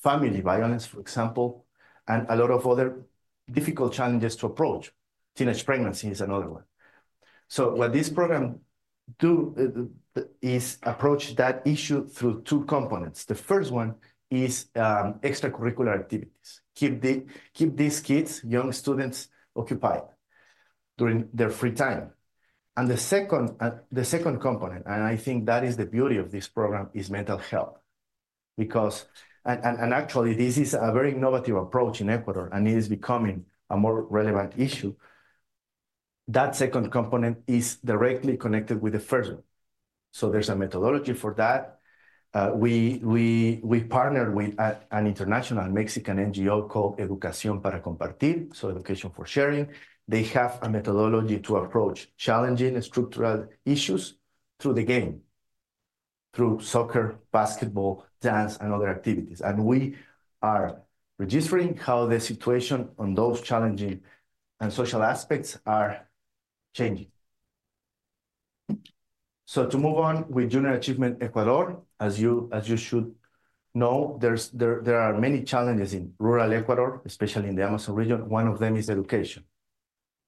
family violence, for example, and a lot of other difficult challenges to approach. Teenage pregnancy is another one. So what this program do is approach that issue through two components. The first one is extracurricular activities. Keep these kids, young students, occupied during their free time. And the second component, and I think that is the beauty of this program, is mental health, because actually, this is a very innovative approach in Ecuador, and it is becoming a more relevant issue. That second component is directly connected with the first one, so there's a methodology for that. We partnered with an international Mexican NGO called Educación para Compartir, so Education for Sharing. They have a methodology to approach challenging structural issues through the game, through soccer, basketball, dance, and other activities, and we are registering how the situation on those challenging and social aspects are changing. So to move on with Junior Achievement Ecuador, as you should know, there are many challenges in rural Ecuador, especially in the Amazon region. One of them is education.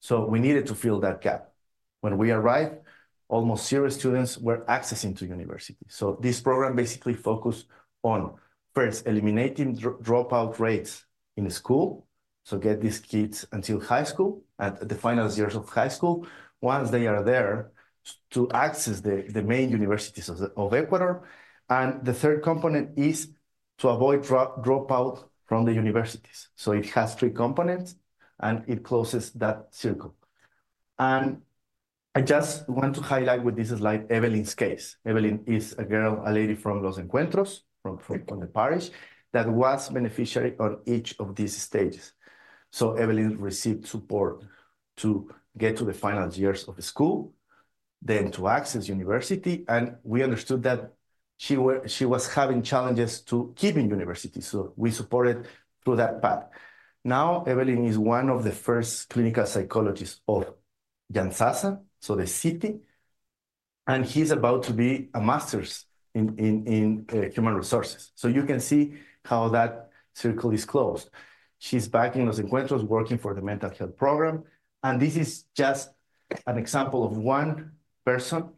So we needed to fill that gap. When we arrived, almost zero students were accessing to university. So this program basically focused on, first, eliminating dropout rates in school, so get these kids until high school, at the final years of high school. Once they are there, to access the main universities of Ecuador. And the third component is to avoid dropout from the universities. So it has three components, and it closes that circle. And I just want to highlight with this is like Evelyn's case. Evelyn is a girl, a lady from Los Encuentros, from the parish, that was beneficiary on each of these stages. So Evelyn received support to get to the final years of the school, then to access university, and we understood that she was having challenges to keep in university, so we supported through that path. Now, Evelyn is one of the first clinical psychologists of Yantzaza, so the city, and she's about to be a master's in human resources. So you can see how that circle is closed. She's back in Los Encuentros, working for the mental health program, and this is just an example of one person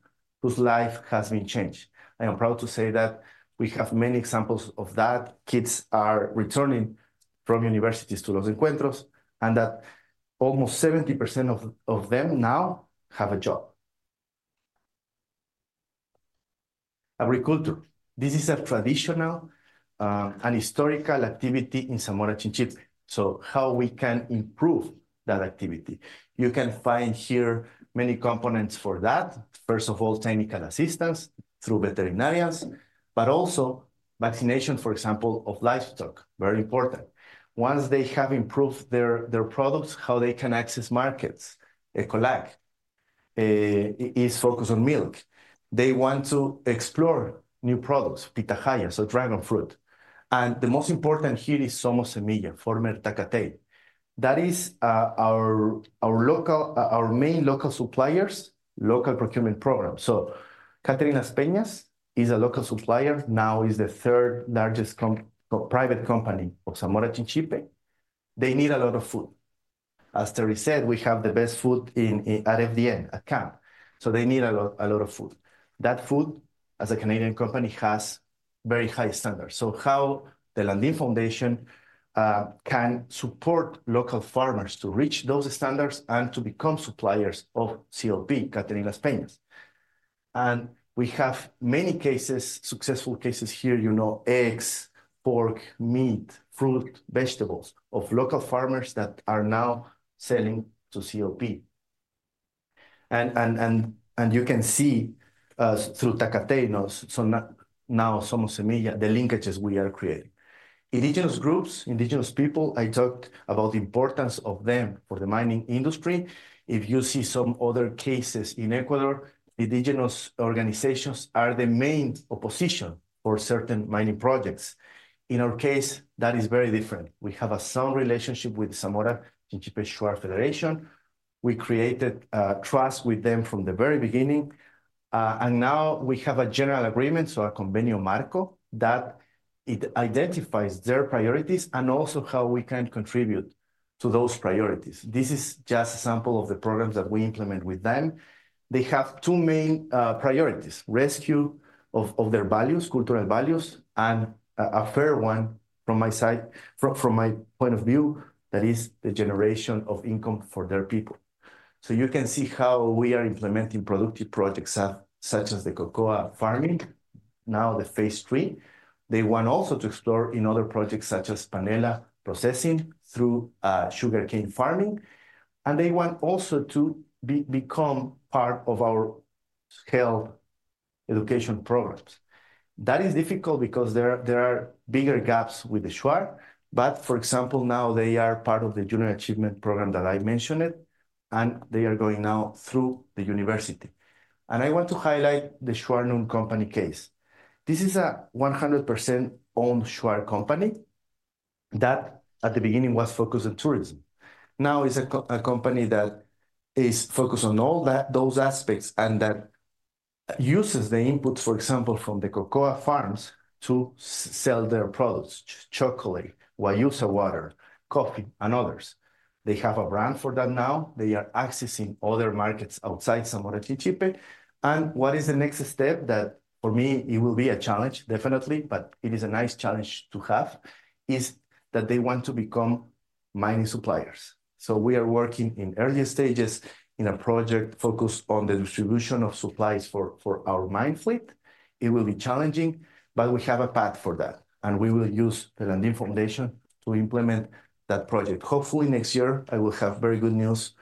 whose life has been changed. I am proud to say that we have many examples of that. Kids are returning from universities to Los Encuentros, and that almost 70% of them now have a job. Agriculture. This is a traditional and historical activity in Zamora Chinchipe, so how we can improve that activity? You can find here many components for that. First of all, technical assistance through veterinarians, but also vaccination, for example, of livestock, very important. Once they have improved their products, how they can access markets. ECOLAC is focused on milk. They want to explore new products, pitahaya, so dragon fruit. And the most important here is Somos Semilla, former Takat. That is, our local, our main local suppliers, local procurement program. So Catering Las Peñas is a local supplier, now is the third largest private company of Zamora Chinchipe. They need a lot of food. As Terry said, we have the best food in FDN, a camp, so they need a lot of food. That food, as a Canadian company, has very high standards. So how the Lundin Foundation can support local farmers to reach those standards and to become suppliers to the camp, Catering Las Peñas. And we have many cases, successful cases here, you know, eggs, pork, meat, fruit, vegetables, of local farmers that are now selling to the camp. And you can see through Takat, now Somos Semilla, the linkages we are creating. Indigenous groups, indigenous people, I talked about the importance of them for the mining industry. If you see some other cases in Ecuador, indigenous organizations are the main opposition for certain mining projects. In our case, that is very different. We have a sound relationship with Zamora Chinchipe Shuar Federation. We created trust with them from the very beginning, and now we have a general agreement, so a convenio marco, that it identifies their priorities and also how we can contribute to those priorities. This is just a sample of the programs that we implement with them. They have two main priorities: rescue of their values, cultural values, and a fair one from my side, from my point of view, that is the generation of income for their people. So you can see how we are implementing productive projects, such as the cocoa farming, now the phase III. They want also to explore in other projects, such as panela processing through sugarcane farming, and they want also to become part of our education programs. That is difficult because there are bigger gaps with the Shuar. But for example, now they are part of the Junior Achievement program that I mentioned, and they are going now through the university. And I want to highlight the Shuar Num Company case. This is a 100% owned Shuar company, that at the beginning, was focused on tourism. Now is a company that is focused on all that, those aspects, and that uses the inputs, for example, from the cocoa farms to sell their products, chocolate, guayusa water, coffee, and others. They have a brand for that now. They are accessing other markets outside Zamora-Chinchipe. And what is the next step? That, for me, it will be a challenge, definitely, but it is a nice challenge to have, is that they want to become mining suppliers. So we are working in early stages in a project focused on the distribution of supplies for our mine fleet. It will be challenging, but we have a path for that, and we will use the Lundin Foundation to implement that project. Hopefully, next year I will have very good news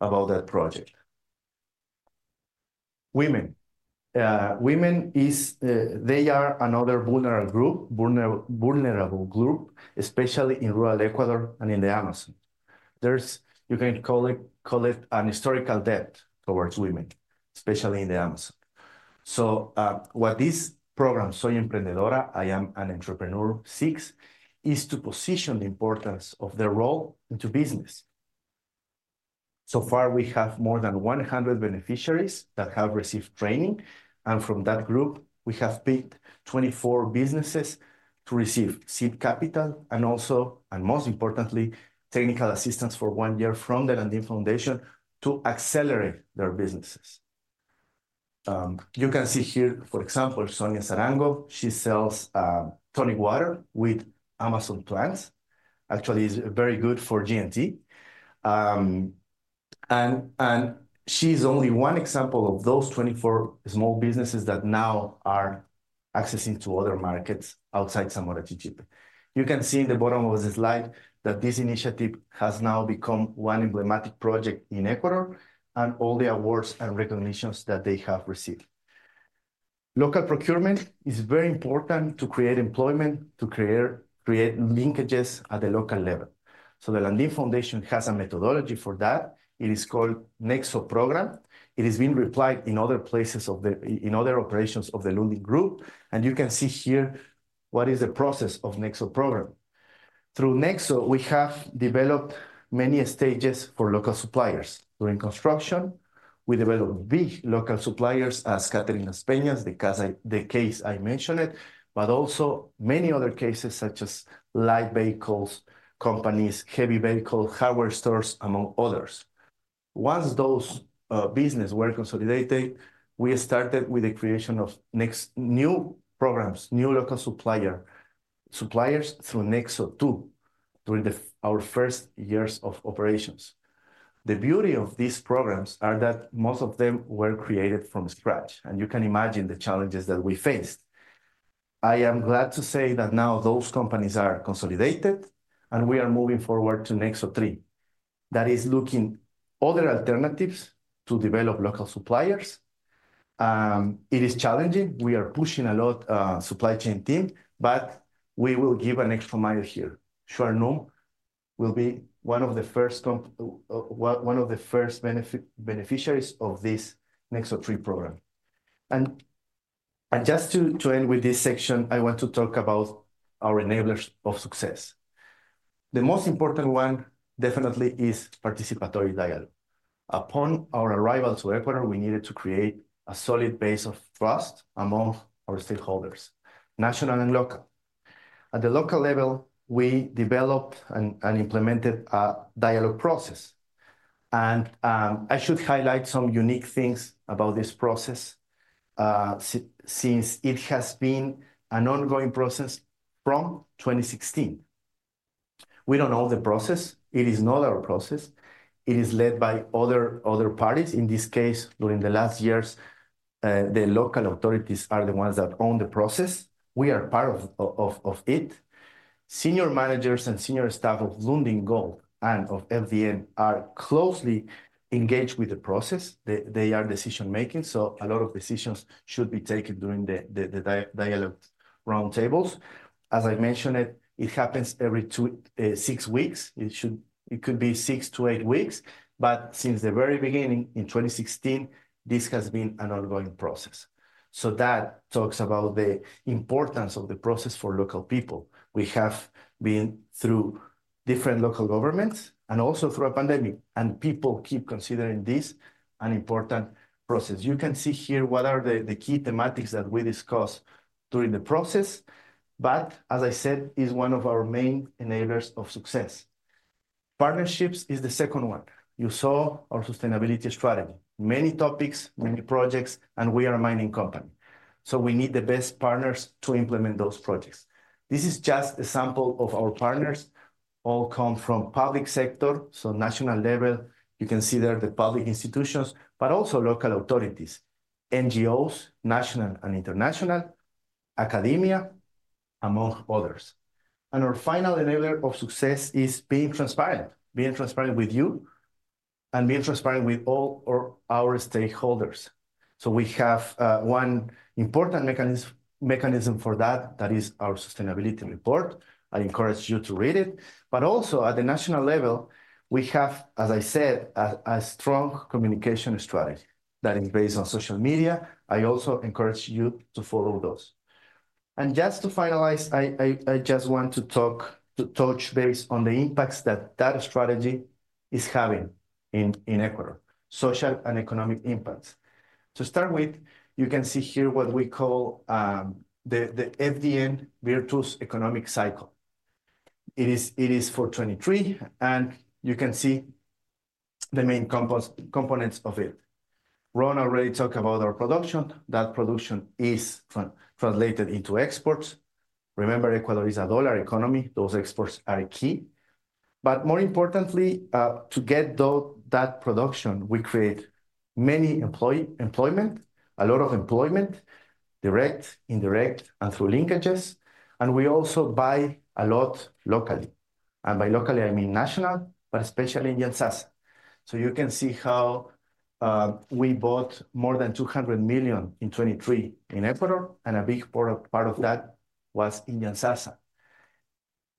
about that project. Women are another vulnerable group, especially in rural Ecuador and in the Amazon. You can call it an historical debt towards women, especially in the Amazon. So what this program, Soy Emprendedora, I am an entrepreneur, seeks is to position the importance of their role into business. So far, we have more than 100 beneficiaries that have received training, and from that group, we have picked 24 businesses to receive seed capital and also, and most importantly, technical assistance for one year from the Lundin Foundation to accelerate their businesses. You can see here, for example, Sonia Sarango. She sells tonic water with Amazon plants. Actually, it's very good for G&T. And she's only one example of those 24 small businesses that now are accessing to other markets outside Zamora Chinchipe. You can see in the bottom of this slide that this initiative has now become one emblematic project in Ecuador, and all the awards and recognitions that they have received. Local procurement is very important to create employment, to create linkages at the local level. The Lundin Foundation has a methodology for that. It is called Nexo program. It is being applied in other places in other operations of the Lundin Group. You can see here what is the process of the Nexo program. Through Nexo, we have developed many stages for local suppliers. During construction, we developed big local suppliers, as Catering Las Peñas, the case I mentioned, but also many other cases, such as light vehicles, companies, heavy vehicle, hardware stores, among others. Once those businesses were consolidated, we started with the creation of new programs, new local suppliers through Nexo 2, during our first years of operations. The beauty of these programs are that most of them were created from scratch, and you can imagine the challenges that we faced. I am glad to say that now those companies are consolidated, and we are moving forward to Nexo 3. That is looking other alternatives to develop local suppliers. It is challenging. We are pushing a lot, supply chain team, but we will give an extra mile here. Shuar Num will be one of the first beneficiaries of this Nexo 3 program, and just to end with this section, I want to talk about our enablers of success. The most important one, definitely, is participatory dialogue. Upon our arrival to Ecuador, we needed to create a solid base of trust among our stakeholders, national and local. At the local level, we developed and implemented a dialogue process, and I should highlight some unique things about this process, since it has been an ongoing process from 2016. We don't own the process. It is not our process. It is led by other parties. In this case, during the last years, the local authorities are the ones that own the process. We are part of it. Senior managers and senior staff of Lundin Gold and of LF are closely engaged with the process. They are decision-making, so a lot of decisions should be taken during the dialogue roundtables. As I mentioned it, it happens every six weeks. It could be six to eight weeks, but since the very beginning in 2016, this has been an ongoing process. So that talks about the importance of the process for local people. We have been through different local governments and also through a pandemic, and people keep considering this an important process. You can see here what are the key thematics that we discuss during the process, but as I said, is one of our main enablers of success. Partnerships is the second one. You saw our sustainability strategy, many topics, many projects, and we are a mining company, so we need the best partners to implement those projects. This is just a sample of our partners. All come from public sector, so national level. You can see there the public institutions, but also local authorities, NGOs, national and international, academia, among others. And our final enabler of success is being transparent, being transparent with you... and being transparent with all our stakeholders. So we have one important mechanism for that. That is our sustainability report. I encourage you to read it, but also at the national level, we have, as I said, a strong communication strategy that is based on social media. I also encourage you to follow those. Just to finalize, I just want to talk to touch base on the impacts that that strategy is having in Ecuador, social and economic impacts. To start with, you can see here what we call the FDN virtuous economic cycle. It is for 2023, and you can see the main components of it. Ron already talked about our production. That production is translated into exports. Remember, Ecuador is a dollar economy. Those exports are key, but more importantly, to get that production, we create a lot of employment, direct, indirect, and through linkages, and we also buy a lot locally. By locally, I mean national, but especially in Yantzaza. You can see how we bought more than $200 million in 2023 in Ecuador, and a big part of that was in Yantzaza.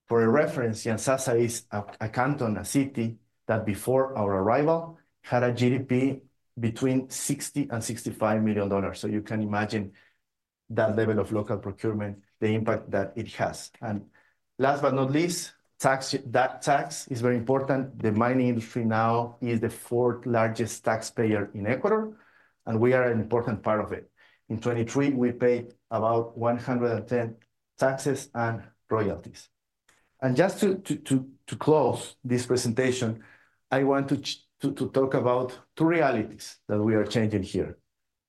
For reference, Yantzaza is a canton, a city, that before our arrival had a GDP between $60 million-$65 million. You can imagine that level of local procurement, the impact that it has. Last but not least, tax. That tax is very important. The mining industry now is the fourth largest taxpayer in Ecuador, and we are an important part of it. In 2023, we paid about $110 million in taxes and royalties. Just to close this presentation, I want to talk about two realities that we are changing here.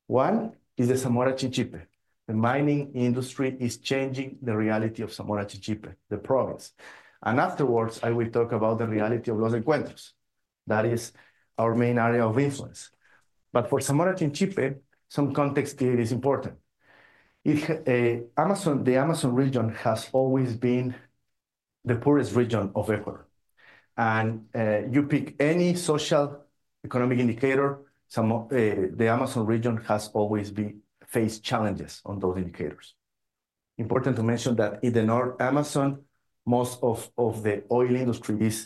One is the Zamora Chinchipe. The mining industry is changing the reality of Zamora Chinchipe, the province, and afterwards, I will talk about the reality of Los Encuentros. That is our main area of influence, but for Zamora Chinchipe, some context here is important. It, the Amazon region has always been the poorest region of Ecuador, and, you pick any socio-economic indicator, some of, the Amazon region has always been faced challenges on those indicators. Important to mention that in the North Amazon, most of, the oil industry is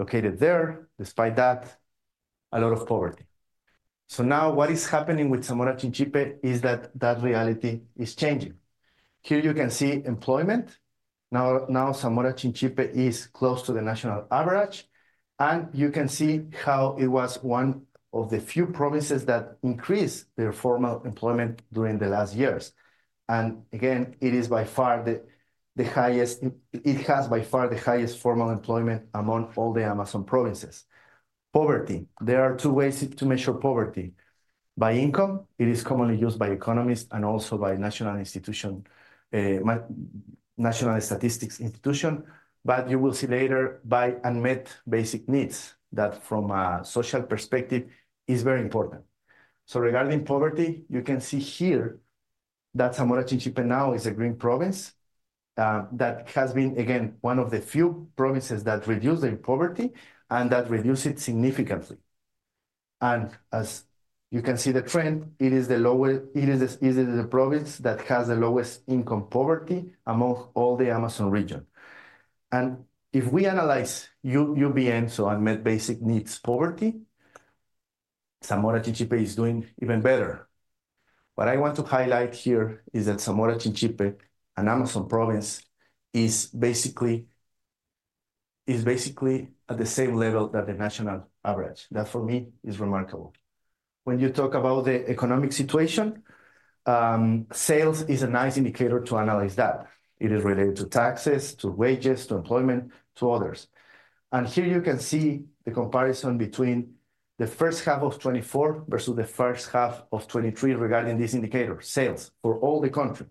located there. Despite that, a lot of poverty, so now what is happening with Zamora Chinchipe is that that reality is changing. Here you can see employment. Now Zamora Chinchipe is close to the national average, and you can see how it was one of the few provinces that increased their formal employment during the last years. Again, it is by far the highest. It has by far the highest formal employment among all the Amazon provinces. Poverty. There are two ways to measure poverty. By income, it is commonly used by economists and also by national statistics institution, but you will see later by unmet basic needs, that from a social perspective is very important. Regarding poverty, you can see here that Zamora Chinchipe now is a green province, that has been, again, one of the few provinces that reduced the poverty and that reduced it significantly. As you can see the trend, it is the lowest. It is the province that has the lowest income poverty among all the Amazon region. If we analyze UBN, so unmet basic needs poverty, Zamora Chinchipe is doing even better. What I want to highlight here is that Zamora Chinchipe, an Amazon province, is basically at the same level that the national average. That, for me, is remarkable. When you talk about the economic situation, sales is a nice indicator to analyze that. It is related to taxes, to wages, to employment, to others. Here you can see the comparison between the first half of 2024 versus the first half of 2023 regarding this indicator, sales for all the country.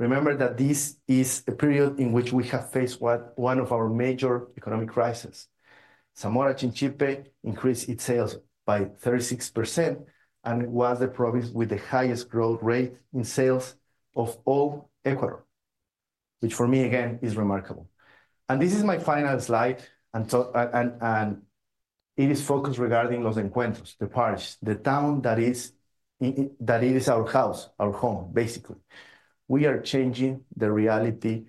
Remember that this is a period in which we have faced one of our major economic crisis. Zamora Chinchipe increased its sales by 36%, and it was the province with the highest growth rate in sales of all Ecuador, which for me, again, is remarkable. This is my final slide, so it is focused regarding Los Encuentros, the parish, the town that it is our house, our home, basically. We are changing the reality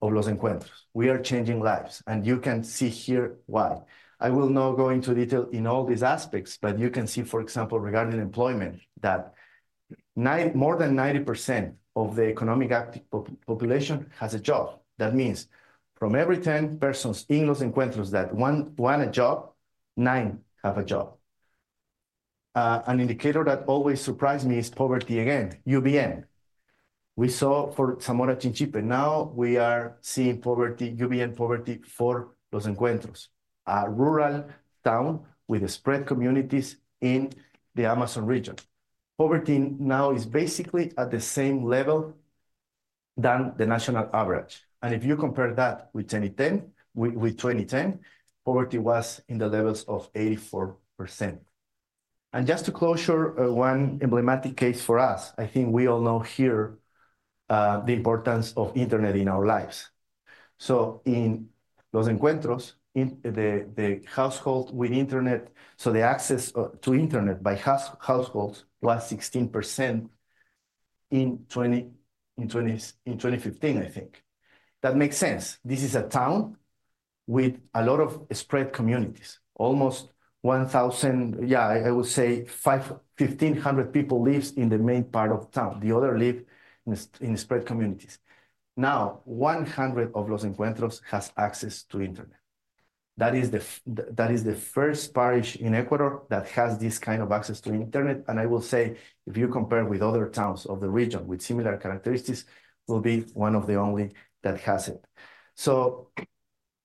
of Los Encuentros. We are changing lives, and you can see here why. I will not go into detail in all these aspects, but you can see, for example, regarding employment, that more than 90% of the economic active population has a job. That means from every 10 persons in Los Encuentros, that one want a job, nine have a job. An indicator that always surprised me is poverty again, UBN. We saw for Zamora Chinchipe, now we are seeing poverty, UBN poverty for Los Encuentros, a rural town with spread communities in the Amazon region. Poverty now is basically at the same level than the national average, and if you compare that with 2010, poverty was in the levels of 84%. Just to closure, one emblematic case for us, I think we all know here, the importance of internet in our lives. So in Los Encuentros, in the household with internet, so the access to internet by households plus 16% in 2015, I think. That makes sense. This is a town with a lot of spread communities. Almost 1,000. I would say 1,500 people lives in the main part of town. The other live in spread communities. Now, 100 of Los Encuentros has access to internet. That is the first parish in Ecuador that has this kind of access to internet, and I will say, if you compare with other towns of the region with similar characteristics, will be one of the only that has it. So,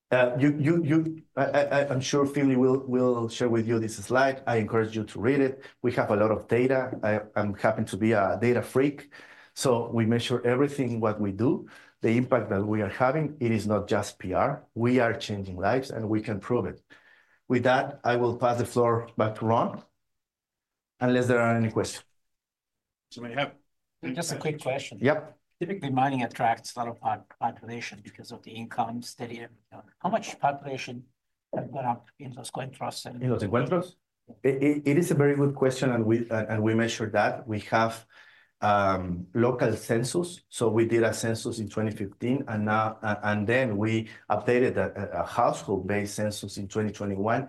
I'm sure Finlay will share with you this slide. I encourage you to read it. We have a lot of data. I'm happy to be a data freak, so we measure everything, what we do, the impact that we are having, it is not just PR, we are changing lives, and we can prove it. With that, I will pass the floor back to Ron, unless there are any questions. Somebody have? Just a quick question. Yep. Typically, mining attracts a lot of population because of the income, steady. How much population have gone up in Los Encuentros and- In Los Encuentros? It is a very good question, and we measured that. We have local census, so we did a census in 2015, and now and then we updated a household-based census in 2021.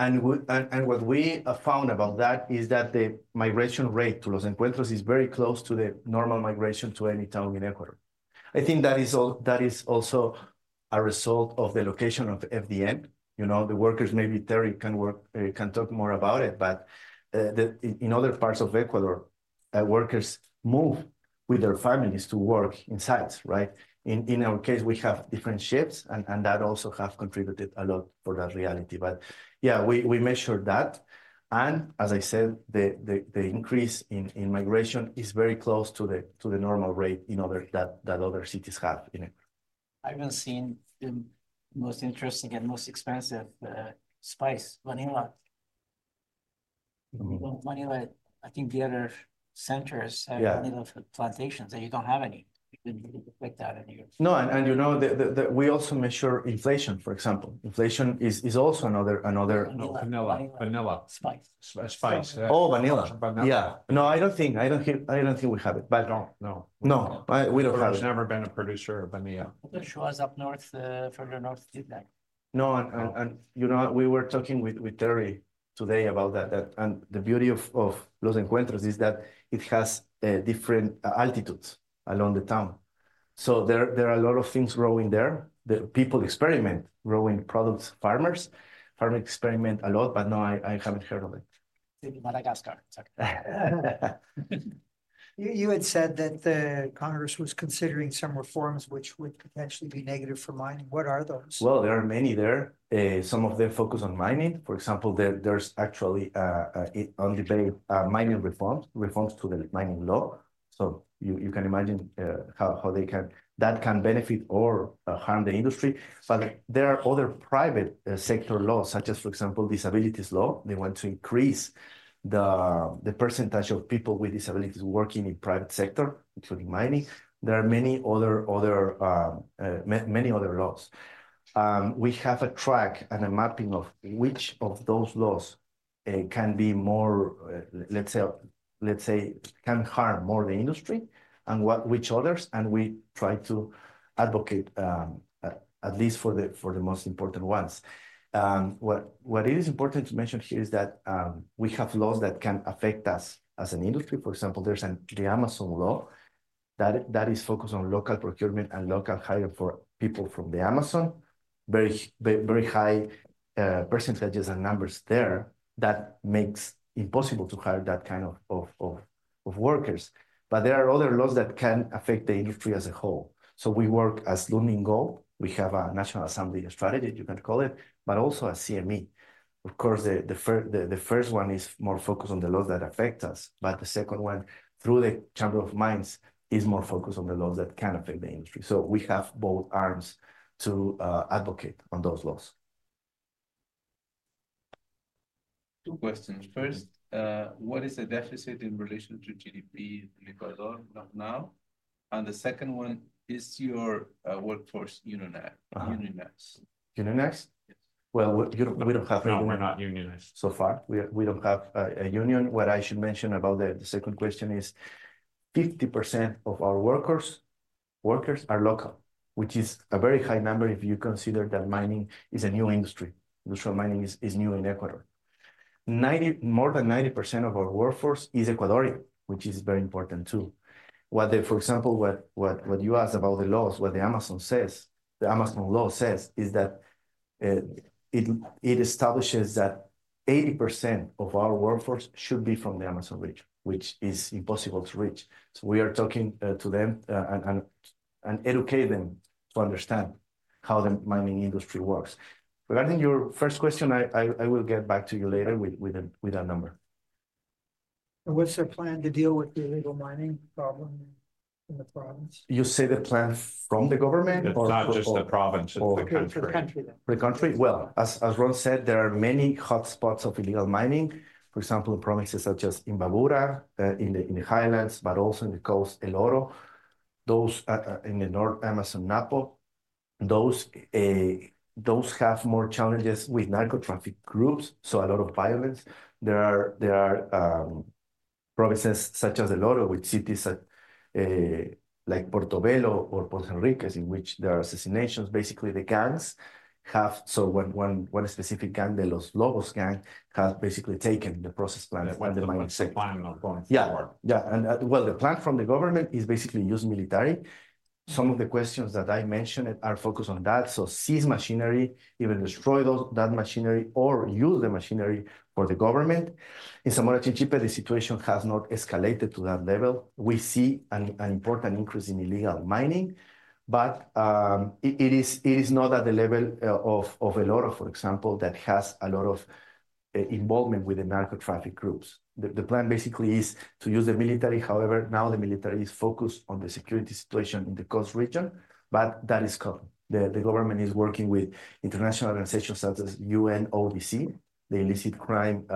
And what we found about that is that the migration rate to Los Encuentros is very close to the normal migration to any town in Ecuador. I think that is that is also a result of the location of FDN. You know, the workers, maybe Terry can work can talk more about it, but the... In other parts of Ecuador, workers move with their families to work in sites, right? In our case, we have different shifts, and that also have contributed a lot for that reality. But yeah, we measured that, and as I said, the increase in migration is very close to the normal rate in other cities in Ecuador. I've been seeing the most interesting and most expensive spice, vanilla. Mm-hmm. Vanilla, I think the other centers- Yeah... have vanilla plantations, and you don't have any. You didn't really affect that in your- No, and you know, we also measure inflation, for example. Inflation is also another- Vanilla. Vanilla. Spice. Spice. Oh, vanilla. Vanilla. Yeah. No, I don't think we have it, but- No, no. No, we don't have it. Ecuador's never been a producer of vanilla. The Shuar up north, further north did that. No, you know, we were talking with Terry today about that, and the beauty of Los Encuentros is that it has different altitudes along the town. So there are a lot of things growing there that people experiment growing products. Farmers experiment a lot, but no, I haven't heard of it. Maybe Madagascar. Okay. You had said that the Congress was considering some reforms which would potentially be negative for mining. What are those? There are many there. Some of them focus on mining, for example, there's actually on debate mining reforms, reforms to the mining law. So you can imagine how they can... That can benefit or harm the industry. But there are other private sector laws, such as, for example, disabilities law. They want to increase the percentage of people with disabilities working in private sector, including mining. There are many other laws. We have a track and a mapping of which of those laws can be more, let's say, can harm more the industry and which others, and we try to advocate at least for the most important ones. What is important to mention here is that we have laws that can affect us as an industry. For example, there's the Amazon law that is focused on local procurement and local hire for people from the Amazon. Very high percentages and numbers there that makes impossible to hire that kind of workers. But there are other laws that can affect the industry as a whole. So we work as Lundin Gold. We have a national assembly strategy, you can call it, but also as CME. Of course, the first one is more focused on the laws that affect us, but the second one, through the Chamber of Mines, is more focused on the laws that can affect the industry. So we have both arms to advocate on those laws. Two questions. First, what is the deficit in relation to GDP in Ecuador right now? And the second one, is your workforce unionized? Unionized? Yes. We don't have a union. No, we're not unionized. So far, we don't have a union. What I should mention about the second question is, 50% of our workers are local, which is a very high number if you consider that mining is a new industry. Industrial mining is new in Ecuador. More than 90% of our workforce is Ecuadorian, which is very important, too. For example, what you asked about the laws, what the Amazon law says, is that it establishes that 80% of our workforce should be from the Amazon region, which is impossible to reach. So we are talking to them and educate them to understand how the mining industry works. Regarding your first question, I will get back to you later with a number.... And what's their plan to deal with the illegal mining problem in the province? You say the plan from the government or- It's not just the province, it's the country. Okay, it's the country then. The country? Well, as Ron said, there are many hotspots of illegal mining. For example, in provinces such as Imbabura, in the highlands, but also in the coast, El Oro. Those in the North Amazon, Napo, have more challenges with narcotraffic groups, so a lot of violence. There are provinces such as El Oro, with cities like Portovelo or Puerto Rico, in which there are assassinations. Basically, the gangs have... So one specific gang, the Los Lobos gang, has basically taken the processing plant and the mining sector- One of the mining points. Yeah. Yeah, and, well, the plan from the government is basically use military. Some of the questions that I mentioned are focused on that. So seize machinery, even destroy that machinery, or use the machinery for the government. In Zamora Chinchipe, the situation has not escalated to that level. We see an important increase in illegal mining, but it is not at the level of El Oro, for example, that has a lot of involvement with the narcotraffic groups. The plan basically is to use the military. However, now the military is focused on the security situation in the coast region, but that is coming. The government is working with international organizations such as UNODC, the illicit crime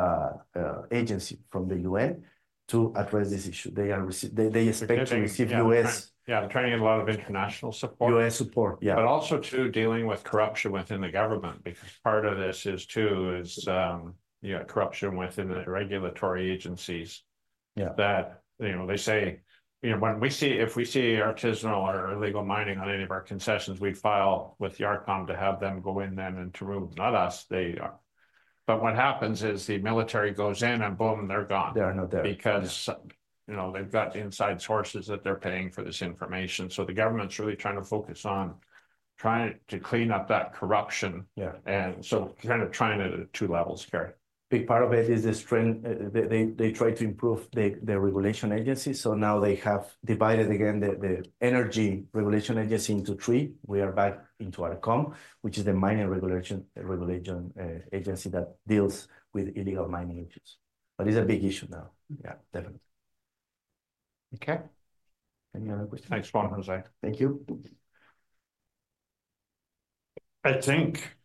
agency from the UN, to address this issue. They expect to receive US- Yeah, bringing in a lot of international support. U.S. support, yeah. But also, too, dealing with corruption within the government, because part of this is, too, you know, corruption within the regulatory agencies. Yeah. That, you know, they say, "You know, when we see artisanal or illegal mining on any of our concessions, we file with the ARCOM to have them go in then and to remove," not us, they are. But what happens is, the military goes in, and boom, they're gone. They are not there. Because, you know, they've got inside sources that they're paying for this information. So the government's really trying to focus on trying to clean up that corruption. Yeah. And so, kind of trying it at two levels here. Big part of it is the strength. They try to improve the regulation agency, so now they have divided again the energy regulation agency into three. We are back into ARCOM, which is the mining regulation agency that deals with illegal mining issues. But it's a big issue now. Yeah, definitely. Okay. Any other questions? Thanks, Juan José. Thank you. I think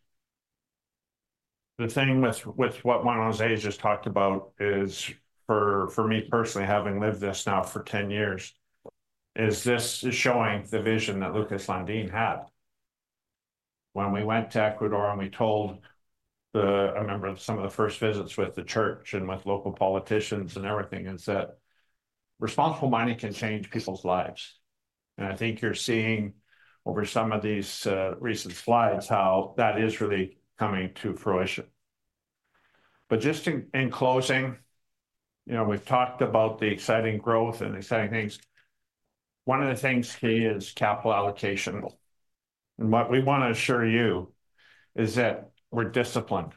the thing with what Juan José just talked about is, for me personally, having lived this now for 10 years, is this is showing the vision that Lucas Lundin had. When we went to Ecuador, and we told... I remember some of the first visits with the church and with local politicians and everything, and said, "Responsible mining can change people's lives." And I think you're seeing over some of these recent slides, how that is really coming to fruition. But just in closing, you know, we've talked about the exciting growth and exciting things. One of the things key is capital allocation, and what we want to assure you is that we're disciplined.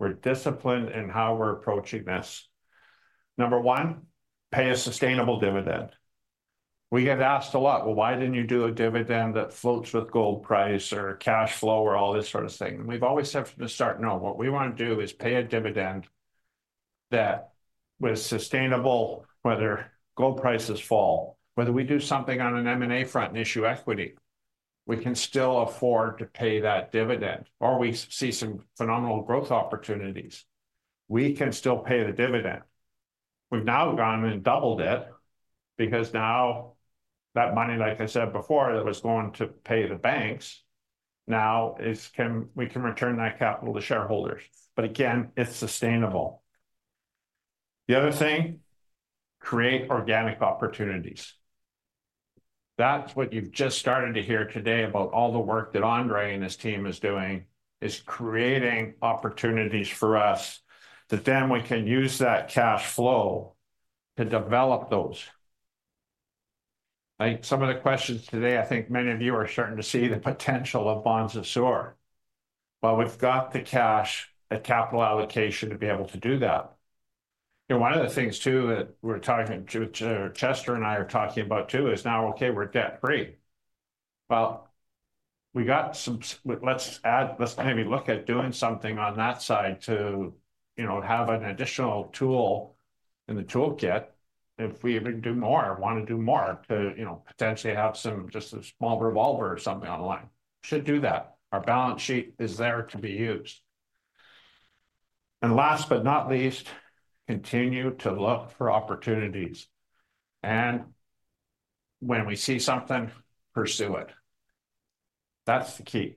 We're disciplined in how we're approaching this. Number one, pay a sustainable dividend. We get asked a lot, "Well, why didn't you do a dividend that floats with gold price or cash flow?" or all this sort of thing, and we've always said from the start, "No, what we want to do is pay a dividend that was sustainable, whether gold prices fall, whether we do something on an M&A front and issue equity, we can still afford to pay that dividend. Or we see some phenomenal growth opportunities, we can still pay the dividend." We've now gone and doubled it because now that money, like I said before, that was going to pay the banks, now we can return that capital to shareholders. But again, it's sustainable. The other thing, create organic opportunities. That's what you've just started to hear today about all the work that Andre and his team is doing, is creating opportunities for us, that then we can use that cash flow to develop those. I think some of the questions today, I think many of you are starting to see the potential of Bonanza Sur. We've got the cash, the capital allocation to be able to do that. You know, one of the things, too, that we're talking, that Chester and I are talking about, too, is now, okay, we're debt-free. We've got some. Let's add. Let's maybe look at doing something on that side to, you know, have an additional tool in the toolkit if we even do more, or want to do more, to, you know, potentially have some, just a small revolver or something online. Should do that. Our balance sheet is there to be used. And last but not least, continue to look for opportunities, and when we see something, pursue it. That's the key.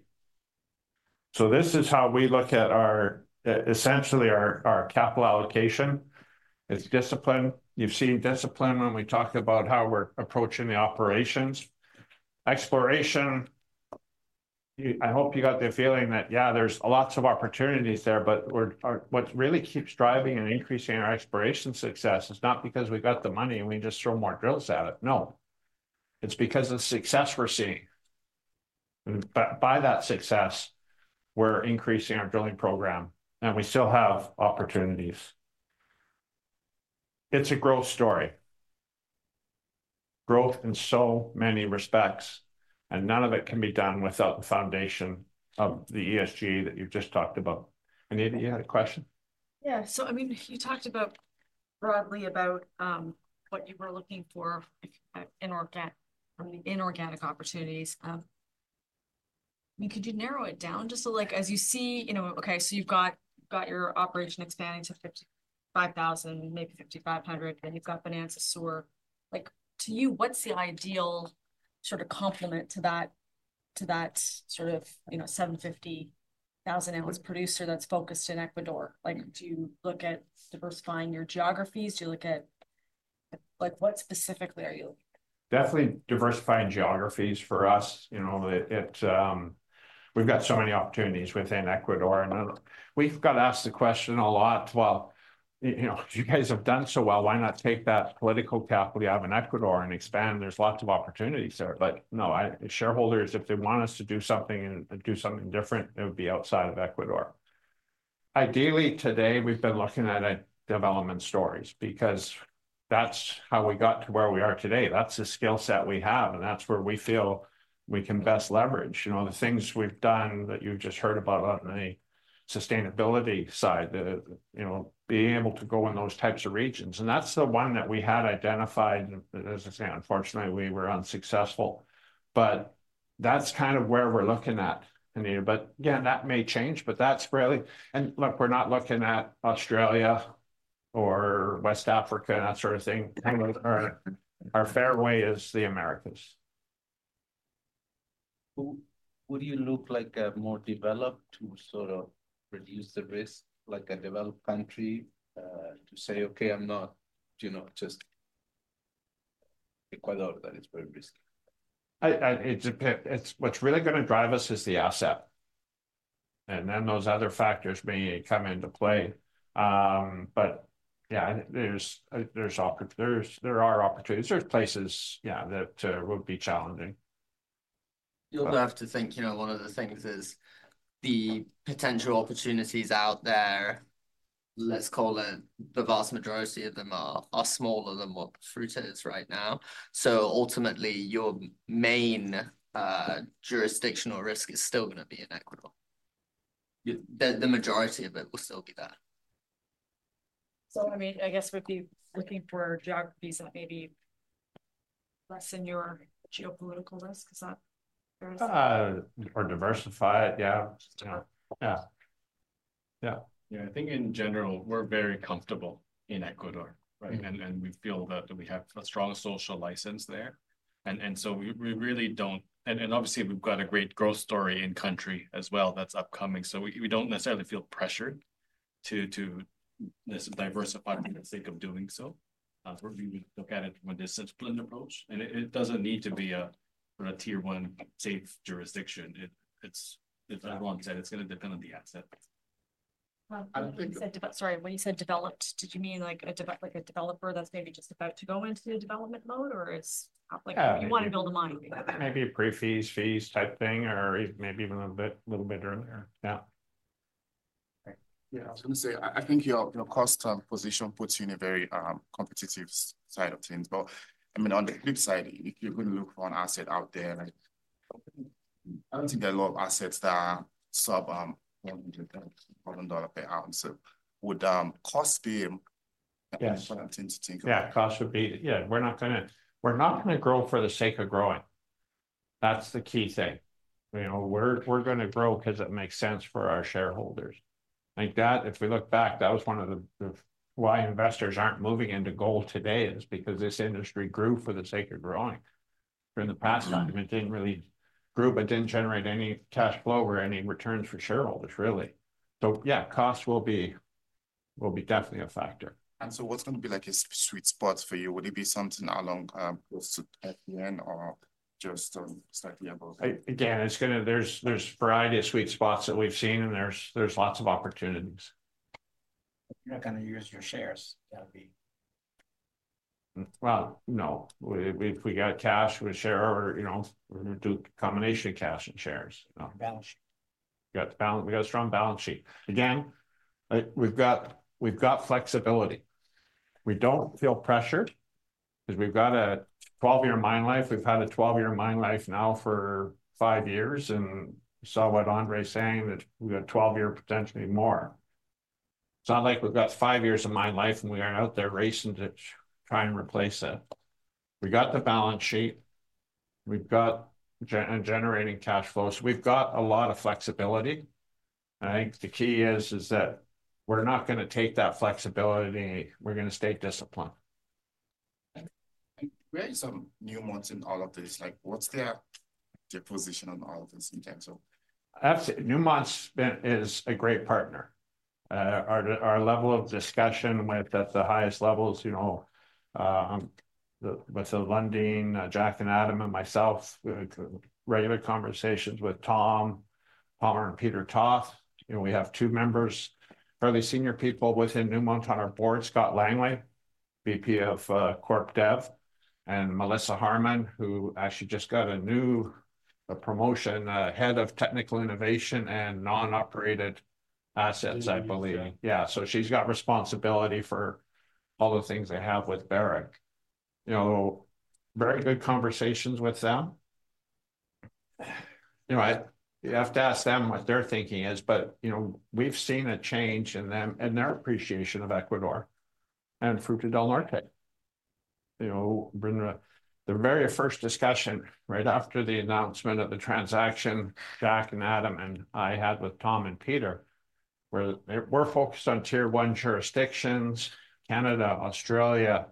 So this is how we look at our, essentially our, capital allocation. It's discipline. You've seen discipline when we talked about how we're approaching the operations. Exploration, I hope you got the feeling that, yeah, there's lots of opportunities there, but we're, what really keeps driving and increasing our exploration success is not because we've got the money, and we just throw more drills at it. No, it's because of the success we're seeing. But by that success, we're increasing our drilling program, and we still have opportunities. It's a growth story... growth in so many respects, and none of it can be done without the foundation of the ESG that you've just talked about. Anita, you had a question? Yeah. So I mean, you talked about, broadly about, what you were looking for from the inorganic opportunities. I mean, could you narrow it down just so, like, as you see, you know... Okay, so you've got your operation expanding to 55,000, maybe 5,500, and you've got finances soar. Like, to you, what's the ideal sort of complement to that, to that sort of, you know, 750,000 ounce producer that's focused in Ecuador? Like, do you look at diversifying your geographies? Do you look at, like, what specifically are you looking at? Definitely diversifying geographies for us. You know, we've got so many opportunities within Ecuador, and we've got asked the question a lot, "Well, you know, you guys have done so well, why not take that political capital you have in Ecuador and expand? There's lots of opportunities there." But no, I, shareholders, if they want us to do something and do something different, it would be outside of Ecuador. Ideally, today, we've been looking at development stories because that's how we got to where we are today. That's the skill set we have, and that's where we feel we can best leverage. You know, the things we've done that you've just heard about on the sustainability side, you know, being able to go in those types of regions, and that's the one that we had identified. As I say, unfortunately, we were unsuccessful, but that's kind of where we're looking at, Anita. Again, that may change, but that's really... Look, we're not looking at Australia or West Africa, that sort of thing. Our fairway is the Americas. So would you look, like, a more developed to sort of reduce the risk, like a developed country, to say, "Okay, I'm not, you know, just Ecuador, that is very risky"? What's really gonna drive us is the asset, and then those other factors may come into play, but yeah, there are opportunities. There are places, yeah, that would be challenging. You'll have to think, you know, one of the things is the potential opportunities out there, let's call it, the vast majority of them are smaller than what Fruta is right now. So ultimately, your main jurisdictional risk is still gonna be in Ecuador. Yeah. The majority of it will still be that. So, I mean, I guess we'd be looking for geographies that may lessen your geopolitical risk. Is that fair to say? or diversify it. Yeah. Yeah, I think in general, we're very comfortable in Ecuador, right? Mm. We feel that we have a strong social license there, and so we really don't. And obviously, we've got a great growth story in country as well that's upcoming. So we don't necessarily feel pressured to diversify for the sake of doing so. We would look at it from a disciplined approach, and it doesn't need to be a tier one safe jurisdiction. It's, as Ron said, gonna depend on the asset. Well- I think-... Sorry, when you said developed, did you mean like a dev, like a developer that's maybe just about to go into development mode, or it's? Uh-... like, you wanna build a mine? Maybe a pre-feas, feas type thing, or maybe even a bit, little bit earlier. Yeah. Yeah. I was gonna say, I think your cost position puts you in a very competitive side of things. But I mean, on the flip side, if you're gonna look for an asset out there, like, I don't think there are a lot of assets that are sub $100,000 per ounce. So would cost be Yes... an important thing to take? Yeah, cost would be... Yeah, we're not gonna, we're not gonna grow for the sake of growing. That's the key thing. You know, we're, we're gonna grow 'cause it makes sense for our shareholders. Like, that, if we look back, that was one of the, the why investors aren't moving into gold today is because this industry grew for the sake of growing. In the past- Mm... it didn't really grow, but didn't generate any cash flow or any returns for shareholders, really. So yeah, cost will be definitely a factor. And so what's gonna be, like, a sweet spot for you? Would it be something along, close to at the end or just, slightly above? Again, there's a variety of sweet spots that we've seen, and there's lots of opportunities. You're not gonna use your shares, that'd be- No. If we got cash, we'd share or, you know, we're gonna do a combination of cash and shares. Balance sheet. We got a strong balance sheet. Again, we've got flexibility. We don't feel pressured 'cause we've got a 12-year mine life. We've had a 12-year mine life now for five years, and you saw what Andre is saying, that we got 12-year, potentially more. It's not like we've got five years of mine life, and we are out there racing to try and replace it. We got the balance sheet. We've got generating cash flows. We've got a lot of flexibility. I think the key is that we're not gonna take that flexibility. We're gonna stay disciplined. Where is Newmont in all of this? Like, what's their position on all of this in this? So? Newmont's been, is a great partner. Our level of discussion at the highest levels, you know, with the Lundins, Jack and Adam and myself, regular conversations with Tom Palmer and Peter Toth. You know, we have two members, fairly senior people within Newmont on our board, Scott Langley, VP of Corp Dev, and Melissa Harmon, who actually just got a new promotion, head of Technical Innovation and Non-Operated assets, I believe. Yeah, so she's got responsibility for all the things they have with Barrick. You know, very good conversations with them. You know, you have to ask them what their thinking is, but, you know, we've seen a change in them, in their appreciation of Ecuador and Fruta del Norte. You know, Brendan, the very first discussion right after the announcement of the transaction, Jack and Adam and I had with Tom and Peter, where they were focused on tier one jurisdictions, Canada, Australia,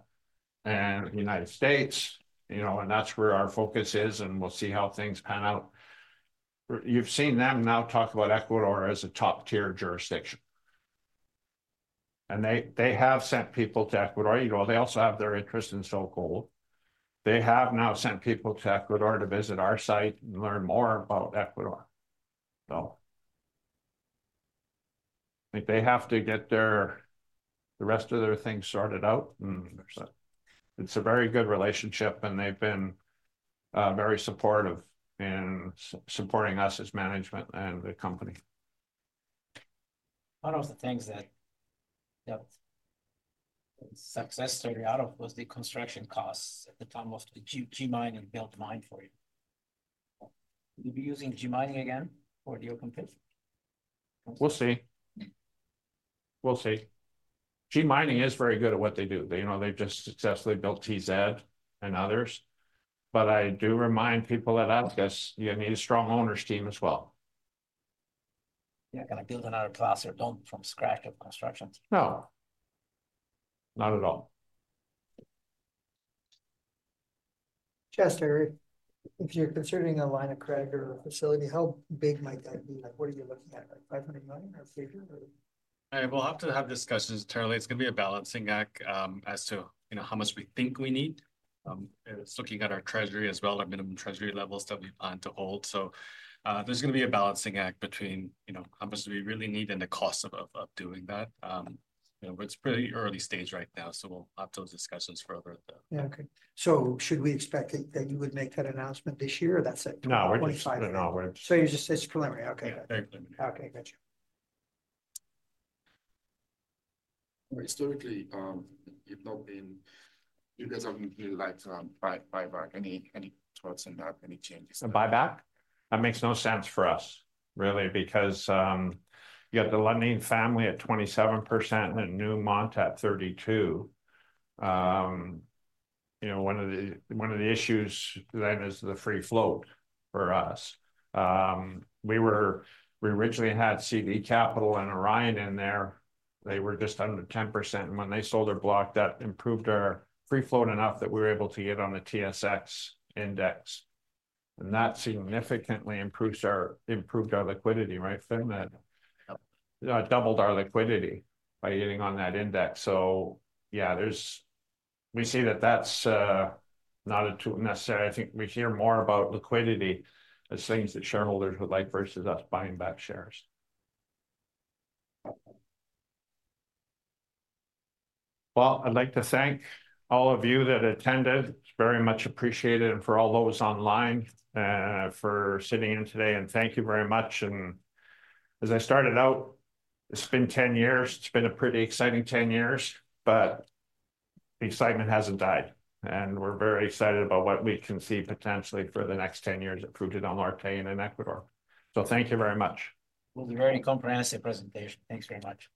and United States, you know, and that's where our focus is, and we'll see how things pan out. You've seen them now talk about Ecuador as a top-tier jurisdiction, and they have sent people to Ecuador. You know, they also have their interest in SolGold. They have now sent people to Ecuador to visit our site and learn more about Ecuador. So I think they have to get their, the rest of their things sorted out, but it's a very good relationship, and they've been very supportive in supporting us as management and the company. One of the things that success story out of was the construction costs at the time of the G Mining built mine for you. Will you be using G Mining again, or do you compete? We'll see. We'll see. G Mining is very good at what they do. They, you know, they've just successfully built TZ and others, but I do remind people at least, you need a strong owner's team as well. You're not gonna build another class or build from scratch of construction? No, not at all. Chester, if you're considering a line of credit or a facility, how big might that be? Like, what are you looking at, like $500 million or bigger, or? I will have to have discussions internally. It's gonna be a balancing act, as to, you know, how much we think we need. It's looking at our treasury as well, our minimum treasury levels that we plan to hold. So, there's gonna be a balancing act between, you know, how much do we really need and the cost of doing that. You know, it's pretty early stage right now, so we'll have those discussions further at the- Yeah. Okay. So should we expect that you would make that announcement this year, or that's at 2025? No, we're- So you're just... It's preliminary. Okay. Yeah, very preliminary. Okay, got you. Historically, you guys haven't really liked buyback. Any thoughts on that? Any changes? A buyback? That makes no sense for us, really, because you have the Lundin family at 27% and Newmont at 32%. You know, one of the issues then is the free float for us. We originally had CD Capital and Orion in there. They were just under 10%, and when they sold their block, that improved our free float enough that we were able to get on the TSX index, and that significantly improved our liquidity, right, Finn, that- Yep... doubled our liquidity by getting on that index. Yeah, there we see that that's not a tool necessary. I think we hear more about liquidity as things that shareholders would like versus us buying back shares. I'd like to thank all of you that attended. It's very much appreciated, and for all those online for sitting in today, and thank you very much. As I started out, it's been 10 years. It's been a pretty exciting 10 years, but the excitement hasn't died, and we're very excited about what we can see potentially for the next 10 years at Fruta del Norte and in Ecuador. Thank you very much. It was a very comprehensive presentation. Thanks very much.